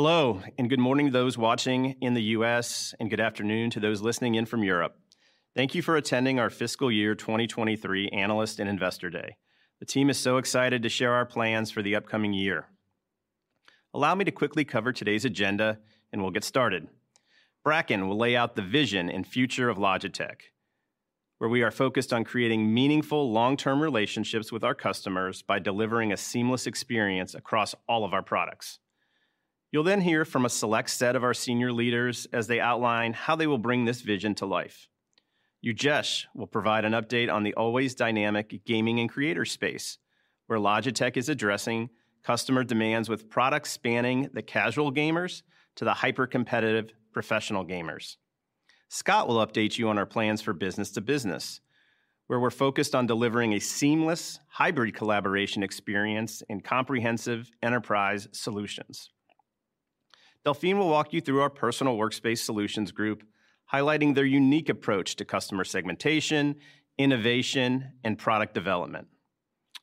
Hello, good morning to those watching in the U.S., and good afternoon to those listening in from Europe. Thank you for attending our fiscal year 2023 Analyst and Investor Day. The team is so excited to share our plans for the upcoming year. Allow me to quickly cover today's agenda, and we'll get started. Bracken will lay out the vision and future of Logitech, where we are focused on creating meaningful long-term relationships with our customers by delivering a seamless experience across all of our products. You'll hear from a select set of our senior leaders as they outline how they will bring this vision to life. Ujesh will provide an update on the always dynamic gaming and creator space, where Logitech is addressing customer demands with products spanning the casual gamers to the hyper-competitive professional gamers. Scott will update you on our plans for B2B, where we're focused on delivering a seamless hybrid collaboration experience and comprehensive enterprise solutions. Delphine will walk you through our personal workspace solutions group, highlighting their unique approach to customer segmentation, innovation, and product development.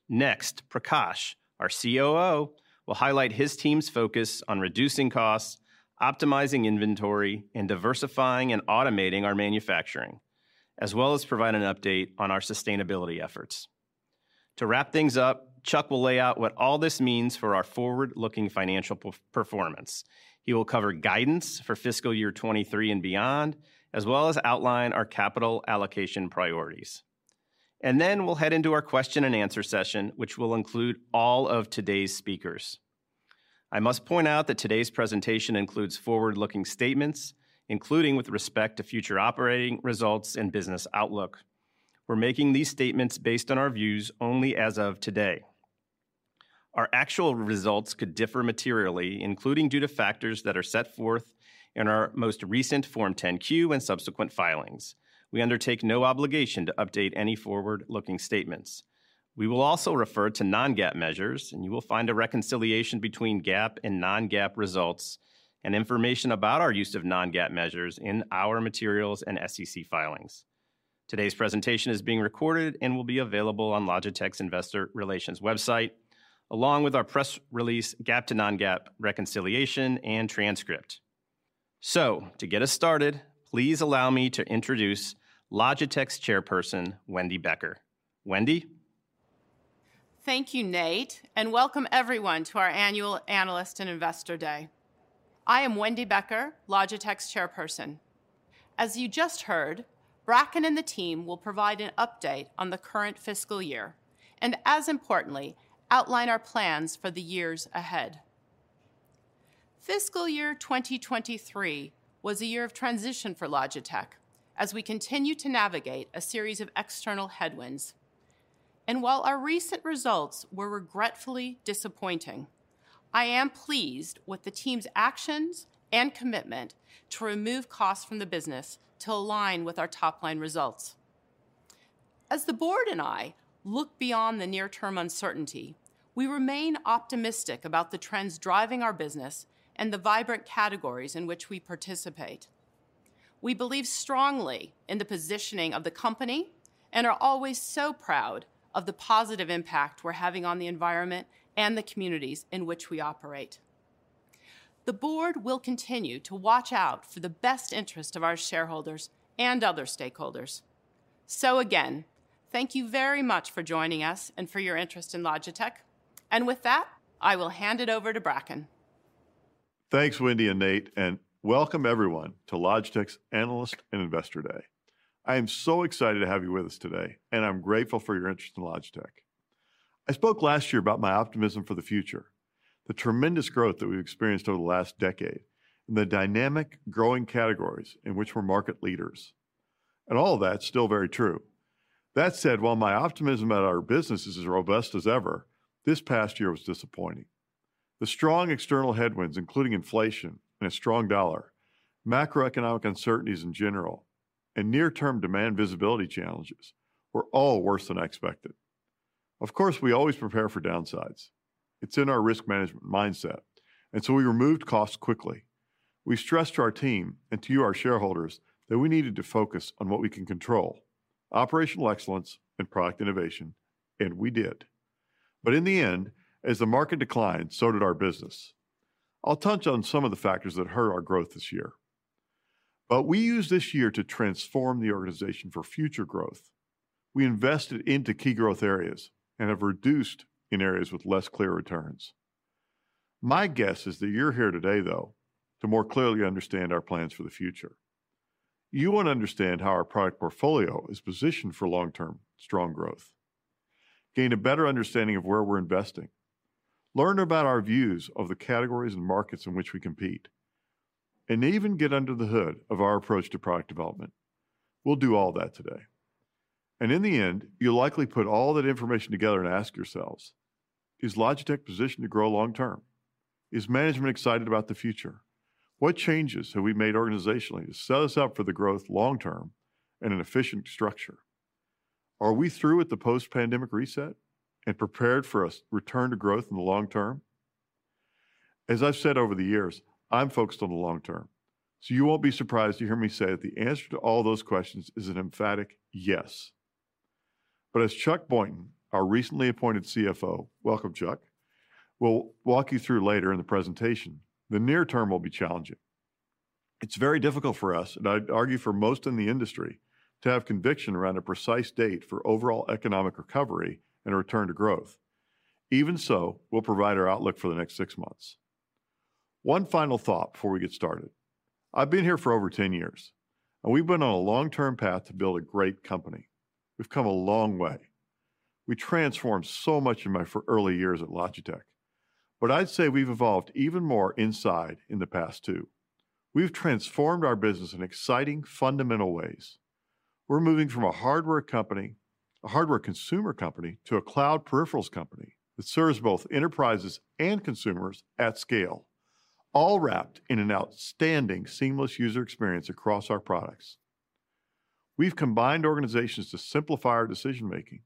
Next, Prakash, our COO, will highlight his team's focus on reducing costs, optimizing inventory, and diversifying and automating our manufacturing, as well as provide an update on our sustainability efforts. To wrap things up, Chuck will lay out what all this means for our forward-looking financial performance. He will cover guidance for fiscal year 23 and beyond, as well as outline our capital allocation priorities. Then we'll head into our question and answer session, which will include all of today's speakers. I must point out that today's presentation includes forward-looking statements, including with respect to future operating results and business outlook. We're making these statements based on our views only as of today. Our actual results could differ materially, including due to factors that are set forth in our most recent Form 10-Q and subsequent filings. We undertake no obligation to update any forward-looking statements. We will also refer to non-GAAP measures, and you will find a reconciliation between GAAP and non-GAAP results and information about our use of non-GAAP measures in our materials and SEC filings. Today's presentation is being recorded and will be available on Logitech's investor relations website, along with our press release GAAP to non-GAAP reconciliation and transcript. To get us started, please allow me to introduce Logitech's chairperson, Wendy Becker. Wendy? Thank you, Nate. Welcome everyone to our annual Analyst and Investor Day. I am Wendy Becker, Logitech's chairperson. As you just heard, Bracken and the team will provide an update on the current fiscal year, and as importantly, outline our plans for the years ahead. Fiscal year 2023 was a year of transition for Logitech as we continue to navigate a series of external headwinds. While our recent results were regretfully disappointing, I am pleased with the team's actions and commitment to remove costs from the business to align with our top-line results. As the board and I look beyond the near-term uncertainty, we remain optimistic about the trends driving our business and the vibrant categories in which we participate. We believe strongly in the positioning of the company and are always so proud of the positive impact we're having on the environment and the communities in which we operate. The board will continue to watch out for the best interest of our shareholders and other stakeholders. Again, thank you very much for joining us and for your interest in Logitech. With that, I will hand it over to Bracken. Thanks, Wendy and Nate, welcome everyone to Logitech's Analyst and Investor Day. I am so excited to have you with us today, I'm grateful for your interest in Logitech. I spoke last year about my optimism for the future, the tremendous growth that we've experienced over the last decade, the dynamic growing categories in which we're market leaders, all of that's still very true. That said, while my optimism at our business is as robust as ever, this past year was disappointing. The strong external headwinds, including inflation and a strong dollar, macroeconomic uncertainties in general, and near-term demand visibility challenges were all worse than expected. Of course, we always prepare for downsides. It's in our risk management mindset, we removed costs quickly. We stressed to our team and to you, our shareholders, that we needed to focus on what we can control: operational excellence and product innovation, and we did. In the end, as the market declined, so did our business. I'll touch on some of the factors that hurt our growth this year. We used this year to transform the organization for future growth. We invested into key growth areas and have reduced in areas with less clear returns. My guess is that you're here today, though, to more clearly understand our plans for the future. You want to understand how our product portfolio is positioned for long-term strong growth, gain a better understanding of where we're investing, learn about our views of the categories and markets in which we compete, and even get under the hood of our approach to product development. We'll do all that today. In the end, you'll likely put all that information together and ask yourselves, "Is Logitech positioned to grow long term? Is management excited about the future? What changes have we made organizationally to set us up for the growth long term and an efficient structure? Are we through with the post-pandemic reset and prepared for a return to growth in the long term?" As I've said over the years, I'm focused on the long term, so you won't be surprised to hear me say that the answer to all those questions is an emphatic yes. As Chuck Boynton, our recently appointed CFO welcome, Chuck, will walk you through later in the presentation, the near term will be challenging. It's very difficult for us, and I'd argue for most in the industry, to have conviction around a precise date for overall economic recovery and a return to growth. Even so, we'll provide our outlook for the next 6 months. One final thought before we get started. I've been here for over 10 years, and we've been on a long-term path to build a great company. We've come a long way. We transformed so much in my early years at Logitech, but I'd say we've evolved even more inside in the past 2. We've transformed our business in exciting, fundamental ways. We're moving from a hardware consumer company to a cloud peripherals company that serves both enterprises and consumers at scale, all wrapped in an outstanding seamless user experience across our products. We've combined organizations to simplify our decision-making.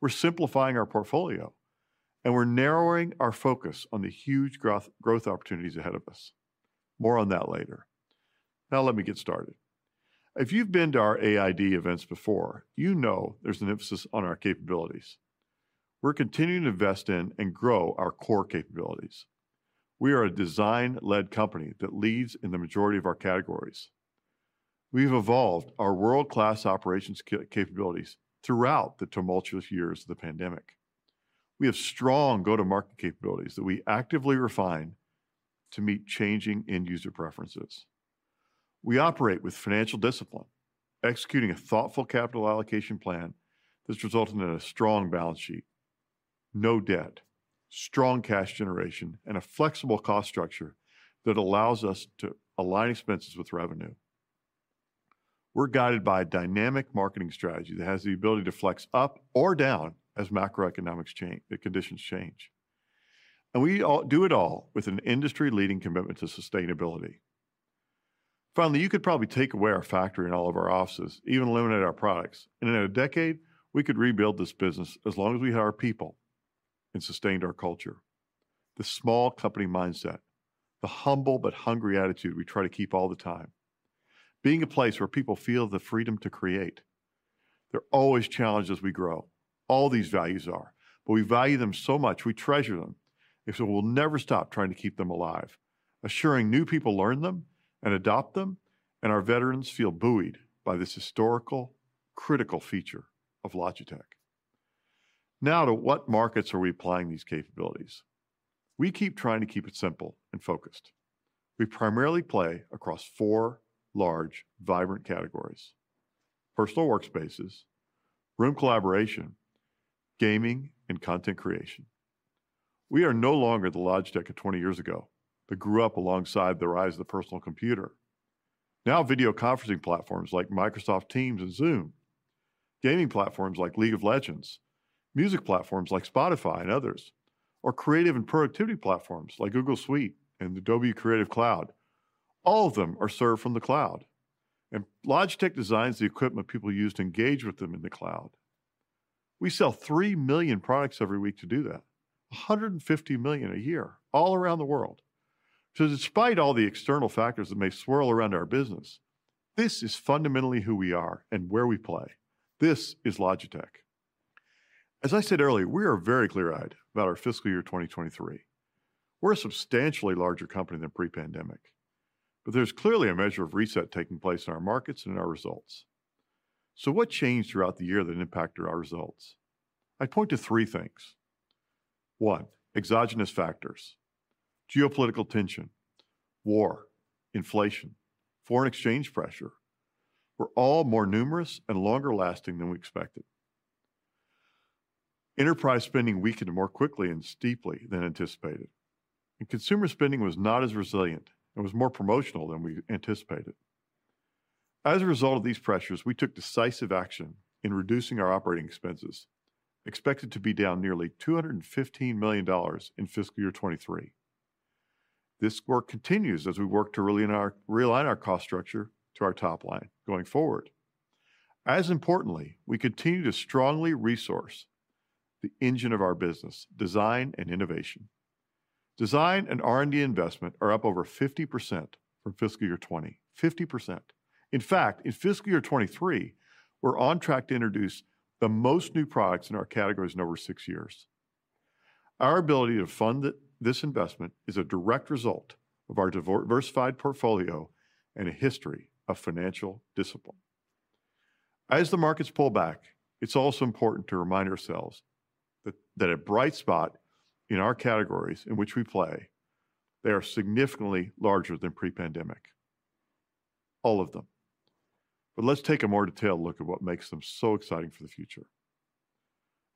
We're simplifying our portfolio, and we're narrowing our focus on the huge growth opportunities ahead of us. More on that later. Let me get started. If you've been to our AID events before, you know there's an emphasis on our capabilities. We're continuing to invest in and grow our core capabilities. We are a design-led company that leads in the majority of our categories. We've evolved our world-class operations capabilities throughout the tumultuous years of the pandemic. We have strong go-to-market capabilities that we actively refine to meet changing end user preferences. We operate with financial discipline, executing a thoughtful capital allocation plan that's resulted in a strong balance sheet, no debt, strong cash generation, and a flexible cost structure that allows us to align expenses with revenue. We're guided by a dynamic marketing strategy that has the ability to flex up or down as macroeconomics change, the conditions change. We all do it all with an industry-leading commitment to sustainability. You could probably take away our factory and all of our offices, even eliminate our products, and in a decade, we could rebuild this business as long as we had our people and sustained our culture. The small company mindset. The humble but hungry attitude we try to keep all the time. Being a place where people feel the freedom to create. They're always challenged as we grow. All these values are. We value them so much, we treasure them, and so we'll never stop trying to keep them alive, assuring new people learn them and adopt them, and our veterans feel buoyed by this historical, critical feature of Logitech. To what markets are we applying these capabilities? We keep trying to keep it simple and focused. We primarily play across four large, vibrant categories: personal workspaces, room collaboration, gaming, and content creation. We are no longer the Logitech of 20 years ago that grew up alongside the rise of the personal computer. Now video conferencing platforms like Microsoft Teams and Zoom, gaming platforms like League of Legends, music platforms like Spotify and others, or creative and productivity platforms like Google Workspace and Adobe Creative Cloud, all of them are served from the cloud, and Logitech designs the equipment people use to engage with them in the cloud. We sell 3 million products every week to do that. 150 million a year, all around the world. Despite all the external factors that may swirl around our business, this is fundamentally who we are and where we play. This is Logitech. As I said earlier, we are very clear-eyed about our fiscal year 2023. We're a substantially larger company than pre-pandemic, there's clearly a measure of reset taking place in our markets and in our results. What changed throughout the year that impacted our results? I'd point to three things. One, exogenous factors. Geopolitical tension, war, inflation, foreign exchange pressure, were all more numerous and longer-lasting than we expected. Enterprise spending weakened more quickly and steeply than anticipated, consumer spending was not as resilient and was more promotional than we anticipated. As a result of these pressures, we took decisive action in reducing our operating expenses, expected to be down nearly $215 million in fiscal year 2023. This work continues as we work to realign our cost structure to our top line going forward. As importantly, we continue to strongly resource the engine of our business, design and innovation. Design and R&D investment are up over 50% from fiscal year 2020. 50%. In fact, in fiscal year 2023, we're on track to introduce the most new products in our categories in over 6 years. Our ability to fund this investment is a direct result of our diversified portfolio and a history of financial discipline. As the markets pull back, it's also important to remind ourselves that a bright spot in our categories in which we play, they are significantly larger than pre-pandemic. All of them. Let's take a more detailed look at what makes them so exciting for the future.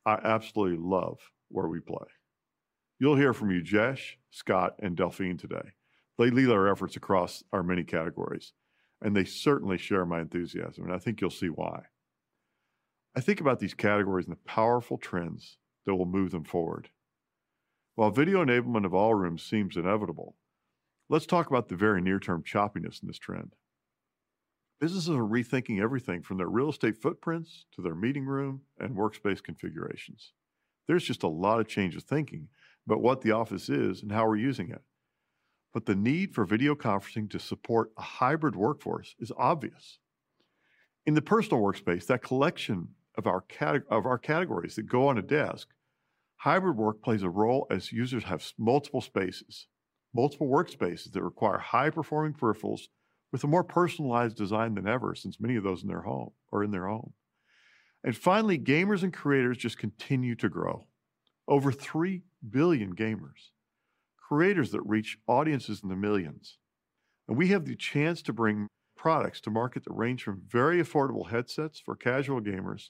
I absolutely love where we play. You'll hear from Ujesh, Scott, and Delphine today. They lead our efforts across our many categories, and they certainly share my enthusiasm, and I think you'll see why. I think about these categories and the powerful trends that will move them forward. While video enablement of all rooms seems inevitable, let's talk about the very near-term choppiness in this trend. Businesses are rethinking everything from their real estate footprints to their meeting room and workspace configurations. There's just a lot of change of thinking about what the office is and how we're using it. The need for video conferencing to support a hybrid workforce is obvious. In the personal workspace, that collection of our categories that go on a desk, hybrid work plays a role as users have multiple spaces, multiple workspaces that require high-performing peripherals with a more personalized design than ever since many of those are in their home. Finally, gamers and creators just continue to grow. Over 3 billion gamers, creators that reach audiences in the millions, we have the chance to bring products to market that range from very affordable headsets for casual gamers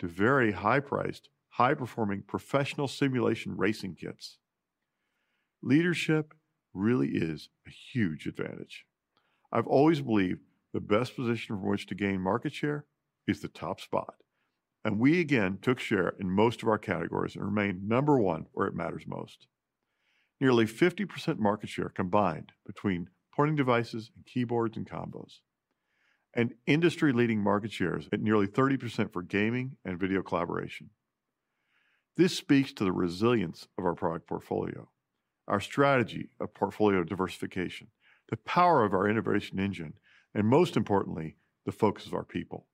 to very high-priced, high-performing professional simulation racing kits. Leadership really is a huge advantage. I've always believed the best position from which to gain market share is the top spot, we again took share in most of our categories and remained number one where it matters most. Nearly 50% market share combined between pointing devices and keyboards and combos, industry-leading market shares at nearly 30% for gaming and video collaboration. This speaks to the resilience of our product portfolio, our strategy of portfolio diversification, the power of our innovation engine, and most importantly, the focus of our people.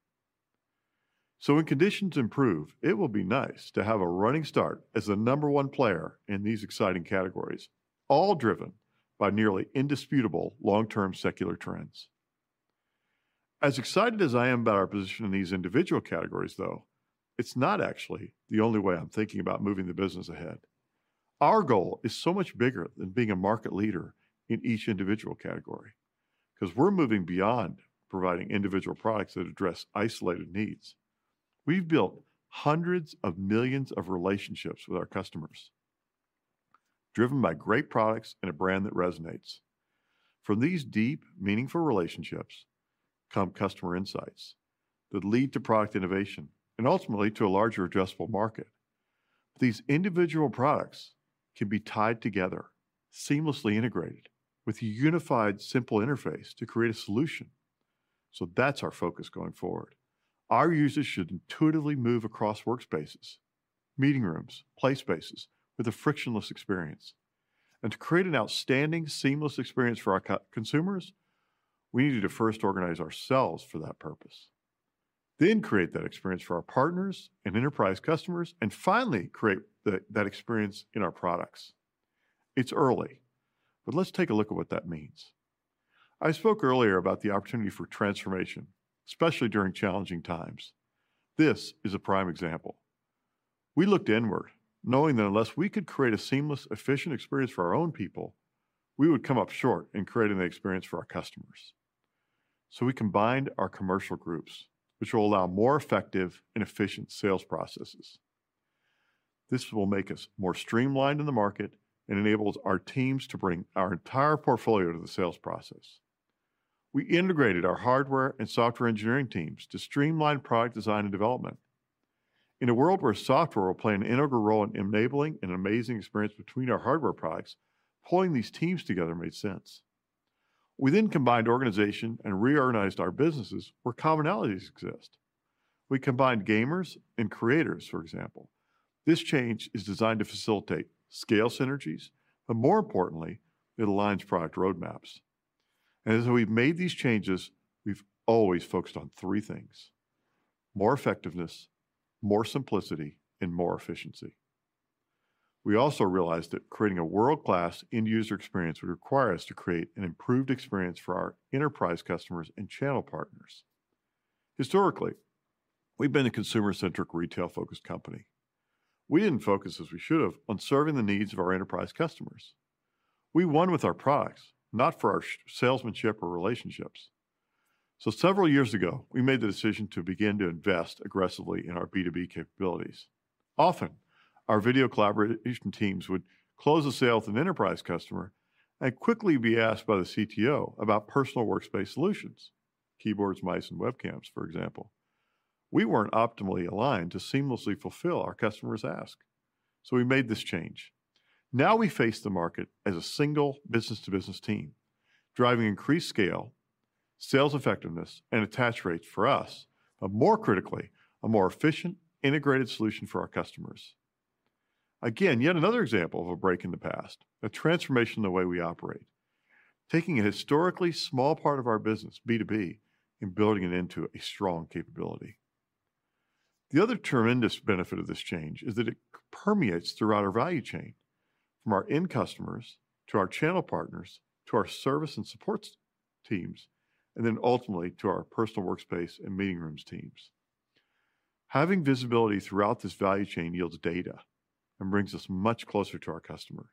When conditions improve, it will be nice to have a running start as the number one player in these exciting categories, all driven by nearly indisputable long-term secular trends. As excited as I am about our position in these individual categories, though, it's not actually the only way I'm thinking about moving the business ahead. Our goal is so much bigger than being a market leader in each individual category, 'cause we're moving beyond providing individual products that address isolated needs. We've built hundreds of millions of relationships with our customers, driven by great products and a brand that resonates. From these deep, meaningful relationships come customer insights that lead to product innovation and ultimately to a larger addressable market. These individual products can be tied together, seamlessly integrated with a unified, simple interface to create a solution. That's our focus going forward. Our users should intuitively move across workspaces, meeting rooms, play spaces with a frictionless experience. To create an outstanding, seamless experience for our consumers, we needed to first organize ourselves for that purpose, then create that experience for our partners and enterprise customers, and finally, create that experience in our products. It's early, let's take a look at what that means. I spoke earlier about the opportunity for transformation, especially during challenging times. This is a prime example. We looked inward, knowing that unless we could create a seamless, efficient experience for our own people, we would come up short in creating that experience for our customers. We combined our commercial groups, which will allow more effective and efficient sales processes. This will make us more streamlined in the market and enables our teams to bring our entire portfolio to the sales process. We integrated our hardware and software engineering teams to streamline product design and development. In a world where software will play an integral role in enabling an amazing experience between our hardware products, pulling these teams together made sense. We then combined organization and reorganized our businesses where commonalities exist. We combined gamers and creators, for example. This change is designed to facilitate scale synergies, but more importantly, it aligns product roadmaps. As we've made these changes, we've always focused on three things: more effectiveness, more simplicity, and more efficiency. We also realized that creating a world-class end user experience would require us to create an improved experience for our enterprise customers and channel partners. Historically, we've been a consumer-centric, retail-focused company. We didn't focus as we should have on serving the needs of our enterprise customers. We won with our products, not for our salesmanship or relationships. Several years ago, we made the decision to begin to invest aggressively in our B2B capabilities. Often, our video collaboration teams would close a sale with an enterprise customer and quickly be asked by the CTO about personal workspace solutions, keyboards, mice, and webcams, for example. We weren't optimally aligned to seamlessly fulfill our customer's ask, so we made this change. Now we face the market as a single business-to-business team, driving increased scale, sales effectiveness, and attach rates for us, but more critically, a more efficient, integrated solution for our customers. Yet another example of a break in the past, a transformation in the way we operate, taking a historically small part of our business, B2B, and building it into a strong capability. The other tremendous benefit of this change is that it permeates throughout our value chain, from our end customers to our channel partners, to our service and supports teams, and then ultimately to our personal workspace and meeting rooms teams. Having visibility throughout this value chain yields data and brings us much closer to our customer.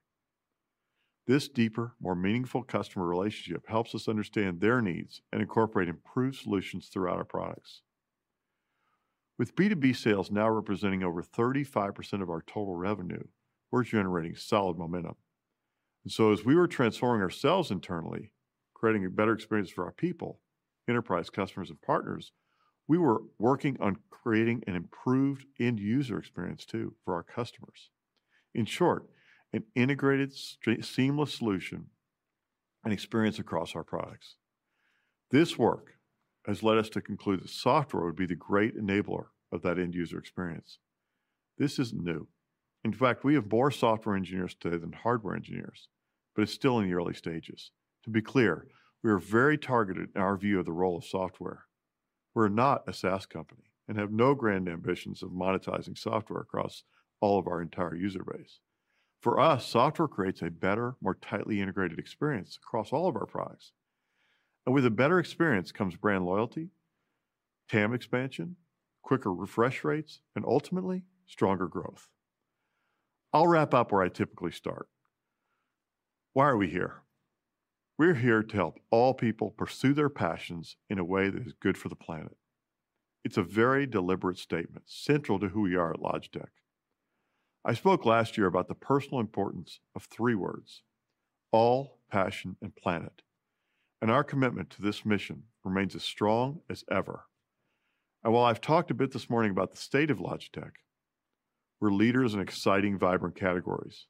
This deeper, more meaningful customer relationship helps us understand their needs and incorporate improved solutions throughout our products. With B2B sales now representing over 35% of our total revenue, we're generating solid momentum. As we were transforming ourselves internally, creating a better experience for our people, enterprise customers, and partners, we were working on creating an improved end user experience, too, for our customers. In short, an integrated seamless solution and experience across our products. This work has led us to conclude that software would be the great enabler of that end user experience. This isn't new. In fact, we have more software engineers today than hardware engineers, but it's still in the early stages. To be clear, we are very targeted in our view of the role of software. We're not a SaaS company and have no grand ambitions of monetizing software across all of our entire user base. For us, software creates a better, more tightly integrated experience across all of our products. With a better experience comes brand loyalty, TAM expansion, quicker refresh rates, and ultimately, stronger growth. I'll wrap up where I typically start. Why are we here? We're here to help all people pursue their passions in a way that is good for the planet. It's a very deliberate statement, central to who we are at Logitech. I spoke last year about the personal importance of three words: all, passion, and planet. Our commitment to this mission remains as strong as ever. While I've talked a bit this morning about the state of Logitech, we're leaders in exciting, vibrant categories.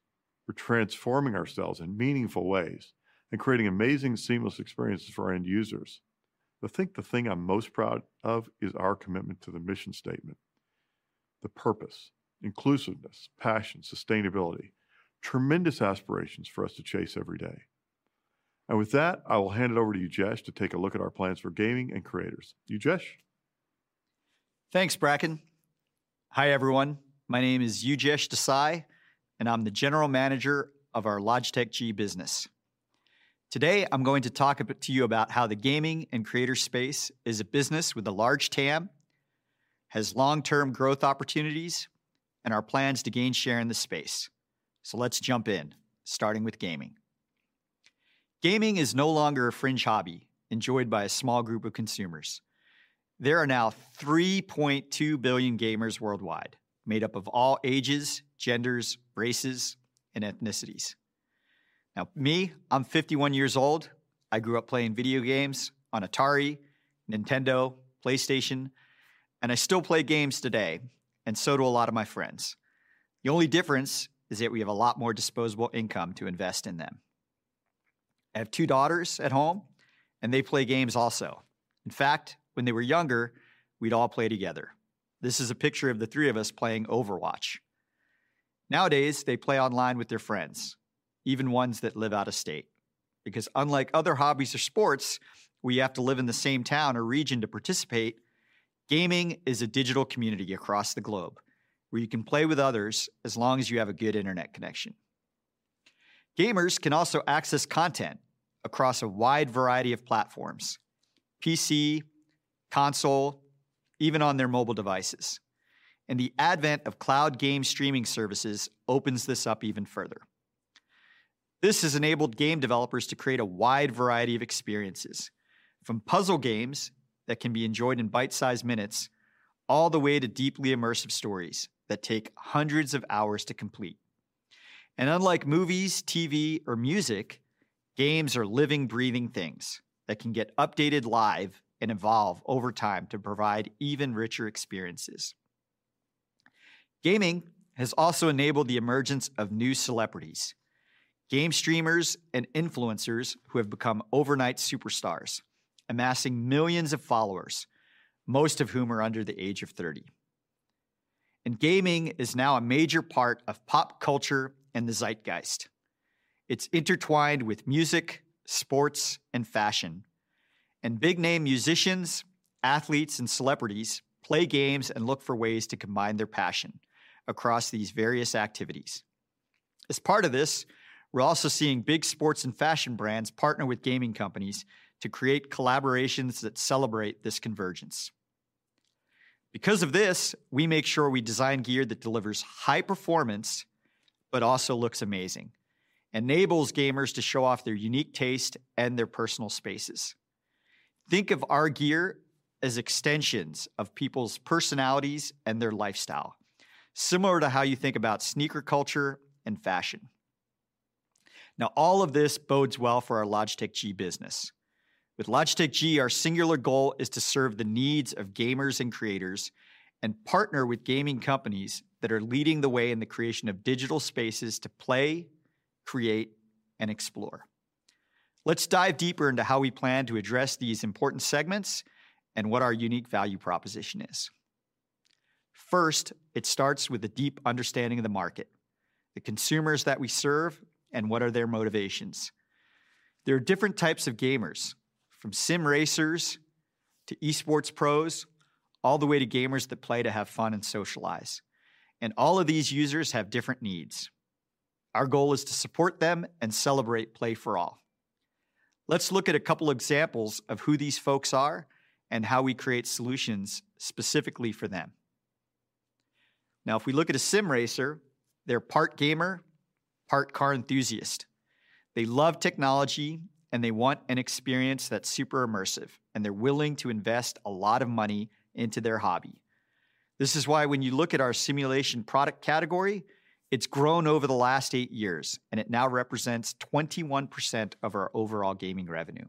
We're transforming ourselves in meaningful ways and creating amazing, seamless experiences for our end users. I think the thing I'm most proud of is our commitment to the mission statement, the purpose, inclusiveness, passion, sustainability, tremendous aspirations for us to chase every day. With that, I will hand it over to Ujesh to take a look at our plans for gaming and creators. Ujesh? Thanks, Bracken. Hi, everyone. My name is Ujesh Desai, I'm the general manager of our Logitech G business. Today, I'm going to talk a bit to you about how the gaming and creator space is a business with a large TAM, has long-term growth opportunities, and our plans to gain share in the space. Let's jump in, starting with gaming. Gaming is no longer a fringe hobby enjoyed by a small group of consumers. There are now 3.2 billion gamers worldwide, made up of all ages, genders, races, and ethnicities. Me, I'm 51 years old. I grew up playing video games on Atari, Nintendo, PlayStation, I still play games today, so do a lot of my friends. The only difference is that we have a lot more disposable income to invest in them. I have two daughters at home, and they play games also. In fact, when they were younger, we'd all play together. This is a picture of the three of us playing Overwatch. Nowadays, they play online with their friends, even ones that live out of state. Unlike other hobbies or sports, where you have to live in the same town or region to participate, gaming is a digital community across the globe, where you can play with others as long as you have a good internet connection. Gamers can also access content across a wide variety of platforms: PC, console, even on their mobile devices. The advent of cloud game streaming services opens this up even further. This has enabled game developers to create a wide variety of experiences, from puzzle games that can be enjoyed in bite-sized minutes, all the way to deeply immersive stories that take hundreds of hours to complete. Unlike movies, TV, or music, games are living, breathing things that can get updated live and evolve over time to provide even richer experiences. Gaming has also enabled the emergence of new celebrities, game streamers and influencers who have become overnight superstars, amassing millions of followers, most of whom are under the age of 30. Gaming is now a major part of pop culture and the zeitgeist. It's intertwined with music, sports, and fashion. Big-name musicians, athletes, and celebrities play games and look for ways to combine their passion across these various activities. As part of this, we're also seeing big sports and fashion brands partner with gaming companies to create collaborations that celebrate this convergence. Because of this, we make sure we design gear that delivers high performance but also looks amazing, enables gamers to show off their unique taste and their personal spaces. Think of our gear as extensions of people's personalities and their lifestyle, similar to how you think about sneaker culture and fashion. Now, all of this bodes well for our Logitech G business. With Logitech G, our singular goal is to serve the needs of gamers and creators and partner with gaming companies that are leading the way in the creation of digital spaces to play, create, and explore. Let's dive deeper into how we plan to address these important segments and what our unique value proposition is. First, it starts with a deep understanding of the market, the consumers that we serve, and what are their motivations. There are different types of gamers, from sim racers to e-sports pros, all the way to gamers that play to have fun and socialize. All of these users have different needs. Our goal is to support them and celebrate play for all. Let's look at a couple examples of who these folks are and how we create solutions specifically for them. If we look at a sim racer, they're part gamer, part car enthusiast. They love technology, and they want an experience that's super immersive, and they're willing to invest a lot of money into their hobby. This is why when you look at our simulation product category, it's grown over the last eight years, and it now represents 21% of our overall gaming revenue.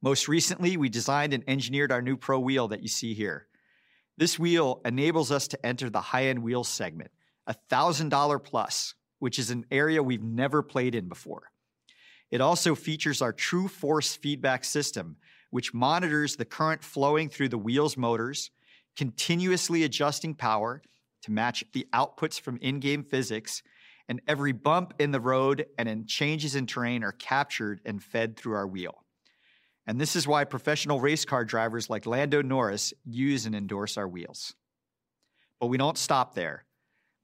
Most recently, we designed and engineered our new pro wheel that you see here. This wheel enables us to enter the high-end wheel segment, a $1,000 plus, which is an area we've never played in before. It also features our TRUEFORCE feedback system, which monitors the current flowing through the wheel's motors, continuously adjusting power to match the outputs from in-game physics, every bump in the road and in changes in terrain are captured and fed through our wheel. This is why professional race car drivers like Lando Norris use and endorse our wheels. We don't stop there.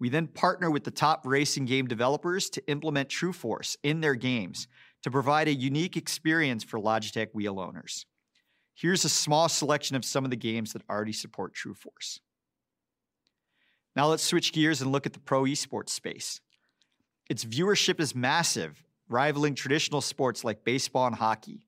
We partner with the top racing game developers to implement TRUEFORCE in their games to provide a unique experience for Logitech wheel owners. Here's a small selection of some of the games that already support TRUEFORCE. Now let's switch gears and look at the pro esports space. Its viewership is massive, rivaling traditional sports like baseball and hockey.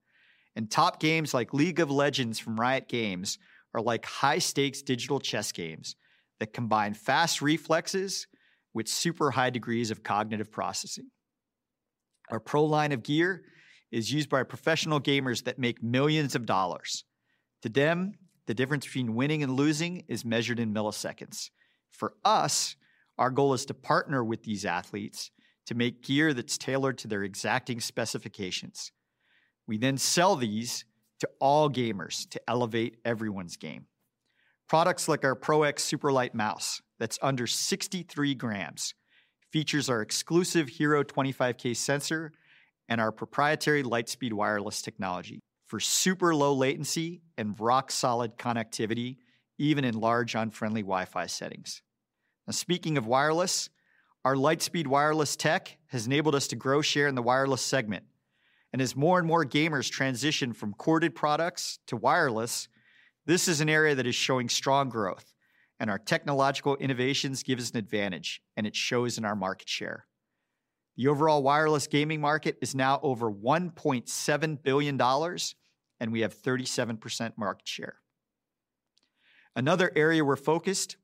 Top games like League of Legends from Riot Games are like high-stakes digital chess games that combine fast reflexes with super high degrees of cognitive processing. Our pro line of gear is used by professional gamers that make millions of dollars. To them, the difference between winning and losing is measured in milliseconds. For us, our goal is to partner with these athletes to make gear that's tailored to their exacting specifications. We sell these to all gamers to elevate everyone's game. Products like our PRO X SUPERLIGHT Mouse that's under 63 grams, features our exclusive HERO 25K sensor and our proprietary LIGHTSPEED wireless technology for super low latency and rock-solid connectivity, even in large unfriendly Wi-Fi settings. Speaking of wireless, our LIGHTSPEED wireless tech has enabled us to grow share in the wireless segment. As more and more gamers transition from corded products to wireless, this is an area that is showing strong growth, and our technological innovations give us an advantage, and it shows in our market share. The overall wireless gaming market is now over $1.7 billion, and we have 37% market share. Another area we're focused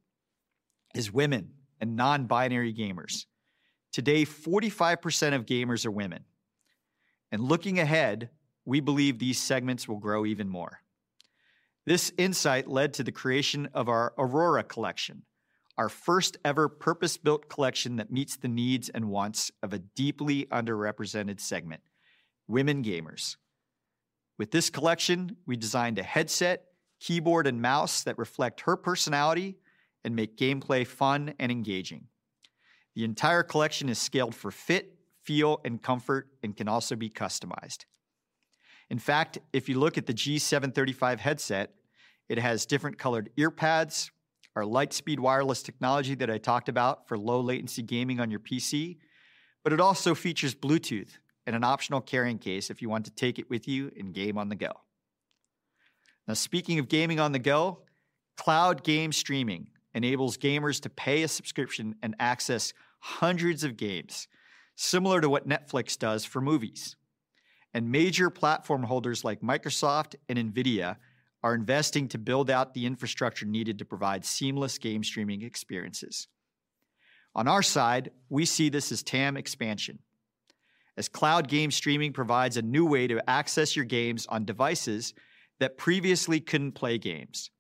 is women and non-binary gamers. Today, 45% of gamers are women. Looking ahead, we believe these segments will grow even more. This insight led to the creation of our Aurora Collection, our first ever purpose-built collection that meets the needs and wants of a deeply underrepresented segment, women gamers. With this collection, we designed a headset, keyboard, and mouse that reflect her personality and make gameplay fun and engaging. The entire collection is scaled for fit, feel, and comfort and can also be customized. In fact, if you look at the G735 headset, it has different colored ear pads, our LIGHTSPEED wireless technology that I talked about for low latency gaming on your PC, but it also features Bluetooth and an optional carrying case if you want to take it with you and game on the go. Now, speaking of gaming on the go, cloud game streaming enables gamers to pay a subscription and access hundreds of games, similar to what Netflix does for movies. Major platform holders like Microsoft and NVIDIA are investing to build out the infrastructure needed to provide seamless game streaming experiences. On our side, we see this as TAM expansion. As cloud game streaming provides a new way to access your games on devices that previously couldn't play games.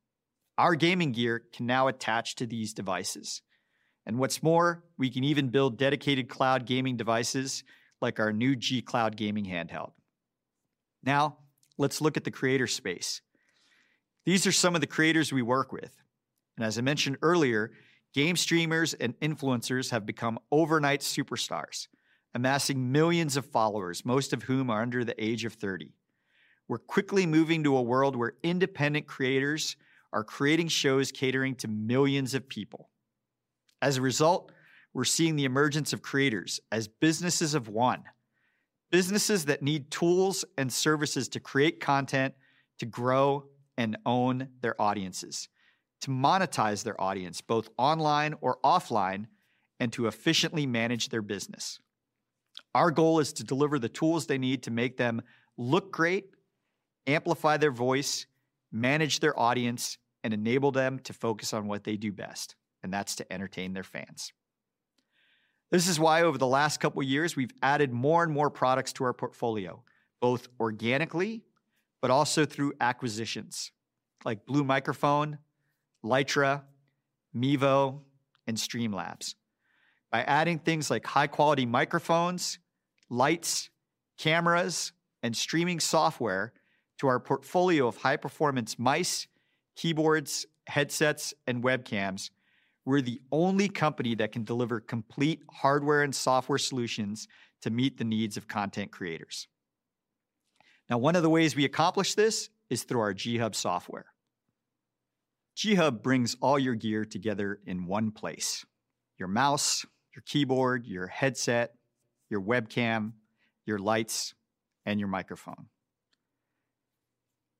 Our gaming gear can now attach to these devices. What's more, we can even build dedicated cloud gaming devices like our new G Cloud Gaming Handheld. Now, let's look at the creator space. These are some of the creators we work with. As I mentioned earlier, game streamers and influencers have become overnight superstars, amassing millions of followers, most of whom are under the age of 30. We're quickly moving to a world where independent creators are creating shows catering to millions of people. As a result, we're seeing the emergence of creators as businesses of one. Businesses that need tools and services to create content, to grow and own their audiences, to monetize their audience, both online or offline, and to efficiently manage their business. Our goal is to deliver the tools they need to make them look great, amplify their voice, manage their audience, and enable them to focus on what they do best, and that's to entertain their fans. This is why over the last couple of years, we've added more and more products to our portfolio, both organically but also through acquisitions like Blue Microphones, Litra, Mevo, and Streamlabs. By adding things like high-quality microphones, lights, cameras, and streaming software to our portfolio of high-performance mice, keyboards, headsets, and webcams, we're the only company that can deliver complete hardware and software solutions to meet the needs of content creators. One of the ways we accomplish this is through our G HUB software. G HUB brings all your gear together in one place. Your mouse, your keyboard, your headset, your webcam, your lights, and your microphone.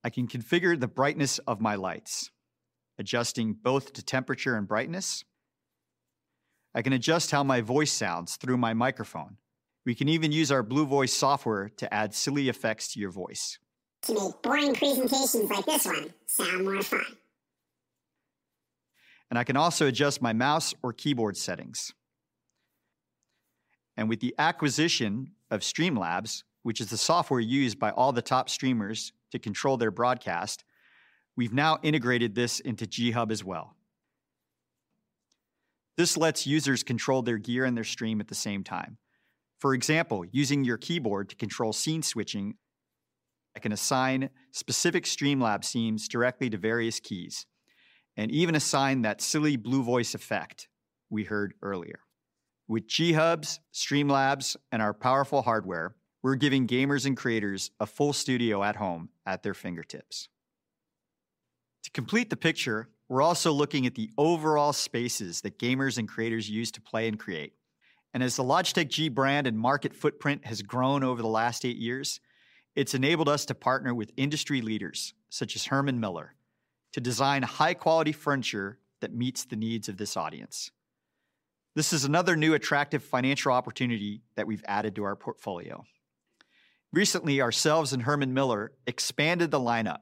I can configure the brightness of my lights, adjusting both to temperature and brightness. I can adjust how my voice sounds through my microphone. We can even use our Blue VO! CE software to add silly effects to your voice. To make boring presentations like this one sound more fun. I can also adjust my mouse or keyboard settings. With the acquisition of Streamlabs, which is the software used by all the top streamers to control their broadcast, we've now integrated this into G HUB as well. This lets users control their gear and their stream at the same time. For example, using your keyboard to control scene switching, I can assign specific Streamlabs scenes directly to various keys, and even assign that silly Blue VO! CE effect we heard earlier. With G HUB, Streamlabs, and our powerful hardware, we're giving gamers and creators a full studio at home at their fingertips. To complete the picture, we're also looking at the overall spaces that gamers and creators use to play and create. As the Logitech G brand and market footprint has grown over the last eight years, it's enabled us to partner with industry leaders such as Herman Miller to design high-quality furniture that meets the needs of this audience. This is another new attractive financial opportunity that we've added to our portfolio. Recently, ourselves and Herman Miller expanded the lineup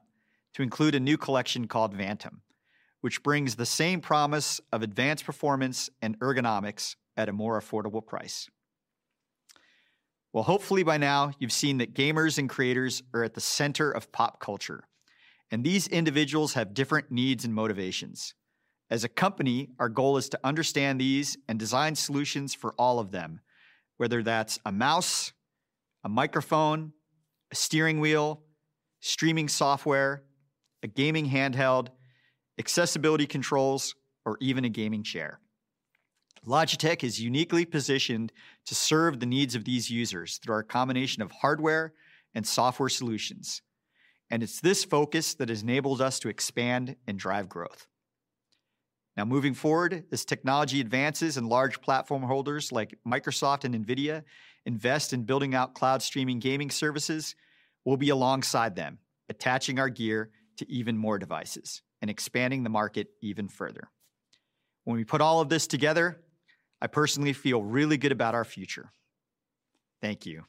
to include a new collection called Vantum, which brings the same promise of advanced performance and ergonomics at a more affordable price. Well, hopefully by now you've seen that gamers and creators are at the center of pop culture, and these individuals have different needs and motivations. As a company, our goal is to understand these and design solutions for all of them, whether that's a mouse, a microphone, a steering wheel, streaming software, a gaming handheld, accessibility controls, or even a gaming chair. Logitech is uniquely positioned to serve the needs of these users through our combination of hardware and software solutions. It's this focus that has enabled us to expand and drive growth. Now moving forward, as technology advances and large platform holders like Microsoft and NVIDIA invest in building out cloud streaming gaming services, we'll be alongside them, attaching our gear to even more devices and expanding the market even further. When we put all of this together, I personally feel really good about our future. Thank you.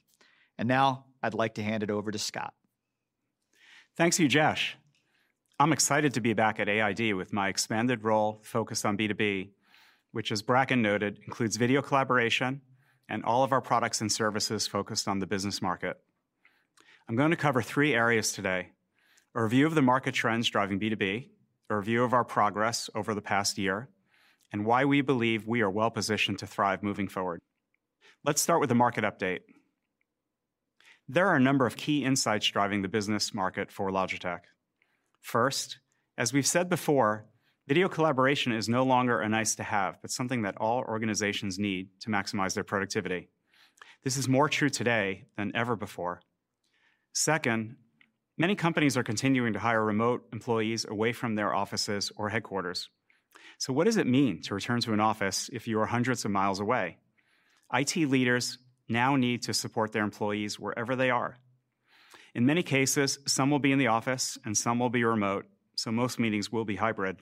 Now I'd like to hand it over to Scott. Thanks, Ujesh. I'm excited to be back at AID with my expanded role focused on B2B, which, as Bracken noted, includes video collaboration and all of our products and services focused on the business market. I'm going to cover three areas today: a review of the market trends driving B2B, a review of our progress over the past year, and why we believe we are well-positioned to thrive moving forward. Let's start with the market update. There are a number of key insights driving the business market for Logitech. First, as we've said before, video collaboration is no longer a nice-to-have, but something that all organizations need to maximize their productivity. This is more true today than ever before. Second, many companies are continuing to hire remote employees away from their offices or headquarters. What does it mean to return to an office if you are hundreds of miles away? IT leaders now need to support their employees wherever they are. In many cases, some will be in the office and some will be remote, most meetings will be hybrid.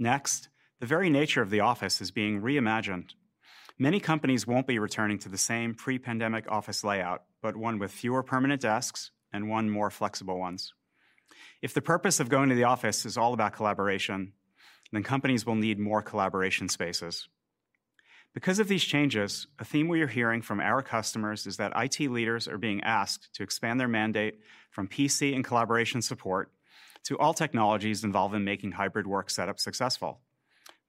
The very nature of the office is being reimagined. Many companies won't be returning to the same pre-pandemic office layout, one with fewer permanent desks and one more flexible ones. If the purpose of going to the office is all about collaboration, companies will need more collaboration spaces. Because of these changes, a theme we are hearing from our customers is that IT leaders are being asked to expand their mandate from PC and collaboration support to all technologies involved in making hybrid work setup successful,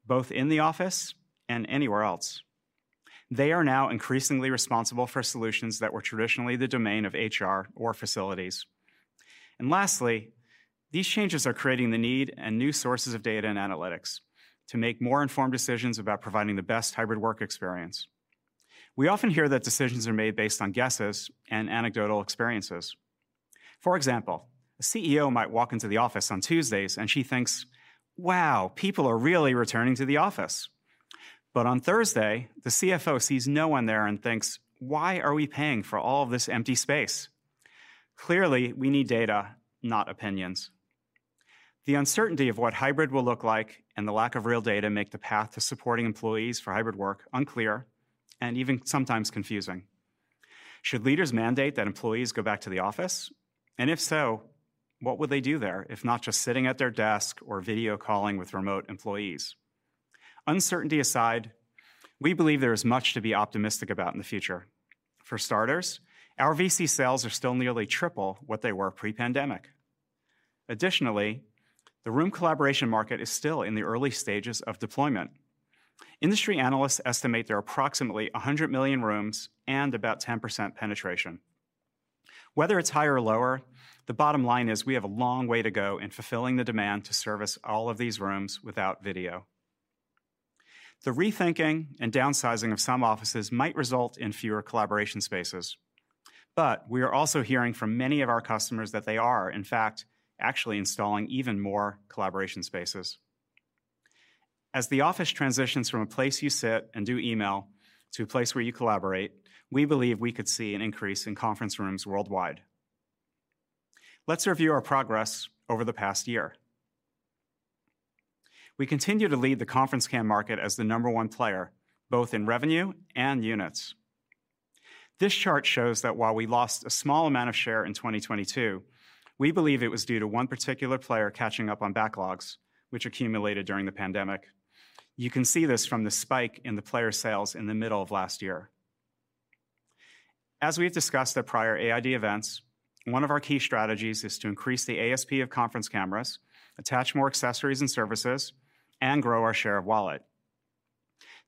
both in the office and anywhere else. They are now increasingly responsible for solutions that were traditionally the domain of HR or facilities. Lastly, these changes are creating the need and new sources of data and analytics to make more informed decisions about providing the best hybrid work experience. We often hear that decisions are made based on guesses and anecdotal experiences. For example, a CEO might walk into the office on Tuesdays, and she thinks, "Wow, people are really returning to the office." On Thursday, the CFO sees no one there and thinks, "Why are we paying for all of this empty space?" Clearly, we need data, not opinions. The uncertainty of what hybrid will look like and the lack of real data make the path to supporting employees for hybrid work unclear and even sometimes confusing. Should leaders mandate that employees go back to the office? If so, what would they do there, if not just sitting at their desk or video calling with remote employees? Uncertainty aside, we believe there is much to be optimistic about in the future. For starters, our VC sales are still nearly triple what they were pre-pandemic. Additionally, the room collaboration market is still in the early stages of deployment. Industry analysts estimate there are approximately 100 million rooms and about 10% penetration. Whether it's higher or lower, the bottom line is we have a long way to go in fulfilling the demand to service all of these rooms without video. The rethinking and downsizing of some offices might result in fewer collaboration spaces. We are also hearing from many of our customers that they are, in fact, actually installing even more collaboration spaces. As the office transitions from a place you sit and do email to a place where you collaborate, we believe we could see an increase in conference rooms worldwide. Let's review our progress over the past year. We continue to lead the conference cam market as the number one player, both in revenue and units. This chart shows that while we lost a small amount of share in 2022, we believe it was due to one particular player catching up on backlogs which accumulated during the pandemic. You can see this from the spike in the player sales in the middle of last year. As we have discussed at prior AID events, one of our key strategies is to increase the ASP of conference cameras, attach more accessories and services, and grow our share of wallet.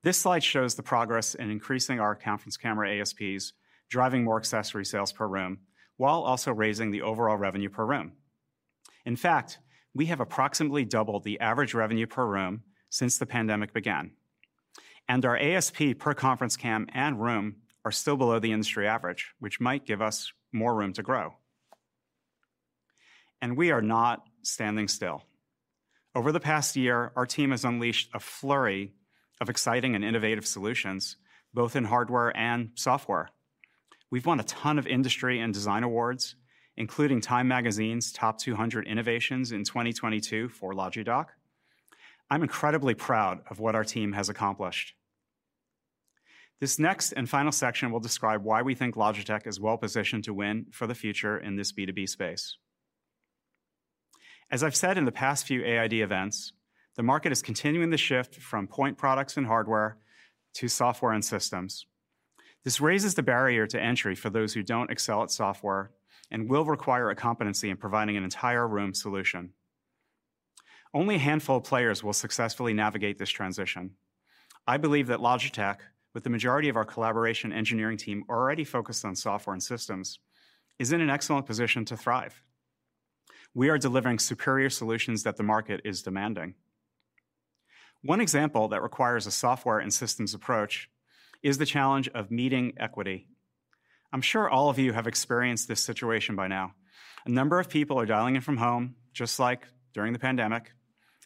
This slide shows the progress in increasing our conference camera ASPs, driving more accessory sales per room, while also raising the overall revenue per room. In fact, we have approximately doubled the average revenue per room since the pandemic began, and our ASP per conference cam and room are still below the industry average, which might give us more room to grow. We are not standing still. Over the past year, our team has unleashed a flurry of exciting and innovative solutions, both in hardware and software. We've won a ton of industry and design awards, including Time magazine's top 200 innovations in 2022 for Logi Dock. I'm incredibly proud of what our team has accomplished. This next and final section will describe why we think Logitech is well-positioned to win for the future in this B2B space. As I've said in the past few AID events, the market is continuing to shift from point products and hardware to software and systems. This raises the barrier to entry for those who don't excel at software and will require a competency in providing an entire room solution. Only a handful of players will successfully navigate this transition. I believe that Logitech, with the majority of our collaboration engineering team already focused on software and systems, is in an excellent position to thrive. We are delivering superior solutions that the market is demanding. One example that requires a software and systems approach is the challenge of meeting equity. I'm sure all of you have experienced this situation by now. A number of people are dialing in from home, just like during the pandemic,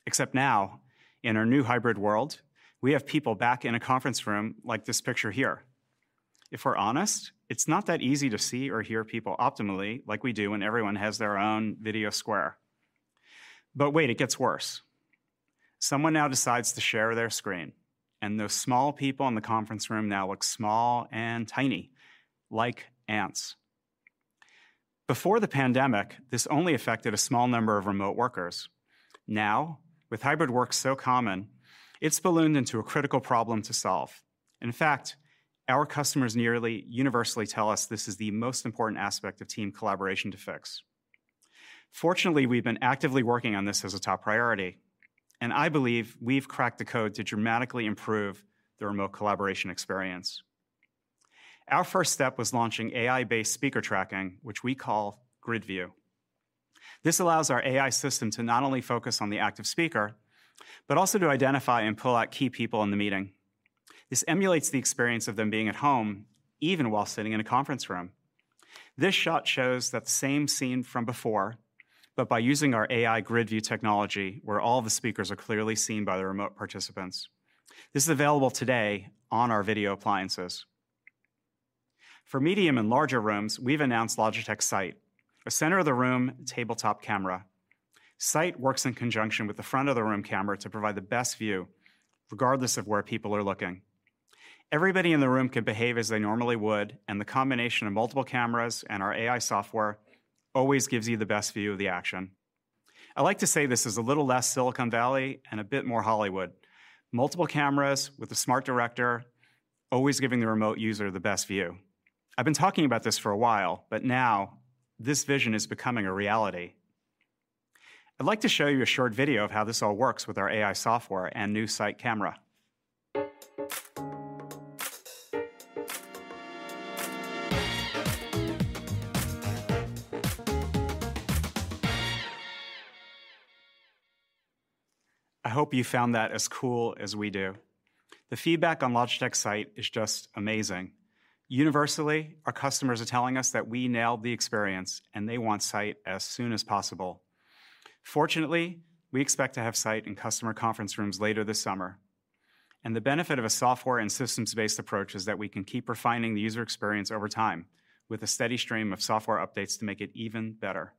except now, in our new hybrid world, we have people back in a conference room like this picture here. If we're honest, it's not that easy to see or hear people optimally like we do when everyone has their own video square. Wait, it gets worse. Someone now decides to share their screen, and those small people in the conference room now look small and tiny, like ants. Before the pandemic, this only affected a small number of remote workers. Now, with hybrid work so common, it's ballooned into a critical problem to solve. In fact, our customers nearly universally tell us this is the most important aspect of team collaboration to fix. Fortunately, we've been actively working on this as a top priority, and I believe we've cracked the code to dramatically improve the remote collaboration experience. Our first step was launching AI-based speaker tracking, which we call Grid View. This allows our AI system to not only focus on the active speaker, but also to identify and pull out key people in the meeting. This emulates the experience of them being at home, even while sitting in a conference room. This shot shows that same scene from before, but by using our AI Grid View technology, where all the speakers are clearly seen by the remote participants. This is available today on our video appliances. For medium and larger rooms, we've announced Logitech Sight, a center of the room tabletop camera. Sight works in conjunction with the front-of-the-room camera to provide the best view regardless of where people are looking. Everybody in the room can behave as they normally would, and the combination of multiple cameras and our AI software always gives you the best view of the action. I like to say this is a little less Silicon Valley and a bit more Hollywood. Multiple cameras with a smart director always giving the remote user the best view. I've been talking about this for a while, but now this vision is becoming a reality. I'd like to show you a short video of how this all works with our AI software and new Sight camera. I hope you found that as cool as we do. The feedback on Logitech Sight is just amazing. Universally, our customers are telling us that we nailed the experience, and they want Sight as soon as possible. Fortunately, we expect to have Sight in customer conference rooms later this summer, and the benefit of a software and systems-based approach is that we can keep refining the user experience over time with a steady stream of software updates to make it even better.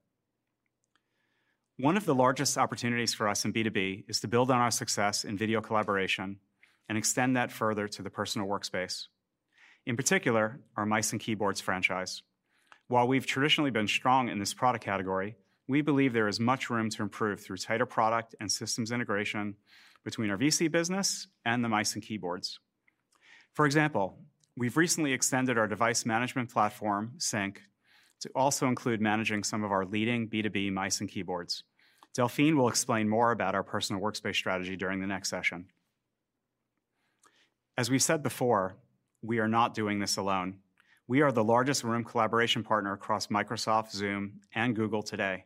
One of the largest opportunities for us in B2B is to build on our success in video collaboration and extend that further to the personal workspace, in particular our mice and keyboards franchise. While we've traditionally been strong in this product category, we believe there is much room to improve through tighter product and systems integration between our VC business and the mice and keyboards. For example, we've recently extended our device management platform, Sync, to also include managing some of our leading B2B mice and keyboards. Delphine will explain more about our personal workspace strategy during the next session. As we've said before, we are not doing this alone. We are the largest room collaboration partner across Microsoft, Zoom, and Google today.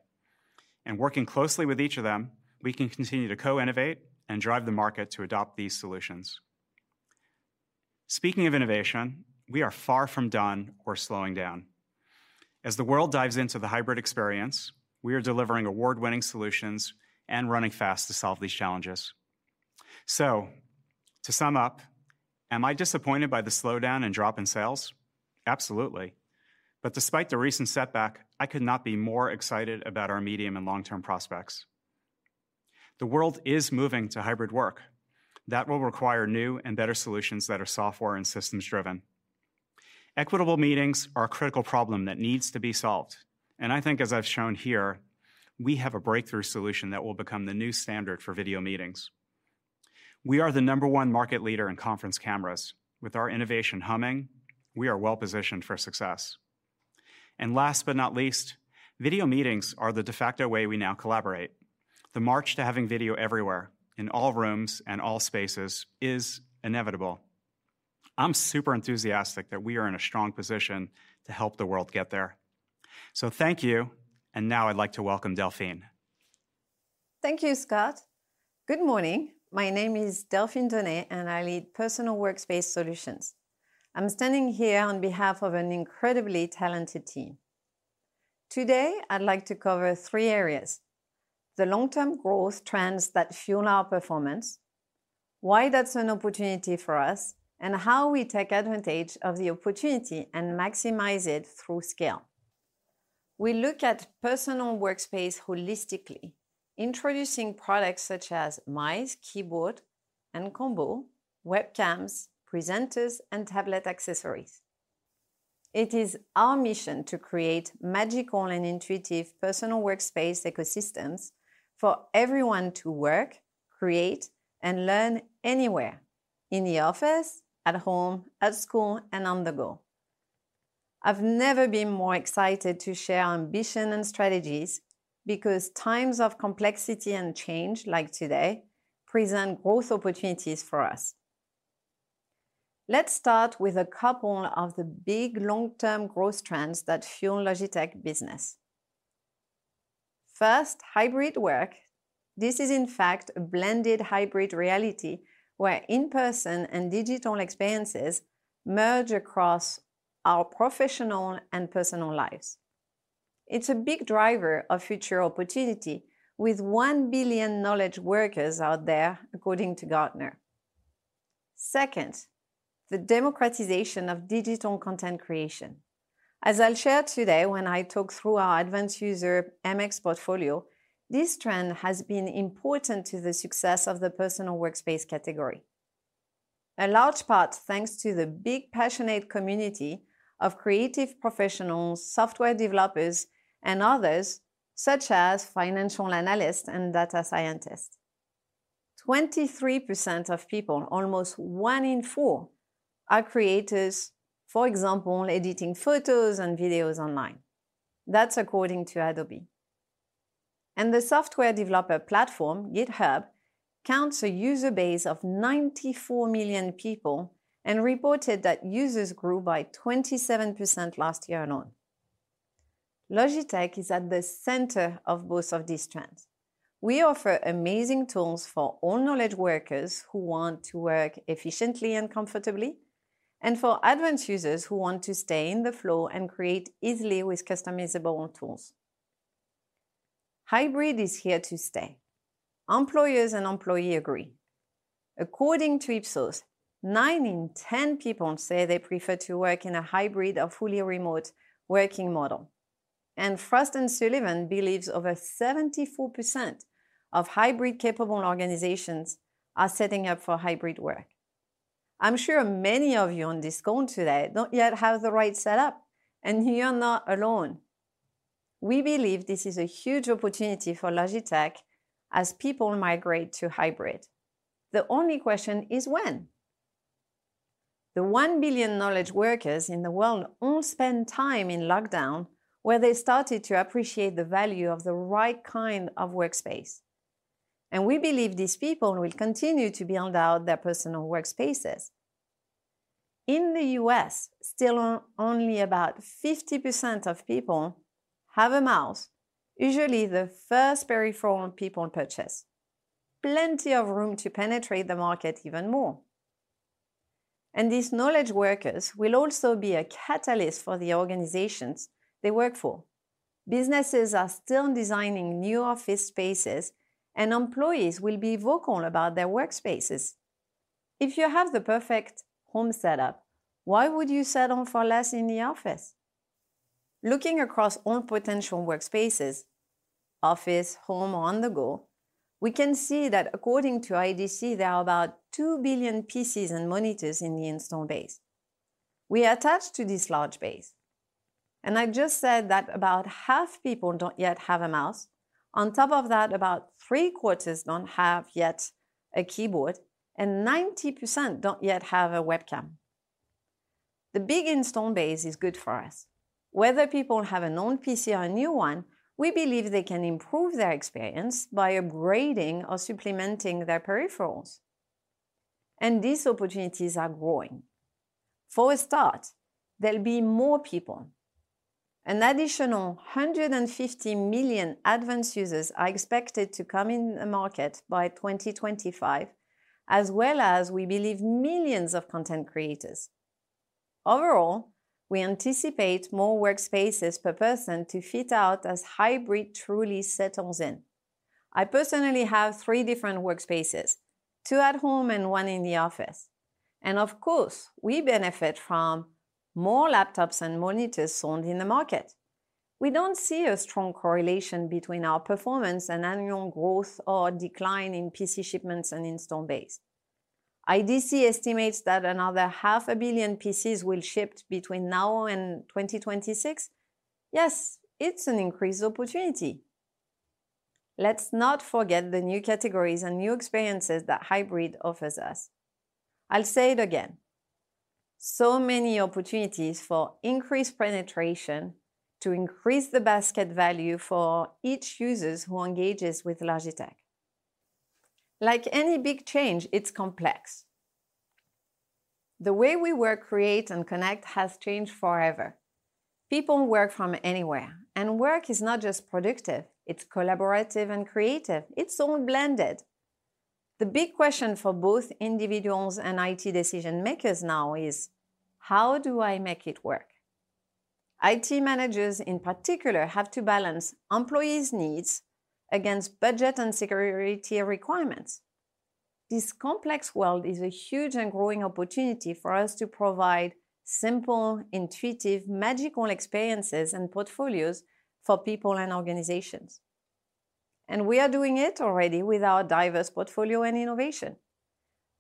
Working closely with each of them, we can continue to co-innovate and drive the market to adopt these solutions. Speaking of innovation, we are far from done or slowing down. As the world dives into the hybrid experience, we are delivering award-winning solutions and running fast to solve these challenges. To sum up, am I disappointed by the slowdown and drop in sales? Absolutely. Despite the recent setback, I could not be more excited about our medium and long-term prospects. The world is moving to hybrid work. That will require new and better solutions that are software and systems-driven. Equitable meetings are a critical problem that needs to be solved. I think as I've shown here, we have a breakthrough solution that will become the new standard for video meetings. We are the number one market leader in conference cameras. With our innovation humming, we are well-positioned for success. Last but not least, video meetings are the de facto way we now collaborate. The march to having video everywhere, in all rooms and all spaces, is inevitable. I'm super enthusiastic that we are in a strong position to help the world get there. Thank you. Now I'd like to welcome Delphine. Thank you, Scott. Good morning. My name is Delphine Donné, and I lead personal workspace solutions. I'm standing here on behalf of an incredibly talented team. Today, I'd like to cover three areas: the long-term growth trends that fuel our performance, why that's an opportunity for us, and how we take advantage of the opportunity and maximize it through scale. We look at personal workspace holistically, introducing products such as mice, keyboard, and combo, webcams, presenters, and tablet accessories. It is our mission to create magical and intuitive personal workspace ecosystems for everyone to work, create, and learn anywhere, in the office, at home, at school, and on the go. I've never been more excited to share our ambition and strategies because times of complexity and change, like today, present growth opportunities for us. Let's start with a couple of the big long-term growth trends that fuel Logitech business. First, hybrid work. This is, in fact, a blended hybrid reality where in-person and digital experiences merge across our professional and personal lives. It's a big driver of future opportunity with 1 billion knowledge workers out there, according to Gartner. Second, the democratization of digital content creation. As I'll share today when I talk through our advanced user MX portfolio, this trend has been important to the success of the personal workspace category. A large part thanks to the big, passionate community of creative professionals, software developers, and others, such as financial analysts and data scientists. 23% of people, almost 1 in 4, are creators, for example, editing photos and videos online. That's according to Adobe. The software developer platform, GitHub, counts a user base of 94 million people and reported that users grew by 27% last year alone. Logitech is at the center of both of these trends. We offer amazing tools for all knowledge workers who want to work efficiently and comfortably, and for advanced users who want to stay in the flow and create easily with customizable tools. Hybrid is here to stay. Employers and employee agree. According to Ipsos, nine in ten people say they prefer to work in a hybrid or fully remote working model. Frost & Sullivan believes over 74% of hybrid-capable organizations are setting up for hybrid work. I'm sure many of you on this call today don't yet have the right setup, and you're not alone. We believe this is a huge opportunity for Logitech as people migrate to hybrid. The only question is, when? The 1 billion knowledge workers in the world all spent time in lockdown, where they started to appreciate the value of the right kind of workspace. We believe these people will continue to build out their personal workspaces. In the U.S., still only about 50% of people have a mouse, usually the first peripheral people purchase. Plenty of room to penetrate the market even more. These knowledge workers will also be a catalyst for the organizations they work for. Businesses are still designing new office spaces, and employees will be vocal about their workspaces. If you have the perfect home setup, why would you settle for less in the office? Looking across all potential workspaces, office, home, or on the go, we can see that according to IDC, there are about 2 billion PCs and monitors in the install base. We attach to this large base. I just said that about half people don't yet have a mouse. On top of that, about three-quarters don't have yet a keyboard. 90% don't yet have a webcam. The big install base is good for us. Whether people have an old PC or a new one, we believe they can improve their experience by upgrading or supplementing their peripherals. These opportunities are growing. For a start, there'll be more people. An additional 150 million advanced users are expected to come in the market by 2025, as well as we believe millions of content creators. Overall, we anticipate more workspaces per person to fit out as hybrid truly settles in. I personally have three different workspaces, two at home and one in the office. Of course, we benefit from more laptops and monitors sold in the market. We don't see a strong correlation between our performance and annual growth or decline in PC shipments and install base. IDC estimates that another half a billion PCs will ship between now and 2026. Yes, it's an increased opportunity. Let's not forget the new categories and new experiences that hybrid offers us. I'll say it again. So many opportunities for increased penetration to increase the basket value for each users who engages with Logitech. Like any big change, it's complex. The way we work, create, and connect has changed forever. People work from anywhere, and work is not just productive, it's collaborative and creative. It's all blended. The big question for both individuals and IT decision-makers now is: how do I make it work? IT managers, in particular, have to balance employees' needs against budget and security requirements. This complex world is a huge and growing opportunity for us to provide simple, intuitive, magical experiences and portfolios for people and organizations. We are doing it already with our diverse portfolio and innovation.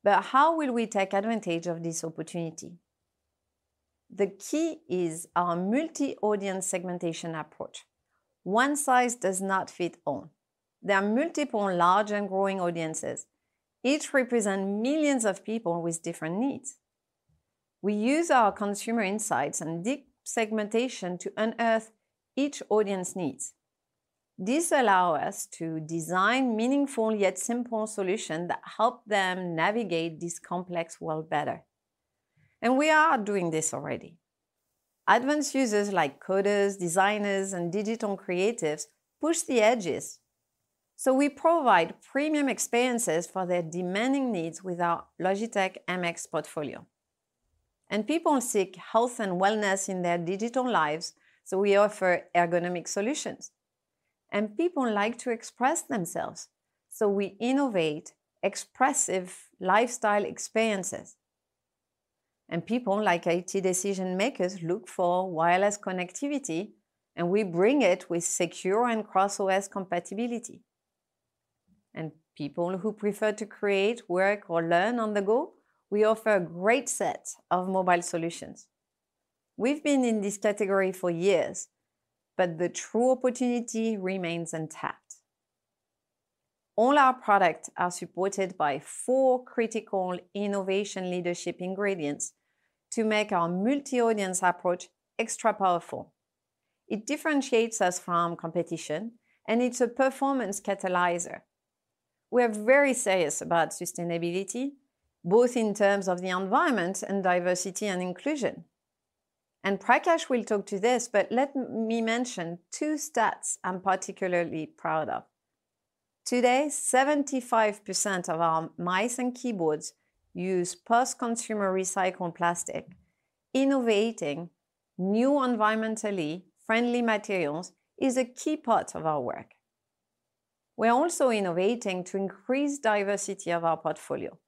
How will we take advantage of this opportunity? The key is our multi-audience segmentation approach. One size does not fit all. There are multiple large and growing audiences. Each represent millions of people with different needs. We use our consumer insights and deep segmentation to unearth each audience needs. This allow us to design meaningful yet simple solution that help them navigate this complex world better. We are doing this already. Advanced users like coders, designers, and digital creatives push the edges, so we provide premium experiences for their demanding needs with our Logitech MX portfolio. People seek health and wellness in their digital lives, so we offer ergonomic solutions. People like to express themselves, so we innovate expressive lifestyle experiences. People like IT decision-makers look for wireless connectivity, and we bring it with secure and cross-OS compatibility. People who prefer to create, work, or learn on the go, we offer a great set of mobile solutions. We've been in this category for years, but the true opportunity remains untapped. All our products are supported by 4 critical innovation leadership ingredients to make our multi-audience approach extra powerful. It differentiates us from competition, and it's a performance catalyzer. We are very serious about sustainability, both in terms of the environment and diversity and inclusion. Prakash will talk to this, but let me mention 2 stats I'm particularly proud of. Today, 75% of our mice and keyboards use post-consumer recycled plastic. Innovating new environmentally friendly materials is a key part of our work. We're also innovating to increase diversity of our portfolio.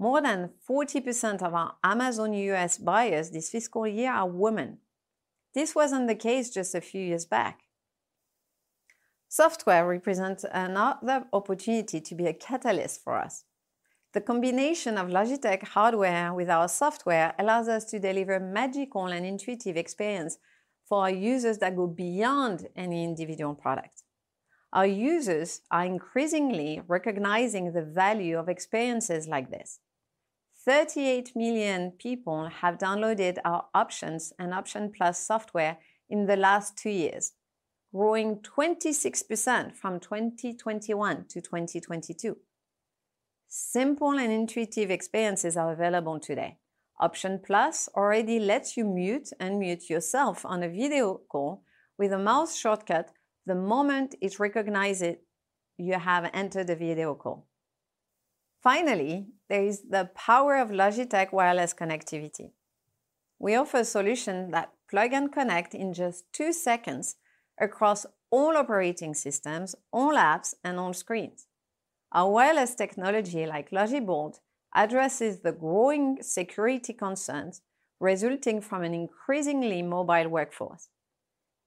More than 40% of our Amazon U.S. buyers this fiscal year are women. This wasn't the case just a few years back. Software represents another opportunity to be a catalyst for us. The combination of Logitech hardware with our software allows us to deliver magical and intuitive experience for our users that go beyond any individual product. Our users are increasingly recognizing the value of experiences like this. 38 million people have downloaded our Options and Option Plus software in the last 2 years, growing 26% from 2021 to 2022. Simple and intuitive experiences are available today. Option Plus already lets you mute yourself on a video call with a mouse shortcut the moment it recognizes you have entered a video call. There is the power of Logitech wireless connectivity. We offer solutions that plug and connect in just 2 seconds across all operating systems, all apps, and all screens. Our wireless technology, like Logi Bolt, addresses the growing security concerns resulting from an increasingly mobile workforce,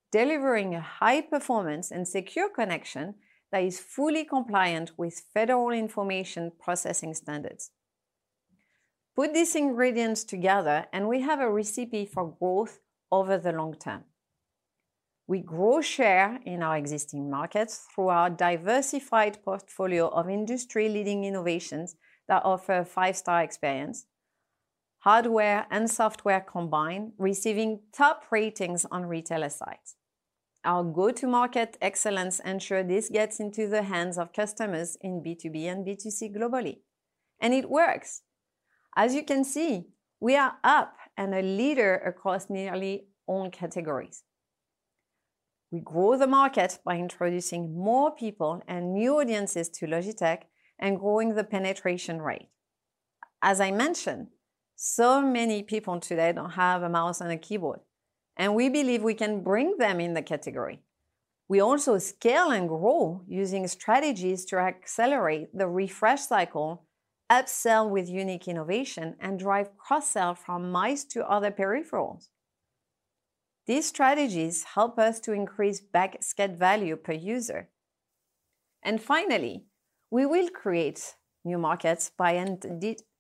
delivering a high performance and secure connection that is fully compliant with Federal Information Processing Standards. Put these ingredients together, we have a recipe for growth over the long term. We grow share in our existing markets through our diversified portfolio of industry-leading innovations that offer 5-star experience. Hardware and software combined receiving top ratings on retailer sites. Our go-to-market excellence ensure this gets into the hands of customers in B2B and B2C globally, it works. As you can see, we are up and a leader across nearly all categories. We grow the market by introducing more people and new audiences to Logitech and growing the penetration rate. As I mentioned, so many people today don't have a mouse and a keyboard, and we believe we can bring them in the category. We also scale and grow using strategies to accelerate the refresh cycle, upsell with unique innovation, and drive cross-sell from mice to other peripherals. These strategies help us to increase basket value per user. Finally, we will create new markets by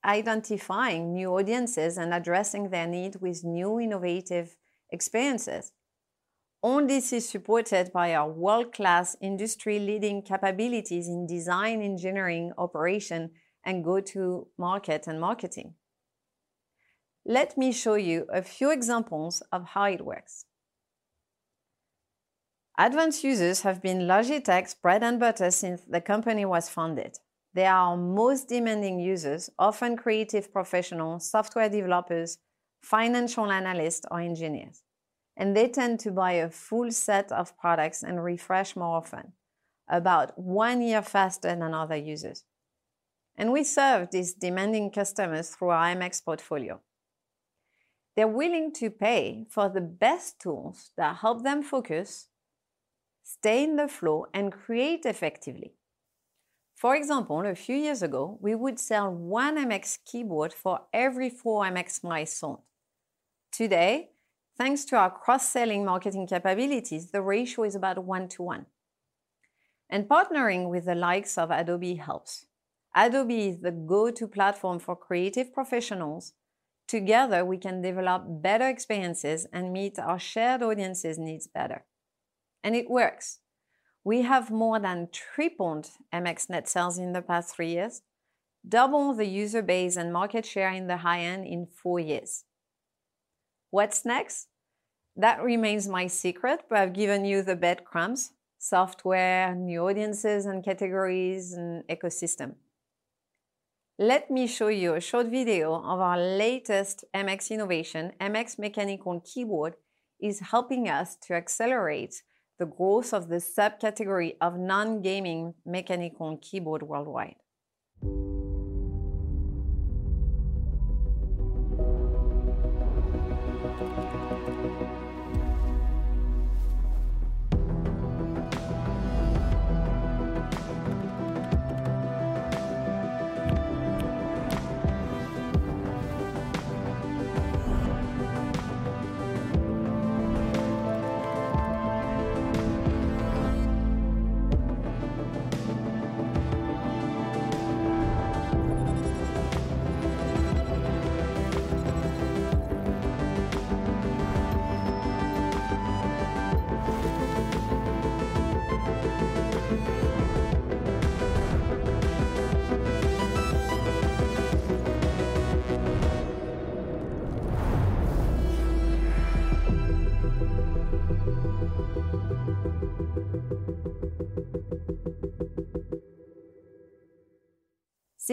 identifying new audiences and addressing their need with new, innovative experiences. All this is supported by our world-class, industry-leading capabilities in design, engineering, operation, and go-to-market and marketing. Let me show you a few examples of how it works. Advanced users have been Logitech's bread and butter since the company was founded. They are our most demanding users, often creative professionals, software developers, financial analysts or engineers. They tend to buy a full set of products and refresh more often, about 1 year faster than other users. We serve these demanding customers through our MX portfolio. They're willing to pay for the best tools that help them focus, stay in the flow, and create effectively. For example, a few years ago, we would sell 1 MX keyboard for every 4 MX mice sold. Today, thanks to our cross-selling marketing capabilities, the ratio is about 1 to 1. Partnering with the likes of Adobe helps. Adobe is the go-to platform for creative professionals. Together, we can develop better experiences and meet our shared audiences' needs better, and it works. We have more than tripled MX net sales in the past 3 years, doubled the user base and market share in the high-end in 4 years. What's next? That remains my secret, but I've given you the breadcrumbs: software, new audiences and categories and ecosystem. Let me show you a short video of our latest MX innovation. MX Mechanical Keyboard is helping us to accelerate the growth of this subcategory of non-gaming mechanical keyboard worldwide.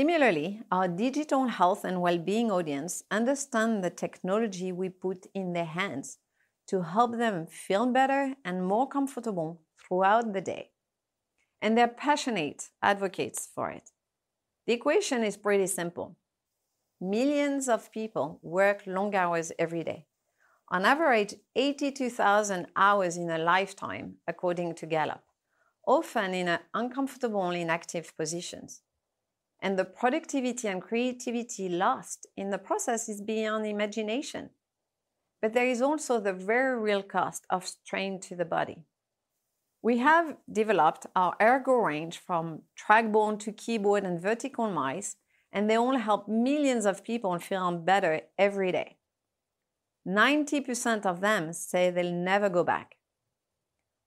Similarly, our digital health and wellbeing audience understand the technology we put in their hands to help them feel better and more comfortable throughout the day, and they're passionate advocates for it. The equation is pretty simple. Millions of people work long hours every day, on average, 82,000 hours in a lifetime, according to Gallup, often in uncomfortable, inactive positions. The productivity and creativity lost in the process is beyond imagination. There is also the very real cost of strain to the body. We have developed our ERGO range from trackball to keyboard and vertical mice, they all help millions of people feel better every day. 90% of them say they'll never go back.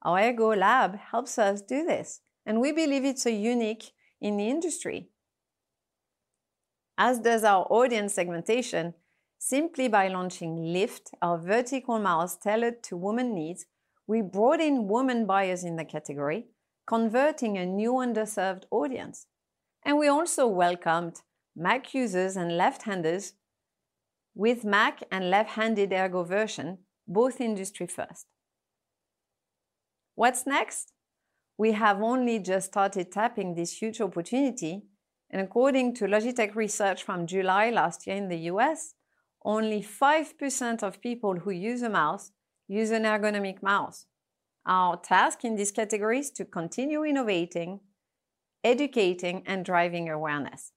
Our Logi Ergo Lab helps us do this, we believe it's a unique in the industry, as does our audience segmentation. Simply by launching Lift, our vertical mouse tailored to women needs, we brought in women buyers in the category, converting a new underserved audience. We also welcomed Mac users and left-handers with Mac and left-handed ERGO version, both industry first. What's next? We have only just started tapping this huge opportunity, according to Logitech research from July last year in the U.S., only 5% of people who use a mouse use an ergonomic mouse. Our task in this category is to continue innovating, educating, and driving awareness.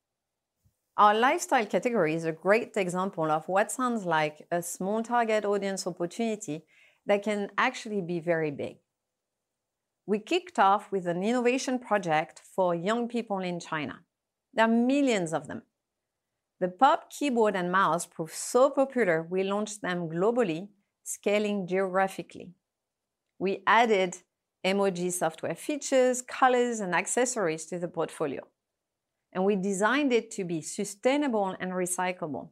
Our lifestyle category is a great example of what sounds like a small target audience opportunity that can actually be very big. We kicked off with an innovation project for young people in China. There are millions of them. The POP keyboard and mouse proved so popular, we launched them globally, scaling geographically. We added emoji software features, colors, and accessories to the portfolio, and we designed it to be sustainable and recyclable.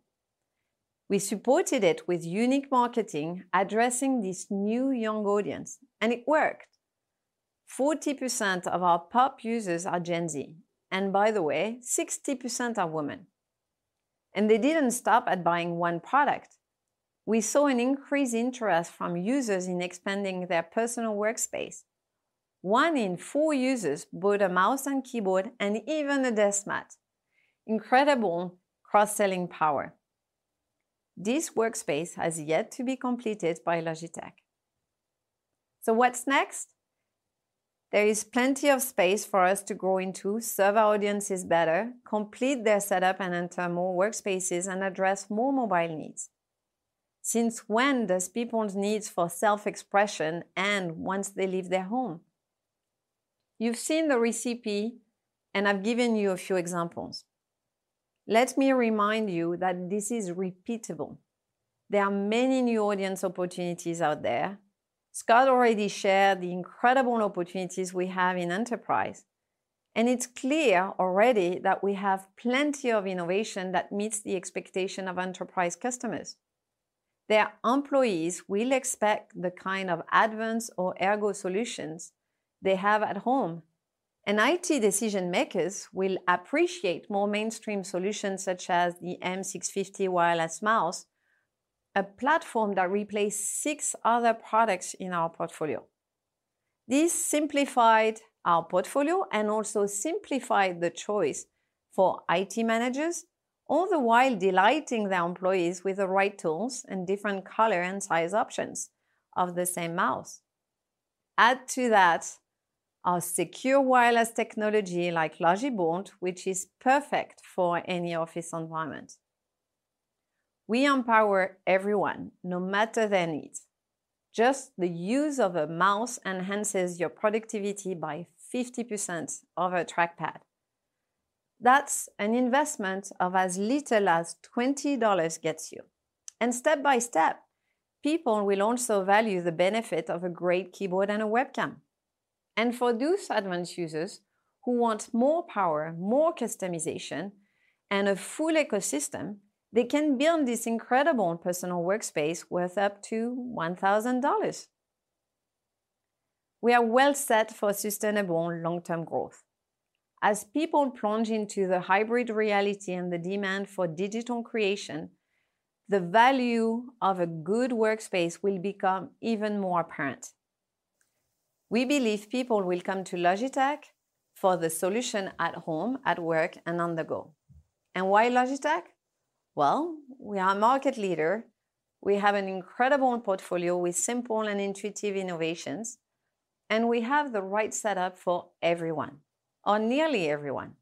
We supported it with unique marketing addressing this new young audience, and it worked. 40% of our POP users are Gen Z, and by the way, 60% are women. They didn't stop at buying one product. We saw an increased interest from users in expanding their personal workspace. 1 in 4 users bought a mouse and keyboard and even a desk mat. Incredible cross-selling power. This workspace has yet to be completed by Logitech. What's next? There is plenty of space for us to grow into, serve our audiences better, complete their setup, and enter more workspaces and address more mobile needs. When does people's needs for self-expression end once they leave their home? You've seen the recipe, and I've given you a few examples. Let me remind you that this is repeatable. There are many new audience opportunities out there. Scott already shared the incredible opportunities we have in enterprise, and it's clear already that we have plenty of innovation that meets the expectation of enterprise customers. Their employees will expect the kind of advanced or ergo solutions they have at home. IT decision-makers will appreciate more mainstream solutions, such as the M650 wireless mouse, a platform that replaced 6 other products in our portfolio. This simplified our portfolio and also simplified the choice for IT managers, all the while delighting their employees with the right tools and different color and size options of the same mouse. Add to that our secure wireless technology like Logi Bolt, which is perfect for any office environment. We empower everyone, no matter their needs. Just the use of a mouse enhances your productivity by 50% over a trackpad. That's an investment of as little as $20 gets you. Step by step, people will also value the benefit of a great keyboard and a webcam. For those advanced users who want more power, more customization, and a full ecosystem, they can build this incredible personal workspace worth up to $1,000. We are well set for sustainable and long-term growth. As people plunge into the hybrid reality and the demand for digital creation, the value of a good workspace will become even more apparent. We believe people will come to Logitech for the solution at home, at work, and on the go. Why Logitech? Well, we are a market leader. We have an incredible portfolio with simple and intuitive innovations, we have the right setup for everyone or nearly everyone.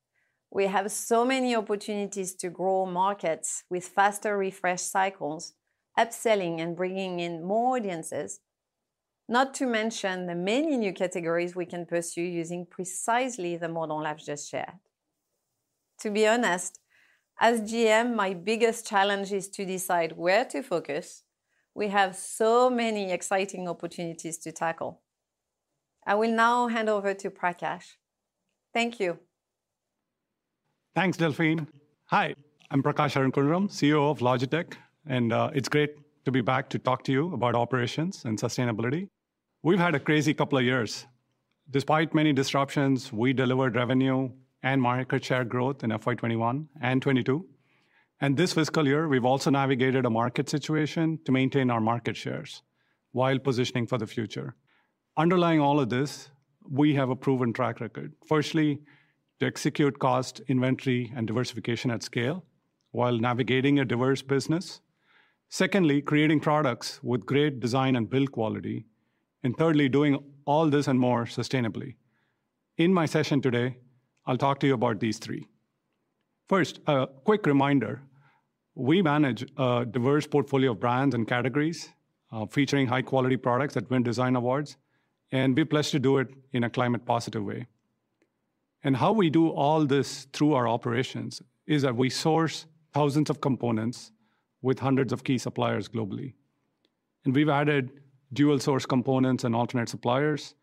We have so many opportunities to grow markets with faster refresh cycles, upselling, and bringing in more audiences. Not to mention the many new categories we can pursue using precisely the model I've just shared. To be honest, as GM, my biggest challenge is to decide where to focus. We have so many exciting opportunities to tackle. I will now hand over to Prakash. Thank you. Thanks, Delphine Donné. Hi, I'm Prakash Arunkundrum, CEO of Logitech, it's great to be back to talk to you about operations and sustainability. We've had a crazy couple of years. Despite many disruptions, we delivered revenue and market share growth in FY 2021 and 2022. This fiscal year, we've also navigated a market situation to maintain our market shares while positioning for the future. Underlying all of this, we have a proven track record. Firstly, to execute cost, inventory, and diversification at scale while navigating a diverse business. Secondly, creating products with great design and build quality. Thirdly, doing all this and more sustainably. In my session today, I'll talk to you about these three. First, a quick reminder, we manage a diverse portfolio of brands and categories, featuring high-quality products that win design awards, we pledge to do it in a climate positive way. How we do all this through our operations is that we source thousands of components with hundreds of key suppliers globally. We've added dual-source components and alternate suppliers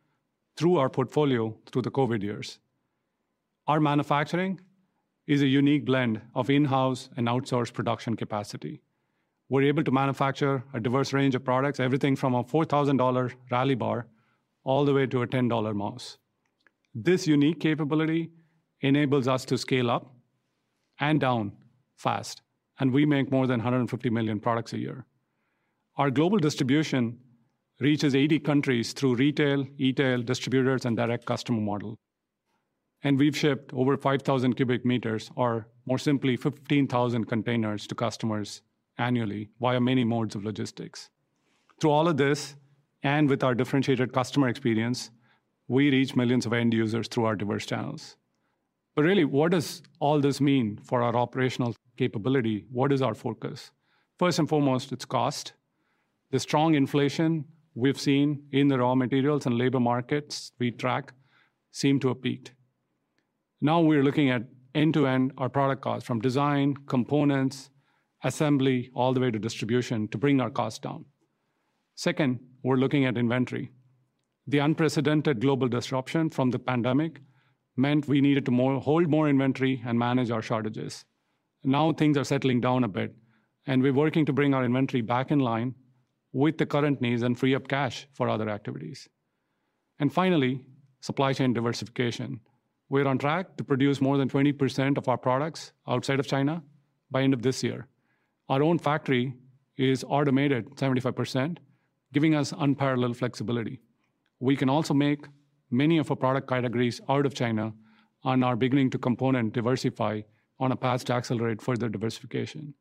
through our portfolio through the COVID years. Our manufacturing is a unique blend of in-house and outsourced production capacity. We're able to manufacture a diverse range of products, everything from a $4,000 Rally Bar all the way to a $10 mouse. This unique capability enables us to scale up and down fast, and we make more than 150 million products a year. Our global distribution reaches 80 countries through retail, e-tail, distributors, and direct customer model. We've shipped over 5,000 cubic meters, or more simply, 15,000 containers to customers annually via many modes of logistics. Through all of this, with our differentiated customer experience, we reach millions of end users through our diverse channels. Really, what does all this mean for our operational capability? What is our focus? First and foremost, it's cost. The strong inflation we've seen in the raw materials and labor markets we track seem to have peaked. Now we're looking at end-to-end our product cost, from design, components, assembly, all the way to distribution to bring our costs down. Second, we're looking at inventory. The unprecedented global disruption from the pandemic meant we needed to hold more inventory and manage our shortages. Now things are settling down a bit, we're working to bring our inventory back in line with the current needs and free up cash for other activities. Finally, supply chain diversification. We're on track to produce more than 20% of our products outside of China by end of this year. Our own factory is automated 75%, giving us unparalleled flexibility. We can also make many of our product categories out of China and are beginning to component diversify on a path to accelerate further diversification.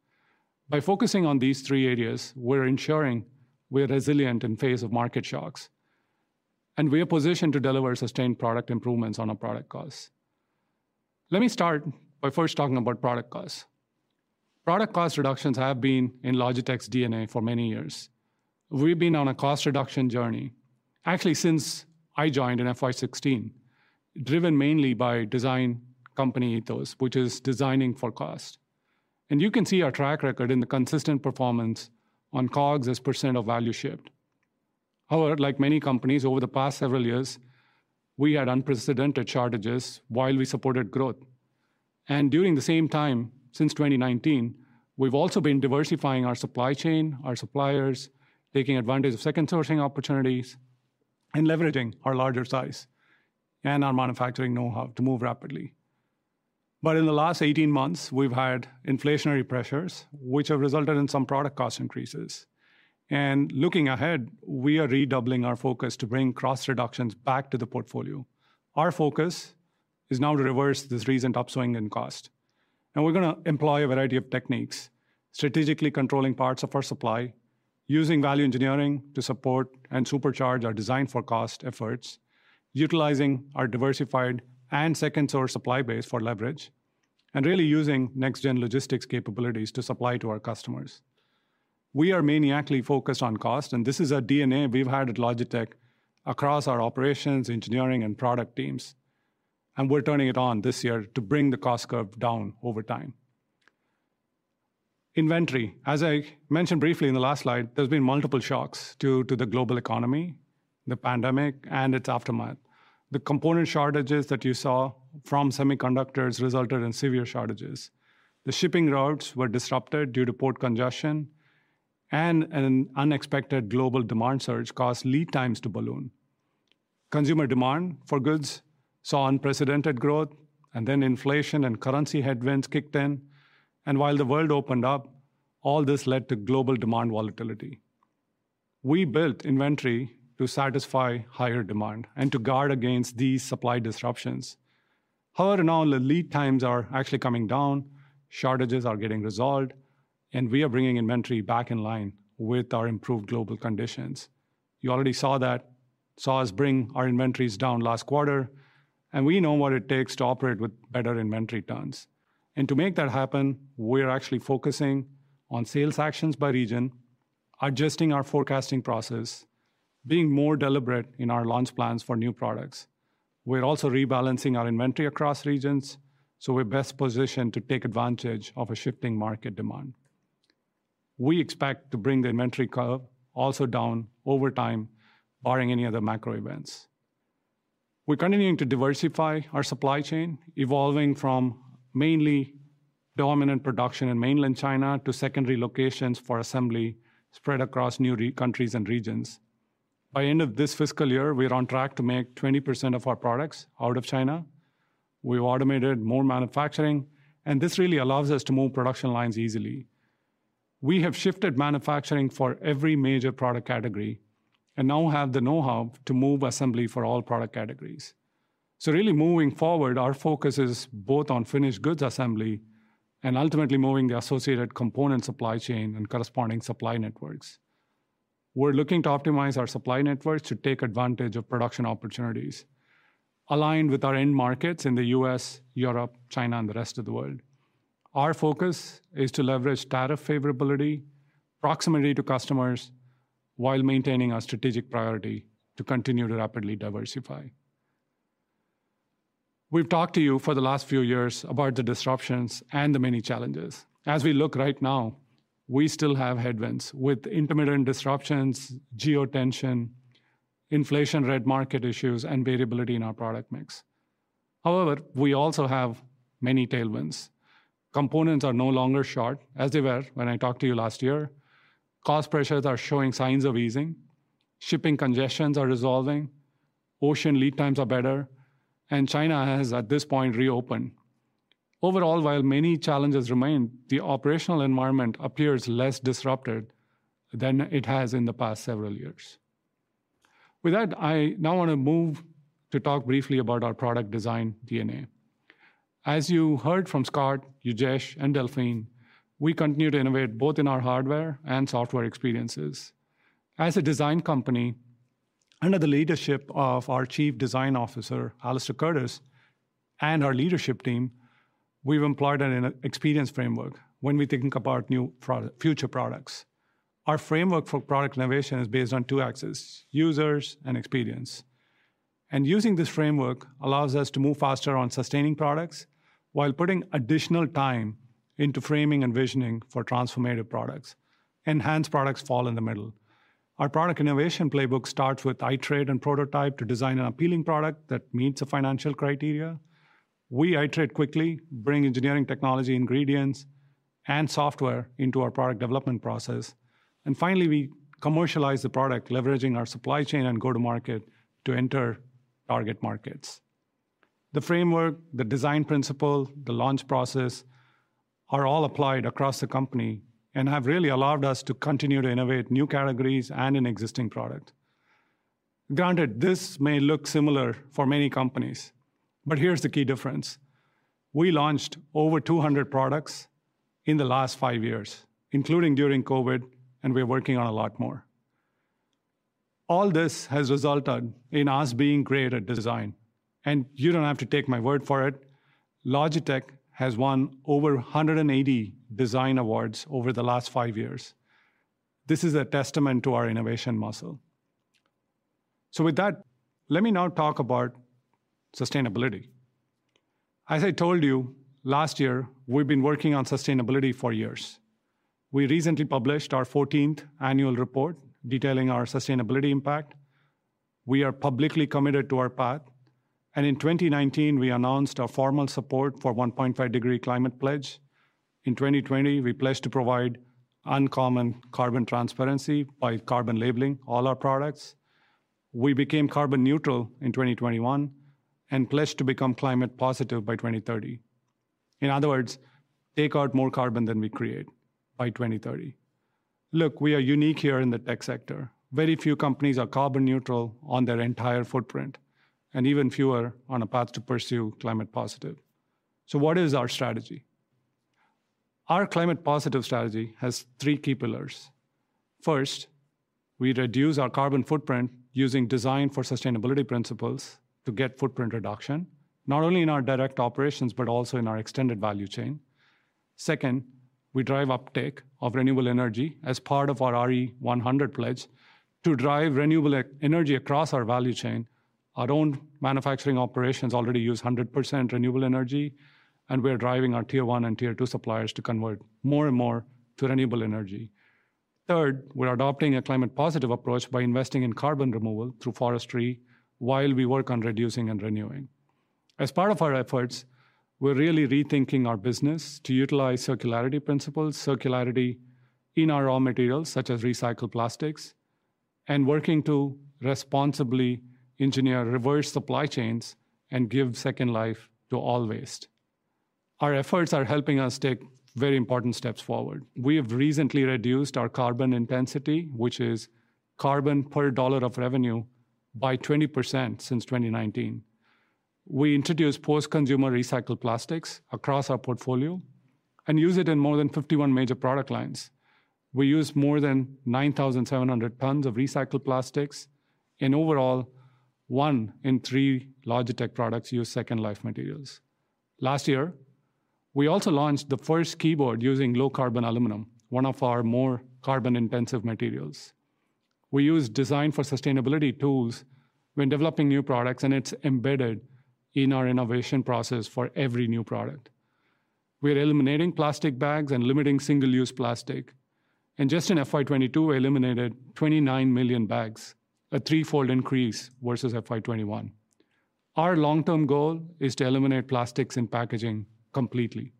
By focusing on these three areas, we're ensuring we're resilient in face of market shocks, and we are positioned to deliver sustained product improvements on our product costs. Let me start by first talking about product costs. Product cost reductions have been in Logitech's DNA for many years. We've been on a cost reduction journey, actually, since I joined in FY 16, driven mainly by design company ethos, which is designing for cost. You can see our track record in the consistent performance on COGS as percent of value shipped. Like many companies over the past several years, we had unprecedented shortages while we supported growth. During the same time, since 2019, we've also been diversifying our supply chain, our suppliers, taking advantage of second sourcing opportunities, and leveraging our larger size and our manufacturing know-how to move rapidly. In the last 18 months, we've had inflationary pressures, which have resulted in some product cost increases. Looking ahead, we are redoubling our focus to bring cost reductions back to the portfolio. Our focus is now to reverse this recent upswing in cost. We're gonna employ a variety of techniques, strategically controlling parts of our supply, using value engineering to support and supercharge our design for cost efforts, utilizing our diversified and second-source supply base for leverage, and really using next-gen logistics capabilities to supply to our customers. We are maniacally focused on cost, and this is our DNA we've had at Logitech across our operations, engineering, and product teams, and we're turning it on this year to bring the cost curve down over time. Inventory. As I mentioned briefly in the last slide, there's been multiple shocks to the global economy, the pandemic, and its aftermath. The component shortages that you saw from semiconductors resulted in severe shortages. The shipping routes were disrupted due to port congestion and an unexpected global demand surge caused lead times to balloon. Consumer demand for goods saw unprecedented growth, and then inflation and currency headwinds kicked in, and while the world opened up, all this led to global demand volatility. We built inventory to satisfy higher demand and to guard against these supply disruptions. Now the lead times are actually coming down, shortages are getting resolved, and we are bringing inventory back in line with our improved global conditions. You already saw us bring our inventories down last quarter, we know what it takes to operate with better inventory turns. To make that happen, we are actually focusing on sales actions by region, adjusting our forecasting process, being more deliberate in our launch plans for new products. We're also rebalancing our inventory across regions, so we're best positioned to take advantage of a shifting market demand. We expect to bring the inventory curve also down over time, barring any other macro events. We're continuing to diversify our supply chain, evolving from mainly dominant production in mainland China to secondary locations for assembly spread across new countries and regions. By end of this fiscal year, we are on track to make 20% of our products out of China. We've automated more manufacturing, and this really allows us to move production lines easily. We have shifted manufacturing for every major product category and now have the know-how to move assembly for all product categories. Really moving forward, our focus is both on finished goods assembly and ultimately moving the associated component supply chain and corresponding supply networks. We're looking to optimize our supply networks to take advantage of production opportunities aligned with our end markets in the US, Europe, China, and the rest of the world. Our focus is to leverage tariff favorability, proximity to customers, while maintaining our strategic priority to continue to rapidly diversify. We've talked to you for the last few years about the disruptions and the many challenges. As we look right now, we still have headwinds with intermittent disruptions, geo-tension, inflation-led market issues, and variability in our product mix. We also have many tailwinds. Components are no longer short, as they were when I talked to you last year. Cost pressures are showing signs of easing. Shipping congestions are resolving. Ocean lead times are better. China has, at this point, reopened. Overall, while many challenges remain, the operational environment appears less disrupted than it has in the past several years. With that, I now want to move to talk briefly about our product design DNA. As you heard from Scott, Ujesh, and Delphine, we continue to innovate both in our hardware and software experiences. As a design company, under the leadership of our Chief Design Officer, Alastair Curtis, and our leadership team, we've employed an ex-experience framework when we're thinking about future products. Our framework for product innovation is based on two axes: users and experience. Using this framework allows us to move faster on sustaining products while putting additional time into framing and visioning for transformative products. Enhanced products fall in the middle. Our product innovation playbook starts with iterate and prototype to design an appealing product that meets the financial criteria. We iterate quickly, bring engineering technology ingredients and software into our product development process, finally, we commercialize the product, leveraging our supply chain and go to market to enter target markets. The framework, the design principle, the launch process are all applied across the company have really allowed us to continue to innovate new categories and in existing product. Granted, this may look similar for many companies, but here's the key difference. We launched over 200 products in the last 5 years, including during COVID, and we're working on a lot more. All this has resulted in us being great at design, and you don't have to take my word for it. Logitech has won over 180 design awards over the last 5 years. This is a testament to our innovation muscle. With that, let me now talk about sustainability. As I told you last year, we've been working on sustainability for years. We recently published our 14th annual report detailing our sustainability impact. We are publicly committed to our path, and in 2019 we announced our formal support for 1.5°C climate pledge. In 2020, we pledged to provide uncommon carbon transparency by carbon labeling all our products. We became carbon neutral in 2021 and pledged to become climate positive by 2030. In other words, take out more carbon than we create by 2030. Look, we are unique here in the tech sector. Very few companies are carbon neutral on their entire footprint and even fewer on a path to pursue climate positive. What is our strategy? Our climate positive strategy has three key pillars. First, we reduce our carbon footprint using design for sustainability principles to get footprint reduction, not only in our direct operations, but also in our extended value chain. Second, we drive uptake of renewable energy as part of our RE100 pledge to drive renewable energy across our value chain. Our own manufacturing operations already use 100% renewable energy. We are driving our tier 1 and tier 2 suppliers to convert more and more to renewable energy. Third, we're adopting a climate positive approach by investing in carbon removal through forestry while we work on reducing and renewing. As part of our efforts, we're really rethinking our business to utilize Circularity principles, Circularity in our raw materials such as recycled plastics and working to responsibly engineer reverse supply chains and give second life to all waste. Our efforts are helping us take very important steps forward. We have recently reduced our carbon intensity, which is carbon per dollar of revenue, by 20% since 2019. We introduced post-consumer recycled plastics across our portfolio and use it in more than 51 major product lines. We use more than 9,700 tons of recycled plastics. In overall, one in three Logitech products use second life materials. Last year, we also launched the first keyboard using low carbon aluminum, one of our more carbon-intensive materials. We use design for sustainability tools when developing new products, and it's embedded in our innovation process for every new product. We are eliminating plastic bags and limiting single-use plastic. Just in FY 22, we eliminated 29 million bags, a threefold increase versus FY 21. Our long-term goal is to eliminate plastics in packaging completely.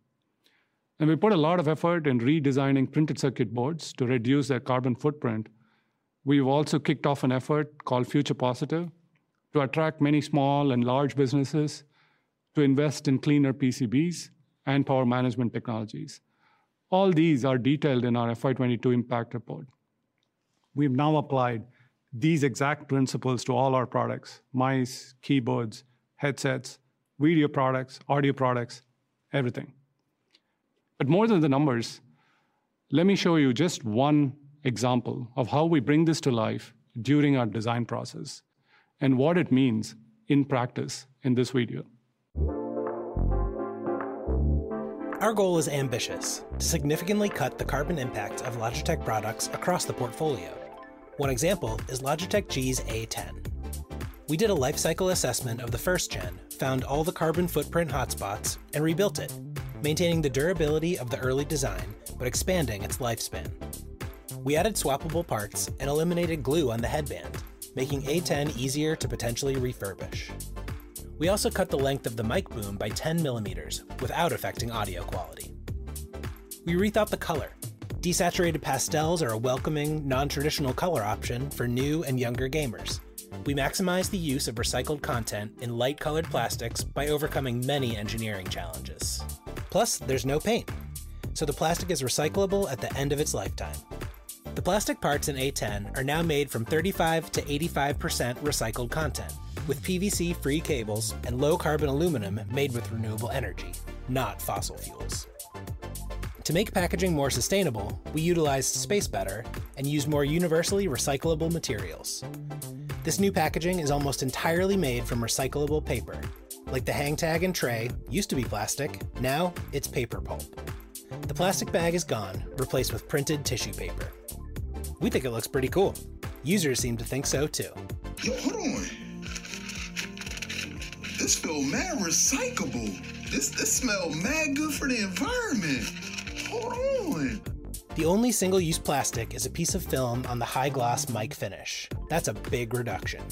We put a lot of effort in redesigning printed circuit boards to reduce their carbon footprint. We've also kicked off an effort called Future Positive to attract many small and large businesses to invest in cleaner PCBs and power management technologies. All these are detailed in our FY 22 impact report. We've now applied these exact principles to all our products, mice, keyboards, headsets, video products, audio products, everything. More than the numbers, let me show you just one example of how we bring this to life during our design process and what it means in practice in this video. Our goal is ambitious: to significantly cut the carbon impact of Logitech products across the portfolio. One example is Logitech G's A10. We did a life cycle assessment of the first gen, found all the carbon footprint hotspots, and rebuilt it, maintaining the durability of the early design but expanding its lifespan. We added swappable parts and eliminated glue on the headband, making A10 easier to potentially refurbish. We also cut the length of the mic boom by 10 millimeters without affecting audio quality. We rethought the color. Desaturated pastels are a welcoming, non-traditional color option for new and younger gamers. We maximize the use of recycled content in light-colored plastics by overcoming many engineering challenges. There's no paint, so the plastic is recyclable at the end of its lifetime. The plastic parts in A10 are now made from 35%-85% recycled content with PVC-free cables and low-carbon aluminum made with renewable energy, not fossil fuels. To make packaging more sustainable, we utilize space better and use more universally recyclable materials. This new packaging is almost entirely made from recyclable paper. Like the hang tag and tray used to be plastic, now it's paper pulp. The plastic bag is gone, replaced with printed tissue paper. We think it looks pretty cool. Users seem to think so too. "Yo, hold on. This feel mad recyclable. This smell mad good for the environment. Hold on." The only single-use plastic is a piece of film on the high-gloss mic finish. That's a big reduction.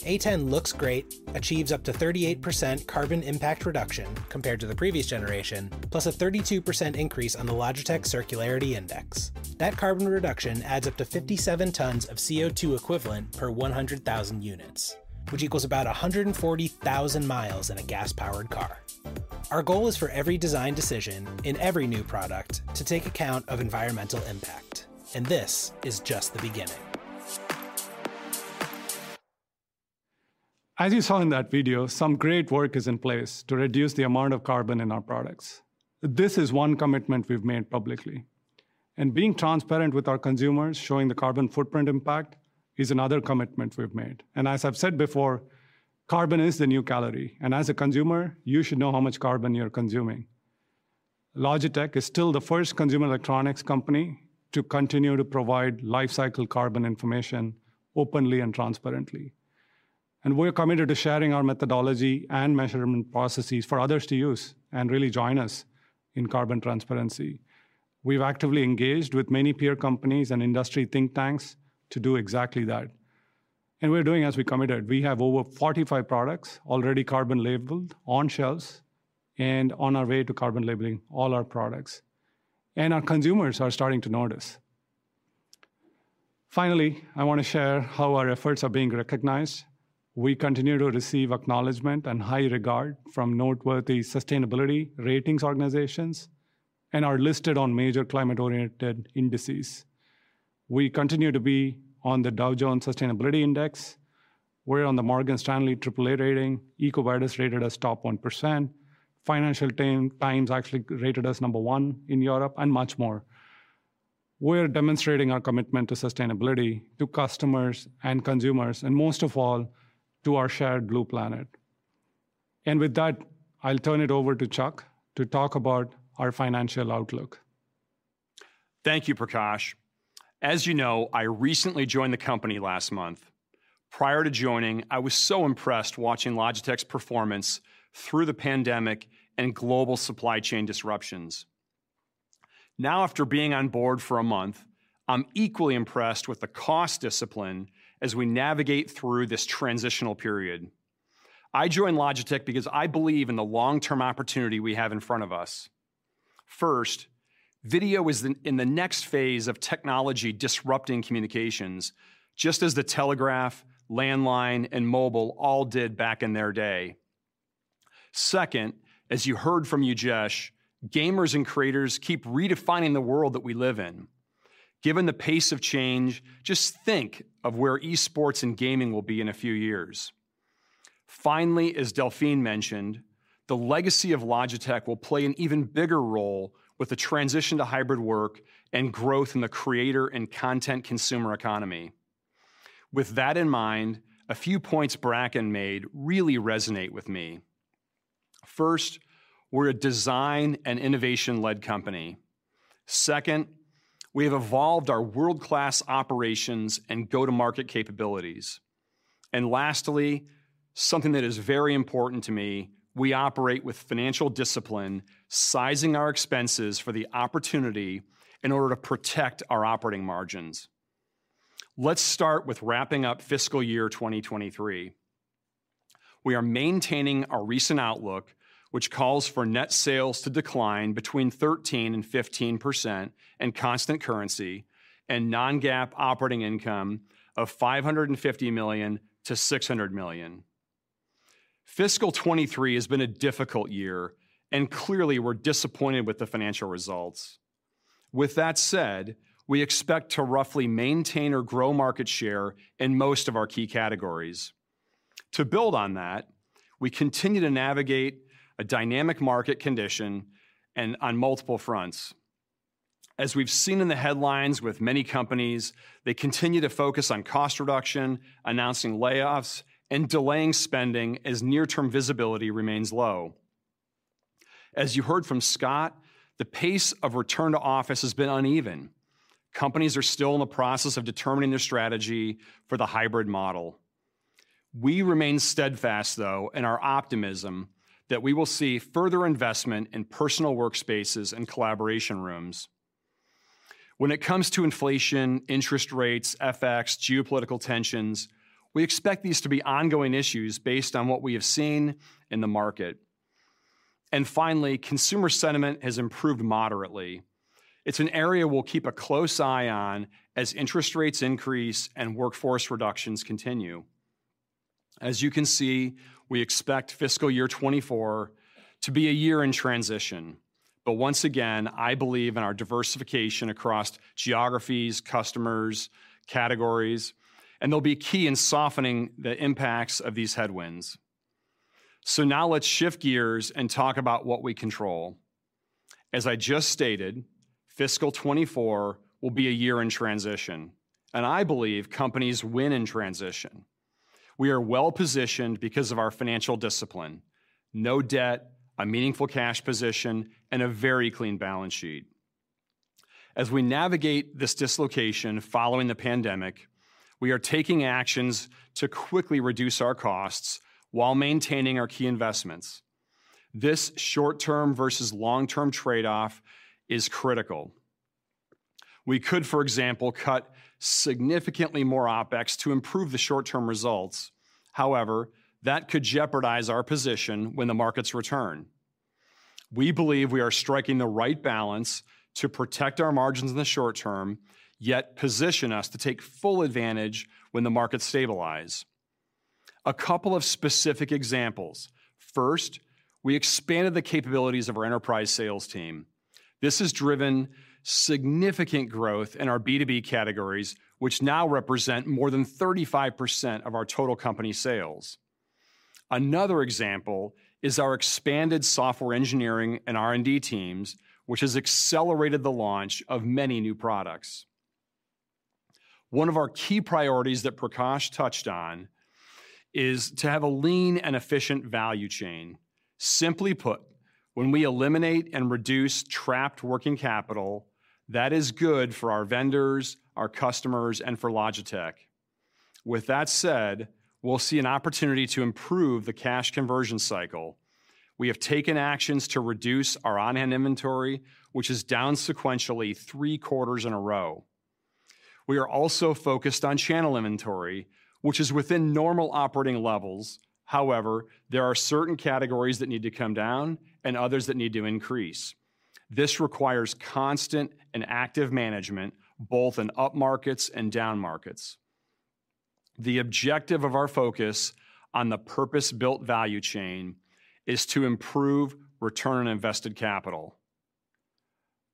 A10 looks great, achieves up to 38% carbon impact reduction compared to the previous generation, plus a 32% increase on the Logitech Circularity Index. That carbon reduction adds up to 57 tons of CO2 equivalent per 100,000 units, which equals about 140,000 miles in a gas-powered car. Our goal is for every design decision in every new product to take account of environmental impact, this is just the beginning. You saw in that video, some great work is in place to reduce the amount of carbon in our products. This is one commitment we've made publicly. Being transparent with our consumers, showing the carbon footprint impact is another commitment we've made. As I've said before, carbon is the new calorie, and as a consumer, you should know how much carbon you're consuming. Logitech is still the first consumer electronics company to continue to provide lifecycle carbon information openly and transparently. We're committed to sharing our methodology and measurement processes for others to use and really join us in carbon transparency. We've actively engaged with many peer companies and industry think tanks to do exactly that. We're doing as we committed. We have over 45 products already carbon labeled on shelves and on our way to carbon labeling all our products. Our consumers are starting to notice. Finally, I want to share how our efforts are being recognized. We continue to receive acknowledgment and high regard from noteworthy sustainability ratings organizations and are listed on major climate-oriented indices. We continue to be on the Dow Jones Sustainability Index. We're on the Morgan Stanley Triple A rating, EcoVadis rated as top 1%, Financial Times actually rated us number one in Europe, and much more. We're demonstrating our commitment to sustainability to customers and consumers and most of all, to our shared blue planet. With that, I'll turn it over to Chuck to talk about our financial outlook. Thank you, Prakash. As you know, I recently joined the company last month. Prior to joining, I was so impressed watching Logitech's performance through the pandemic and global supply chain disruptions. Now, after being on board for a month, I'm equally impressed with the cost discipline as we navigate through this transitional period. I joined Logitech because I believe in the long-term opportunity we have in front of us. First, video is in the next phase of technology-disrupting communications, just as the telegraph, landline, and mobile all did back in their day. Second, as you heard from Ujesh, gamers and creators keep redefining the world that we live in. Given the pace of change, just think of where e-sports and gaming will be in a few years. As Delphine Donné mentioned, the legacy of Logitech will play an even bigger role with the transition to hybrid work and growth in the creator and content consumer economy. With that in mind, a few points Bracken made really resonate with me. First, we're a design and innovation-led company. Second, we have evolved our world-class operations and go-to-market capabilities. Lastly, something that is very important to me, we operate with financial discipline, sizing our expenses for the opportunity in order to protect our operating margins. Let's start with wrapping up fiscal year 2023. We are maintaining our recent outlook, which calls for net sales to decline between 13% and 15% in constant currency and non-GAAP operating income of $550 million-$600 million. Fiscal 2023 has been a difficult year, clearly, we're disappointed with the financial results. With that said, we expect to roughly maintain or grow market share in most of our key categories. To build on that, we continue to navigate a dynamic market condition and on multiple fronts. As we've seen in the headlines with many companies, they continue to focus on cost reduction, announcing layoffs, and delaying spending as near-term visibility remains low. As you heard from Scott, the pace of return to office has been uneven. Companies are still in the process of determining their strategy for the hybrid model. We remain steadfast, though, in our optimism that we will see further investment in personal workspaces and collaboration rooms. When it comes to inflation, interest rates, FX, geopolitical tensions, we expect these to be ongoing issues based on what we have seen in the market. Finally, consumer sentiment has improved moderately. It's an area we'll keep a close eye on as interest rates increase and workforce reductions continue. You can see, we expect fiscal year 2024 to be a year in transition. Once again, I believe in our diversification across geographies, customers, categories, and they'll be key in softening the impacts of these headwinds. Now let's shift gears and talk about what we control. I just stated, fiscal 2024 will be a year in transition, and I believe companies win in transition. We are well-positioned because of our financial discipline: no debt, a meaningful cash position, and a very clean balance sheet. We navigate this dislocation following the pandemic, we are taking actions to quickly reduce our costs while maintaining our key investments. This short-term versus long-term trade-off is critical. We could, for example, cut significantly more OpEx to improve the short-term results. That could jeopardize our position when the markets return. We believe we are striking the right balance to protect our margins in the short term, yet position us to take full advantage when the markets stabilize. A couple of specific examples. First, we expanded the capabilities of our enterprise sales team. This has driven significant growth in our B2B categories, which now represent more than 35% of our total company sales. Another example is our expanded software engineering and R&D teams, which has accelerated the launch of many new products. One of our key priorities that Prakash touched on is to have a lean and efficient value chain. Simply put, when we eliminate and reduce trapped working capital, that is good for our vendors, our customers, and for Logitech. With that said, we'll see an opportunity to improve the cash conversion cycle. We have taken actions to reduce our on-hand inventory, which is down sequentially 3 quarters in a row. We are also focused on channel inventory, which is within normal operating levels. However, there are certain categories that need to come down and others that need to increase. This requires constant and active management, both in up markets and down markets. The objective of our focus on the purpose-built value chain is to improve return on invested capital.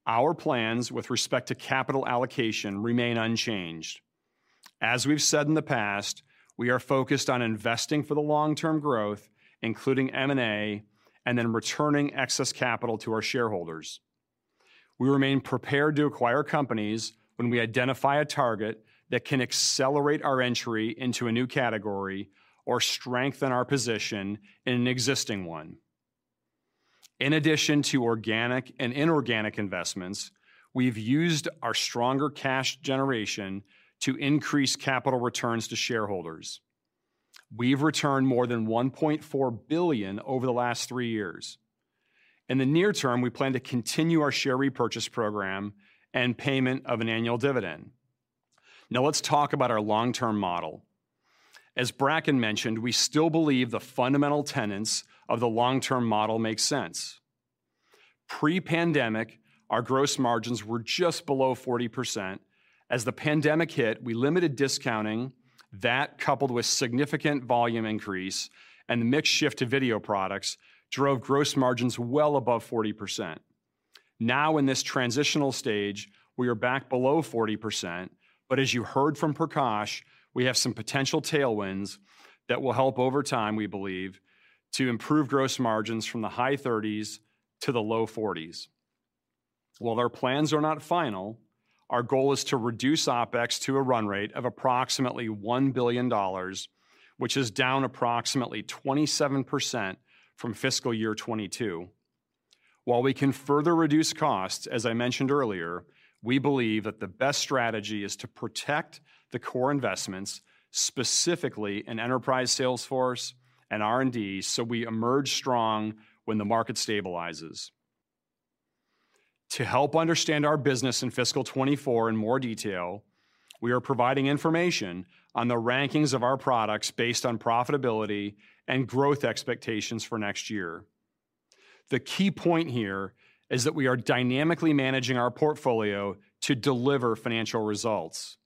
Our plans with respect to capital allocation remain unchanged. As we've said in the past, we are focused on investing for the long-term growth, including M&A, and then returning excess capital to our shareholders. We remain prepared to acquire companies when we identify a target that can accelerate our entry into a new category or strengthen our position in an existing one. In addition to organic and inorganic investments, we've used our stronger cash generation to increase capital returns to shareholders. We've returned more than $1.4 billion over the last three years. In the near term, we plan to continue our share repurchase program and payment of an annual dividend. Let's talk about our long-term model. As Bracken mentioned, we still believe the fundamental tenants of the long-term model make sense. Pre-pandemic, our gross margins were just below 40%. The pandemic hit, we limited discounting. That, coupled with significant volume increase and the mix shift to video products, drove gross margins well above 40%. In this transitional stage, we are back below 40%, but as you heard from Prakash, we have some potential tailwinds that will help over time, we believe, to improve gross margins from the high 30s to the low 40s. While their plans are not final, our goal is to reduce OpEx to a run rate of approximately $1 billion, which is down approximately 27% from fiscal year 2022. While we can further reduce costs, as I mentioned earlier, we believe that the best strategy is to protect the core investments, specifically in enterprise sales force and R&D, so we emerge strong when the market stabilizes. To help understand our business in fiscal 2024 in more detail, we are providing information on the rankings of our products based on profitability and growth expectations for next year. The key point here is that we are dynamically managing our portfolio to deliver financial results.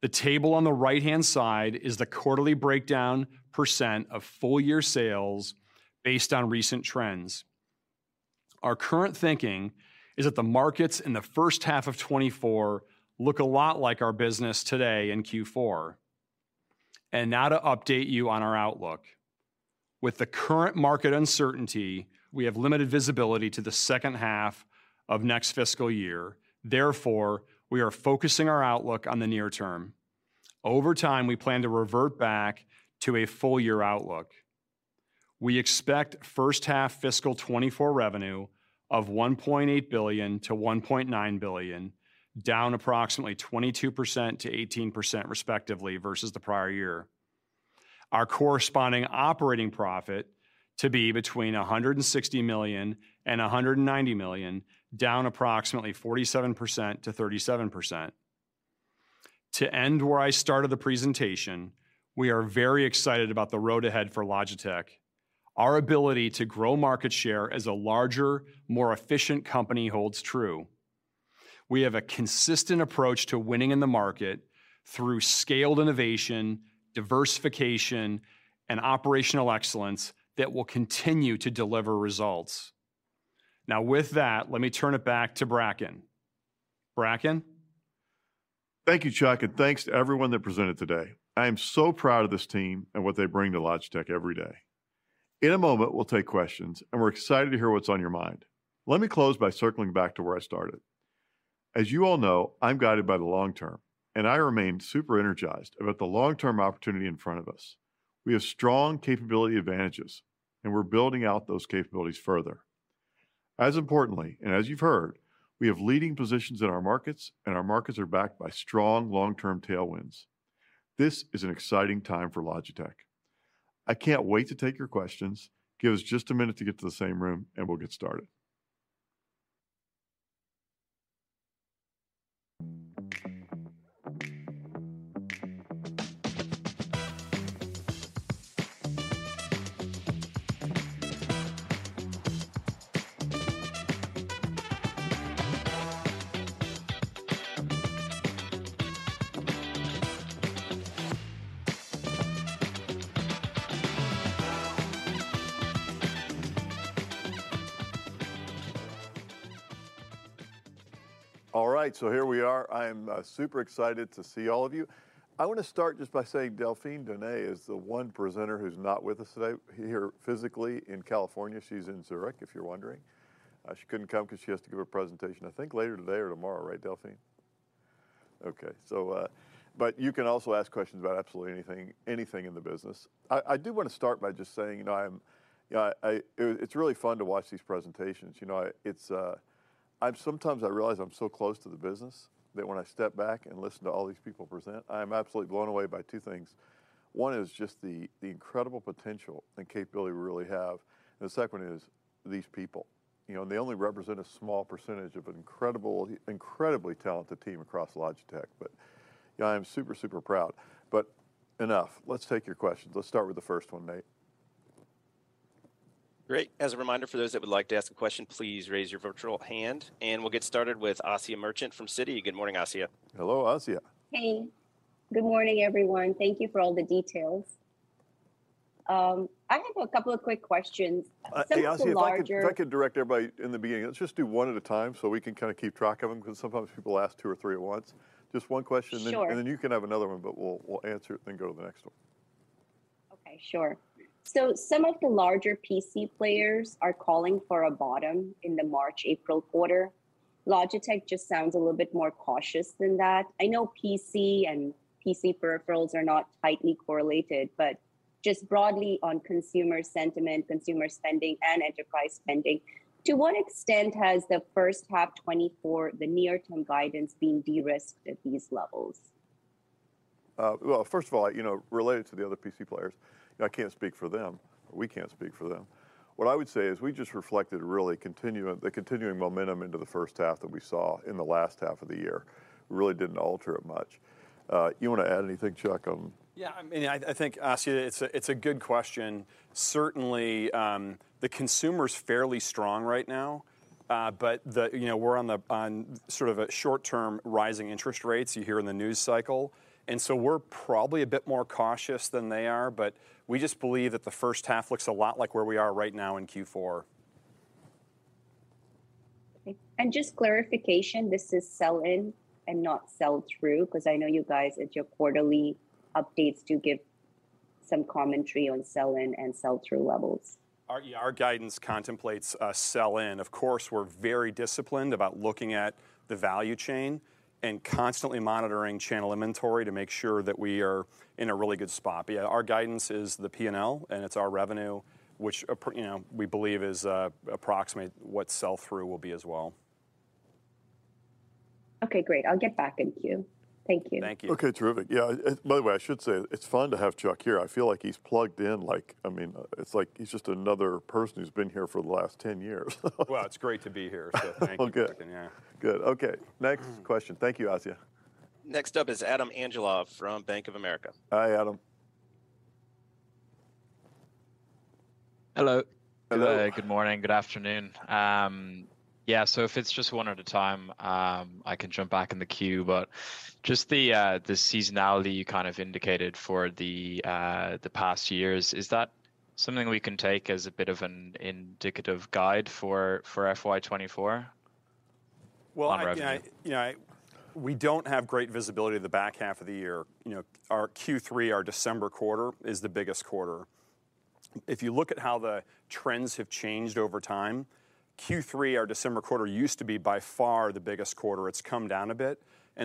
The table on the right-hand side is the quarterly breakdown % of full-year sales based on recent trends. Our current thinking is that the markets in the first half of 2024 look a lot like our business today in Q4. Now to update you on our outlook. With the current market uncertainty, we have limited visibility to the second half of next fiscal year, therefore, we are focusing our outlook on the near term. Over time, we plan to revert back to a full-year outlook. We expect first half fiscal 2024 revenue of $1.8 billion-$1.9 billion, down approximately 22%-18% respectively versus the prior year. Our corresponding operating profit to be between $160 million and $190 million, down approximately 47%-37%. To end where I started the presentation, we are very excited about the road ahead for Logitech. Our ability to grow market share as a larger, more efficient company holds true. We have a consistent approach to winning in the market through scaled innovation, diversification, and operational excellence that will continue to deliver results. Now, with that, let me turn it back to Bracken. Bracken? Thank you, Chuck, and thanks to everyone that presented today. I am so proud of this team and what they bring to Logitech every day. In a moment, we'll take questions, and we're excited to hear what's on your mind. Let me close by circling back to where I started. As you all know, I'm guided by the long term, and I remain super energized about the long-term opportunity in front of us. We have strong capability advantages, and we're building out those capabilities further. As importantly, and as you've heard, we have leading positions in our markets, and our markets are backed by strong long-term tailwinds. This is an exciting time for Logitech. I can't wait to take your questions. Give us just a minute to get to the same room, and we'll get started. All right, here we are. I am super excited to see all of you. I wanna start just by saying Delphine Donné is the one presenter who's not with us today here physically in California. She's in Zurich, if you're wondering. She couldn't come 'cause she has to give a presentation, I think later today or tomorrow, right, Delphine? Okay. But you can also ask questions about absolutely anything in the business. I do wanna start by just saying it's really fun to watch these presentations, you know. Sometimes I realize I'm so close to the business that when I step back and listen to all these people present, I am absolutely blown away by two things. One is just the incredible potential and capability we really have, and the second is these people. They only represent a small percentage of an incredible, incredibly talented team across Logitech. Yeah, I am super proud. Enough. Let's take your questions. Let's start with the first one, Nate. Great. As a reminder, for those that would like to ask a question, please raise your virtual hand. We'll get started with Asiya Merchant from Citi. Good morning, Asiya. Hello, Asiya. Hey. Good morning, everyone. Thank you for all the details. I have a couple of quick questions. Hey, Asiya, if I could direct everybody in the beginning, let's just do one at a time so we can kinda keep track of them, 'cause sometimes people ask two or three at once. Just one question, and then... Sure... and then you can have another one, but we'll answer it then go to the next one. Okay. Sure. Some of the larger PC players are calling for a bottom in the March-April quarter. Logitech just sounds a little bit more cautious than that. I know PC and PC peripherals are not tightly correlated, but just broadly on consumer sentiment, consumer spending, and enterprise spending, to what extent has the first half 2024, the near term guidance, been de-risked at these levels? Well, first of all related to the other PC players, I can't speak for them. We can't speak for them. What I would say is we just reflected really the continuing momentum into the first half that we saw in the last half of the year. Really didn't alter it much. You wanna add anything, Chuck, on- Yeah, I mean, I think, Asiya, it's a, it's a good question. Certainly, the consumer's fairly strong right now, but you know, we're on sort of a short-term rising interest rates, you hear in the news cycle. So we're probably a bit more cautious than they are. We just believe that the first half looks a lot like where we are right now in Q4. Okay. Just clarification, this is sell-in and not sell-through? Because I know you guys at your quarterly updates do give some commentary on sell-in and sell-through levels. Our, yeah, our guidance contemplates sell-in. Of course, we're very disciplined about looking at the value chain and constantly monitoring channel inventory to make sure that we are in a really good spot. Yeah, our guidance is the P&L, and it's our revenue, which you know, we believe is approximate what sell-through will be as well. Okay. Great. I'll get back in queue. Thank you. Thank you. Okay. Terrific. Yeah, by the way, I should say, it's fun to have Chuck here. I feel like he's plugged in, like, I mean, it's like he's just another person who's been here for the last 10 years. Well, it's great to be here, so thank you for... Well, good. ...recognizing that. Good. Okay. Next question. Thank you, Asya. Next up is Adam Angelov from Bank of America. Hi, Adam. Hello. Hello. Good morning, good afternoon. Yeah, if it's just one at a time, I can jump back in the queue. Just the seasonality you kind of indicated for the past years, is that something we can take as a bit of an indicative guide for FY 2024 on revenue? Well, yeah i we don't have great visibility of the back half of the year. You know, our Q3, our December quarter, is the biggest quarter. If you look at how the trends have changed over time, Q3, our December quarter, used to be by far the biggest quarter.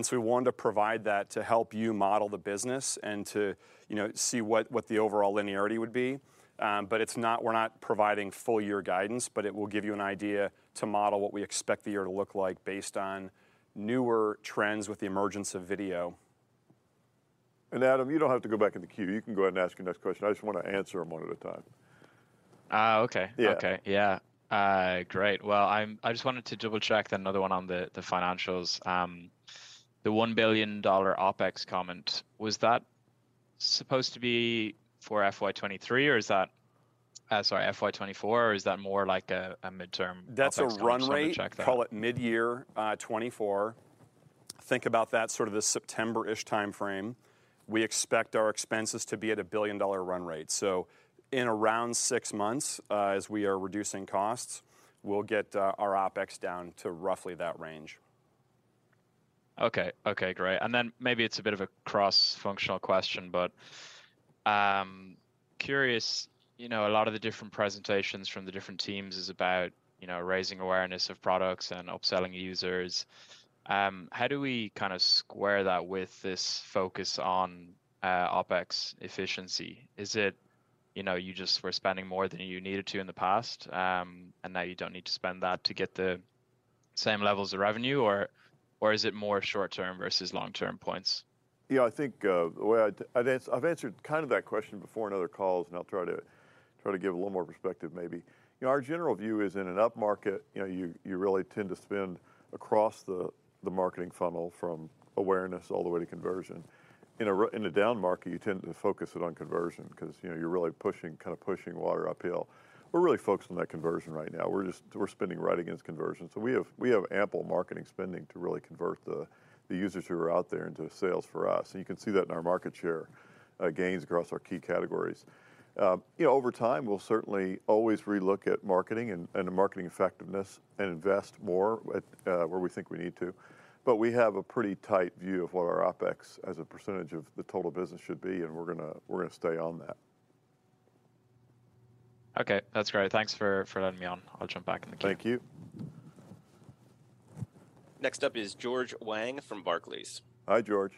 So we wanted to provide that to help you model the business and to see what the overall linearity would be. It's not, we're not providing full year guidance, but it will give you an idea to model what we expect the year to look like based on newer trends with the emergence of video. Adam Angelov, you don't have to go back in the queue. You can go ahead and ask your next question. I just wanna answer them 1 at a time. Oh, okay. Yeah. Great. Well, I just wanted to double check another one on the financials. The $1 billion OPEX comment, was that supposed to be for FY 2023, or is that, sorry, FY 2024, or is that more like a midterm OPEX comment? That's a run rate. Just wanted to check that. Call it midyear 2024. Think about that sort of the September-ish timeframe. We expect our expenses to be at a billion dollar run rate. In around 6 months, as we are reducing costs, we'll get our OpEx down to roughly that range. Okay. Okay, great. Maybe it's a bit of a cross-functional question, but curious a lot of the different presentations from the different teams is about raising awareness of products and upselling users. How do we kind of square that with this focus on OpEx efficiency? Is it you just were spending more than you needed to in the past, and now you don't need to spend that to get the same levels of revenue? Or is it more short-term versus long-term points? Yeah, I think, the way I've answered kind of that question before in other calls, and I'll Try to give a little more perspective maybe. You know, our general view is in an upmarket you really tend to spend across the marketing funnel from awareness all the way to conversion. In a downmarket, you tend to focus it on conversion 'cause you're really pushing, kinda pushing water uphill. We're really focused on that conversion right now. We're spending right against conversion. We have ample marketing spending to really convert the users who are out there into sales for us. You can see that in our market share gains across our key categories. You know, over time, we'll certainly always relook at marketing and the marketing effectiveness and invest more at where we think we need to. But we have a pretty tight view of what our OpEx as a percentage of the total business should be, and we're gonna, we're gonna stay on that. Okay. That's great. Thanks for letting me on. I'll jump back in the queue. Thank you. Next up is George Wang from Barclays. Hi, George.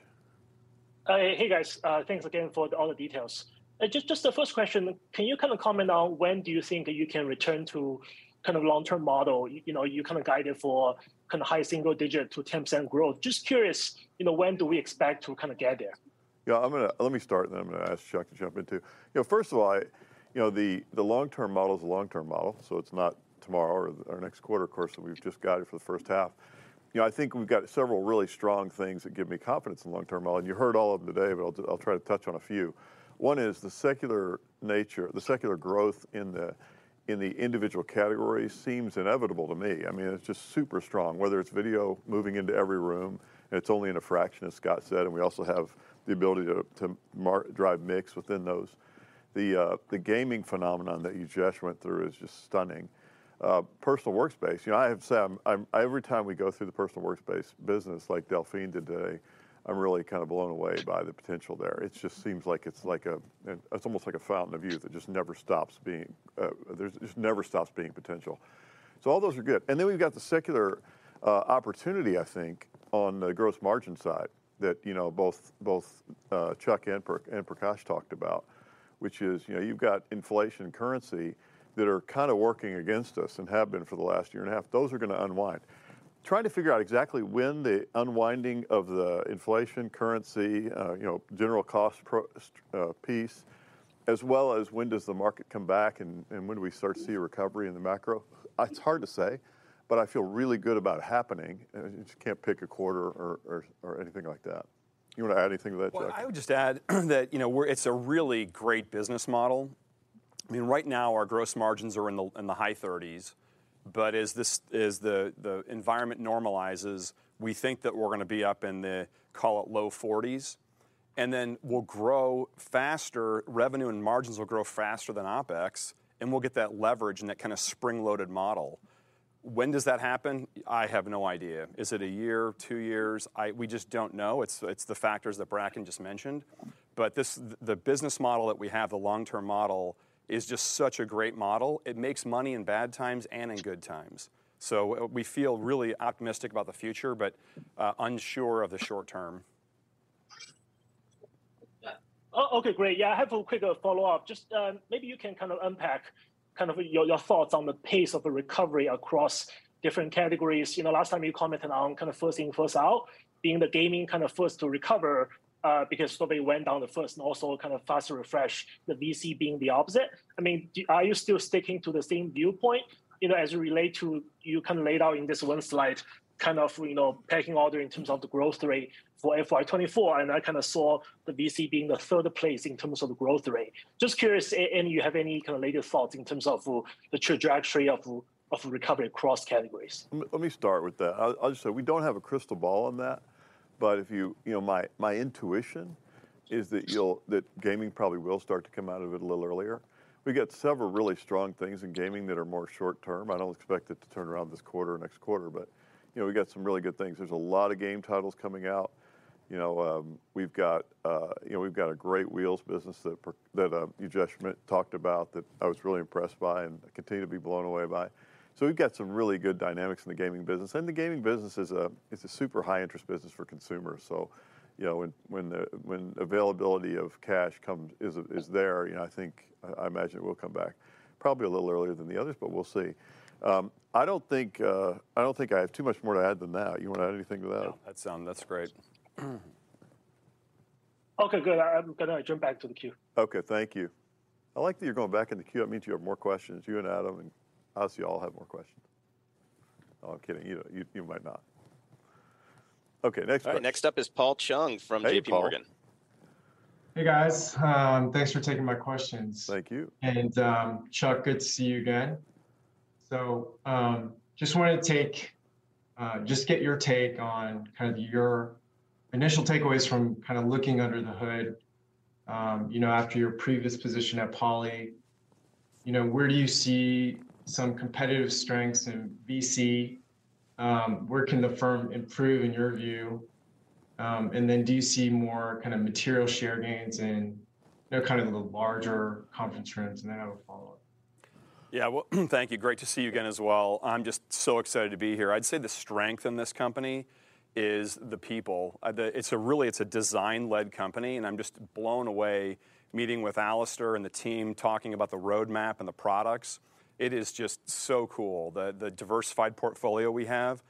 Hey, guys. Thanks again for all the details. Just the first question, can you kinda comment on when do you think that you can return to kind of long-term model? You know, you kinda guided for kinda high single digit to 10% growth. Just curious when do we expect to kinda get there? Let me start, and then I'm gonna ask Chuck to jump in too. You know, first of all the long-term model is a long-term model, so it's not tomorrow or next quarter, of course. We've just guided for the first half. I think we've got several really strong things that give me confidence in long-term model, and you heard all of them today, but I'll try to touch on a few. One is the secular nature, the secular growth in the, in the individual categories seems inevitable to me. I mean, it's just super strong, whether it's video moving into every room, and it's only in a fraction, as Scott said, and we also have the ability to drive mix within those. The, the gaming phenomenon that Ujesh went through is just stunning. Personal workspace. You know, I have to say, I'm every time we go through the personal workspace business, like Delphine today, I'm really kind of blown away by the potential there. It just seems like it's like a, it's almost like a fountain of youth that just never stops being potential. So all those are good. And then we've got the secular opportunity, I think, on the gross margin side that both Chuck and Prakash talked about, which is you've got inflation currency that are kinda working against us and have been for the last year and a half. Those are gonna unwind. Trying to figure out exactly when the unwinding of the inflation currency general cost piece, as well as when does the market come back and when do we start to see a recovery in the macro, it's hard to say, but I feel really good about it happening. Just can't pick a quarter or anything like that. You wanna add anything to that, Chuck? Well, I would just add that it's a really great business model. I mean, right now, our gross margins are in the, in the high 30s%. As this, as the environment normalizes, we think that we're gonna be up in the, call it, low 40s%. Then we'll grow faster, revenue and margins will grow faster than OpEx, and we'll get that leverage and that kinda spring-loaded model. When does that happen? I have no idea. Is it 1 year, 2 years? We just don't know. It's, it's the factors that Bracken just mentioned. This, the business model that we have, the long-term model, is just such a great model. It makes money in bad times and in good times. We feel really optimistic about the future, but unsure of the short term. Okay, great. Yeah, I have a quick follow-up. Just maybe you can kind of unpack kind of your thoughts on the pace of the recovery across different categories. You know, last time you commented on kind of first in, first out, being the gaming kind of first to recover, because somebody went down the first and also kind of faster refresh, the VC being the opposite. I mean, are you still sticking to the same viewpoint? You know, as it relate to, you kinda laid out in this one slide, kind of pecking order in terms of the growth rate for FY 2024, and I kinda saw the VC being the third place in terms of the growth rate. Just curious and you have any kind of later thoughts in terms of the trajectory of recovery across categories. Let me start with that. I'll just say, we don't have a crystal ball on that, but if you know, my intuition is that you'll, that gaming probably will start to come out of it a little earlier. We got several really strong things in gaming that are more short term. I don't expect it to turn around this quarter or next quarter but we got some really good things. There's a lot of game titles coming out. You know, we've got a great wheels business that Ujesh talked about, that I was really impressed by and continue to be blown away by. We've got some really good dynamics in the gaming business, and the gaming business is a, it's a super high interest business for consumers. You know, when the availability of cash comes, is there I think, I imagine it will come back probably a little earlier than the others, but we'll see. I don't think I have too much more to add than that. You wanna add anything to that? No. That sound... That's great. Okay, good. I'm gonna jump back to the queue. Okay, thank you. I like that you're going back in the queue. That means you have more questions, you and Adam, Obviously you all have more questions. Oh, kidding. You know, you might not. Okay, next question. Next up is Paul Chung from JPMorgan. Hey, Paul. Hey, guys. Thanks for taking my questions. Thank you. Chuck, good to see you again. Just wanted to take, just get your take on kind of your initial takeaways from kinda looking under the hood after your previous position at Poly. You know, where do you see some competitive strengths in B2C? Where can the firm improve, in your view? Do you see more kinda material share gains in kind of the larger conference rooms? I have a follow-up. Yeah. Well, thank you. Great to see you again as well. I'm just so excited to be here. I'd say the strength in this company is the people. It's a really, it's a design-led company, and I'm just blown away meeting with Alastair and the team, talking about the roadmap and the products. It is just so cool. The diversified portfolio we have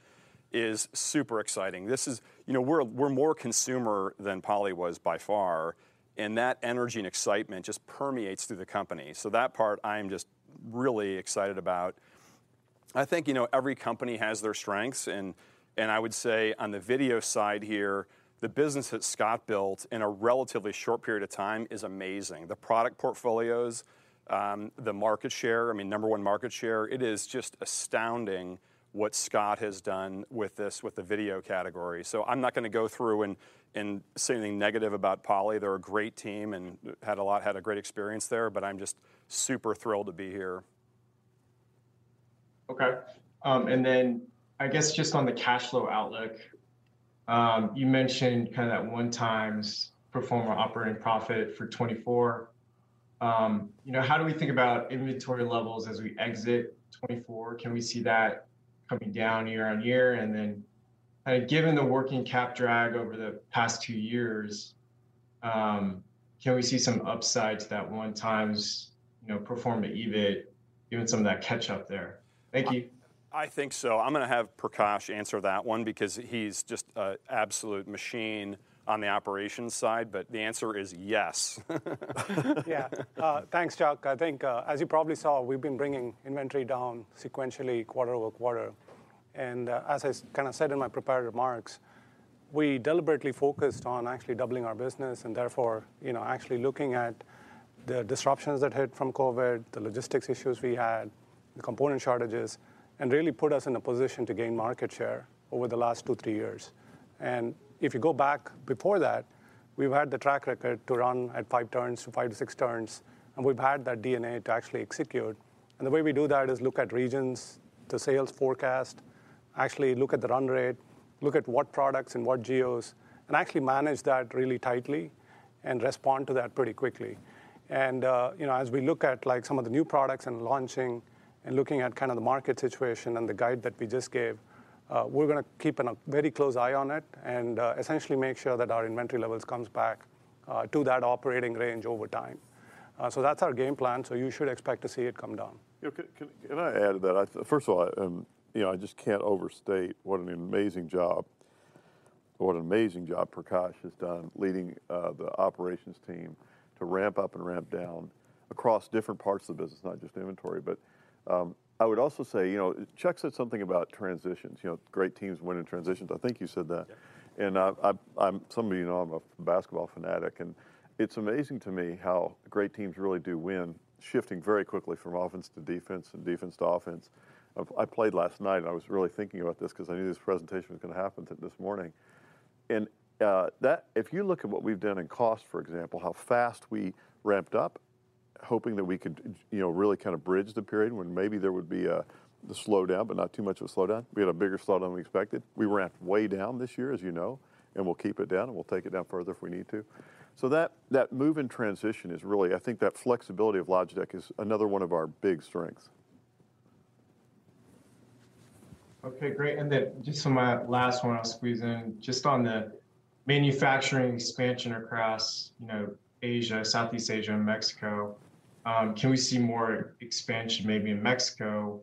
is super exciting. This is we're more consumer than Poly was by far, and that energy and excitement just permeates through the company. That part I am just really excited about. I think every company has their strengths, and I would say on the video side here, the business that Scott built in a relatively short period of time is amazing. The product portfolios, the market share, I mean, number 1 market share, it is just astounding what Scott has done with this, with the video category. I'm not gonna go through and say anything negative about Poly. They're a great team, and had a great experience there, but I'm just super thrilled to be here. Okay. I guess just on the cash flow outlook, you mentioned kind of that 1 times pro forma operating profit for 2024. You know, how do we think about inventory levels as we exit 2024? Can we see that coming down year-on-year? Given the working Cap drag over the past 2 years, can we see some upside to that 1 times pro forma EBIT, given some of that catch-up there? Thank you. I think so. I'm gonna have Prakash answer that one because he's just a absolute machine on the operations side. The answer is yes. Yeah. Thanks, Chuck. I think, as you probably saw, we've been bringing inventory down sequentially quarter-over-quarter. As I kinda said in my prepared remarks, we deliberately focused on actually doubling our business and therefore actually looking at the disruptions that hit from COVID, the logistics issues we had, the component shortages, and really put us in a position to gain market share over the last 2, 3 years. If you go back before that, we've had the track record to run at 5 turns to 5-6 turns, and we've had that DNA to actually execute. The way we do that is look at regions, the sales forecast, actually look at the run rate, look at what products and what geos, and actually manage that really tightly and respond to that pretty quickly. You know, as we look at, like, some of the new products and launching and looking at kind of the market situation and the guide that we just gave, we're gonna keep a very close eye on it and essentially make sure that our inventory levels comes back to that operating range over time. That's our game plan, so you should expect to see it come down. You know, can I add to that? First of all I just can't overstate what an amazing job Prakash has done leading the operations team to ramp up and ramp down across different parts of the business, not just inventory. I would also say Chuck said something about transitions. You know, great teams win in transitions. I think you said that. Yeah. I'm, some of you know I'm a basketball fanatic, and it's amazing to me how great teams really do win, shifting very quickly from offense to defense and defense to offense. I played last night, and I was really thinking about this because I knew this presentation was gonna happen this morning. That, if you look at what we've done in cost, for example, how fast we ramped up, hoping that we could you know, really kind of bridge the period when maybe there would be a slowdown, but not too much of a slowdown. We had a bigger slowdown than we expected. We ramped way down this year, as you know, and we'll keep it down, and we'll take it down further if we need to. That move in transition is really, I think that flexibility of Logitech is another one of our big strengths. Okay, great. Just my last one I'll squeeze in, just on the manufacturing expansion across Asia, Southeast Asia and Mexico, can we see more expansion maybe in Mexico?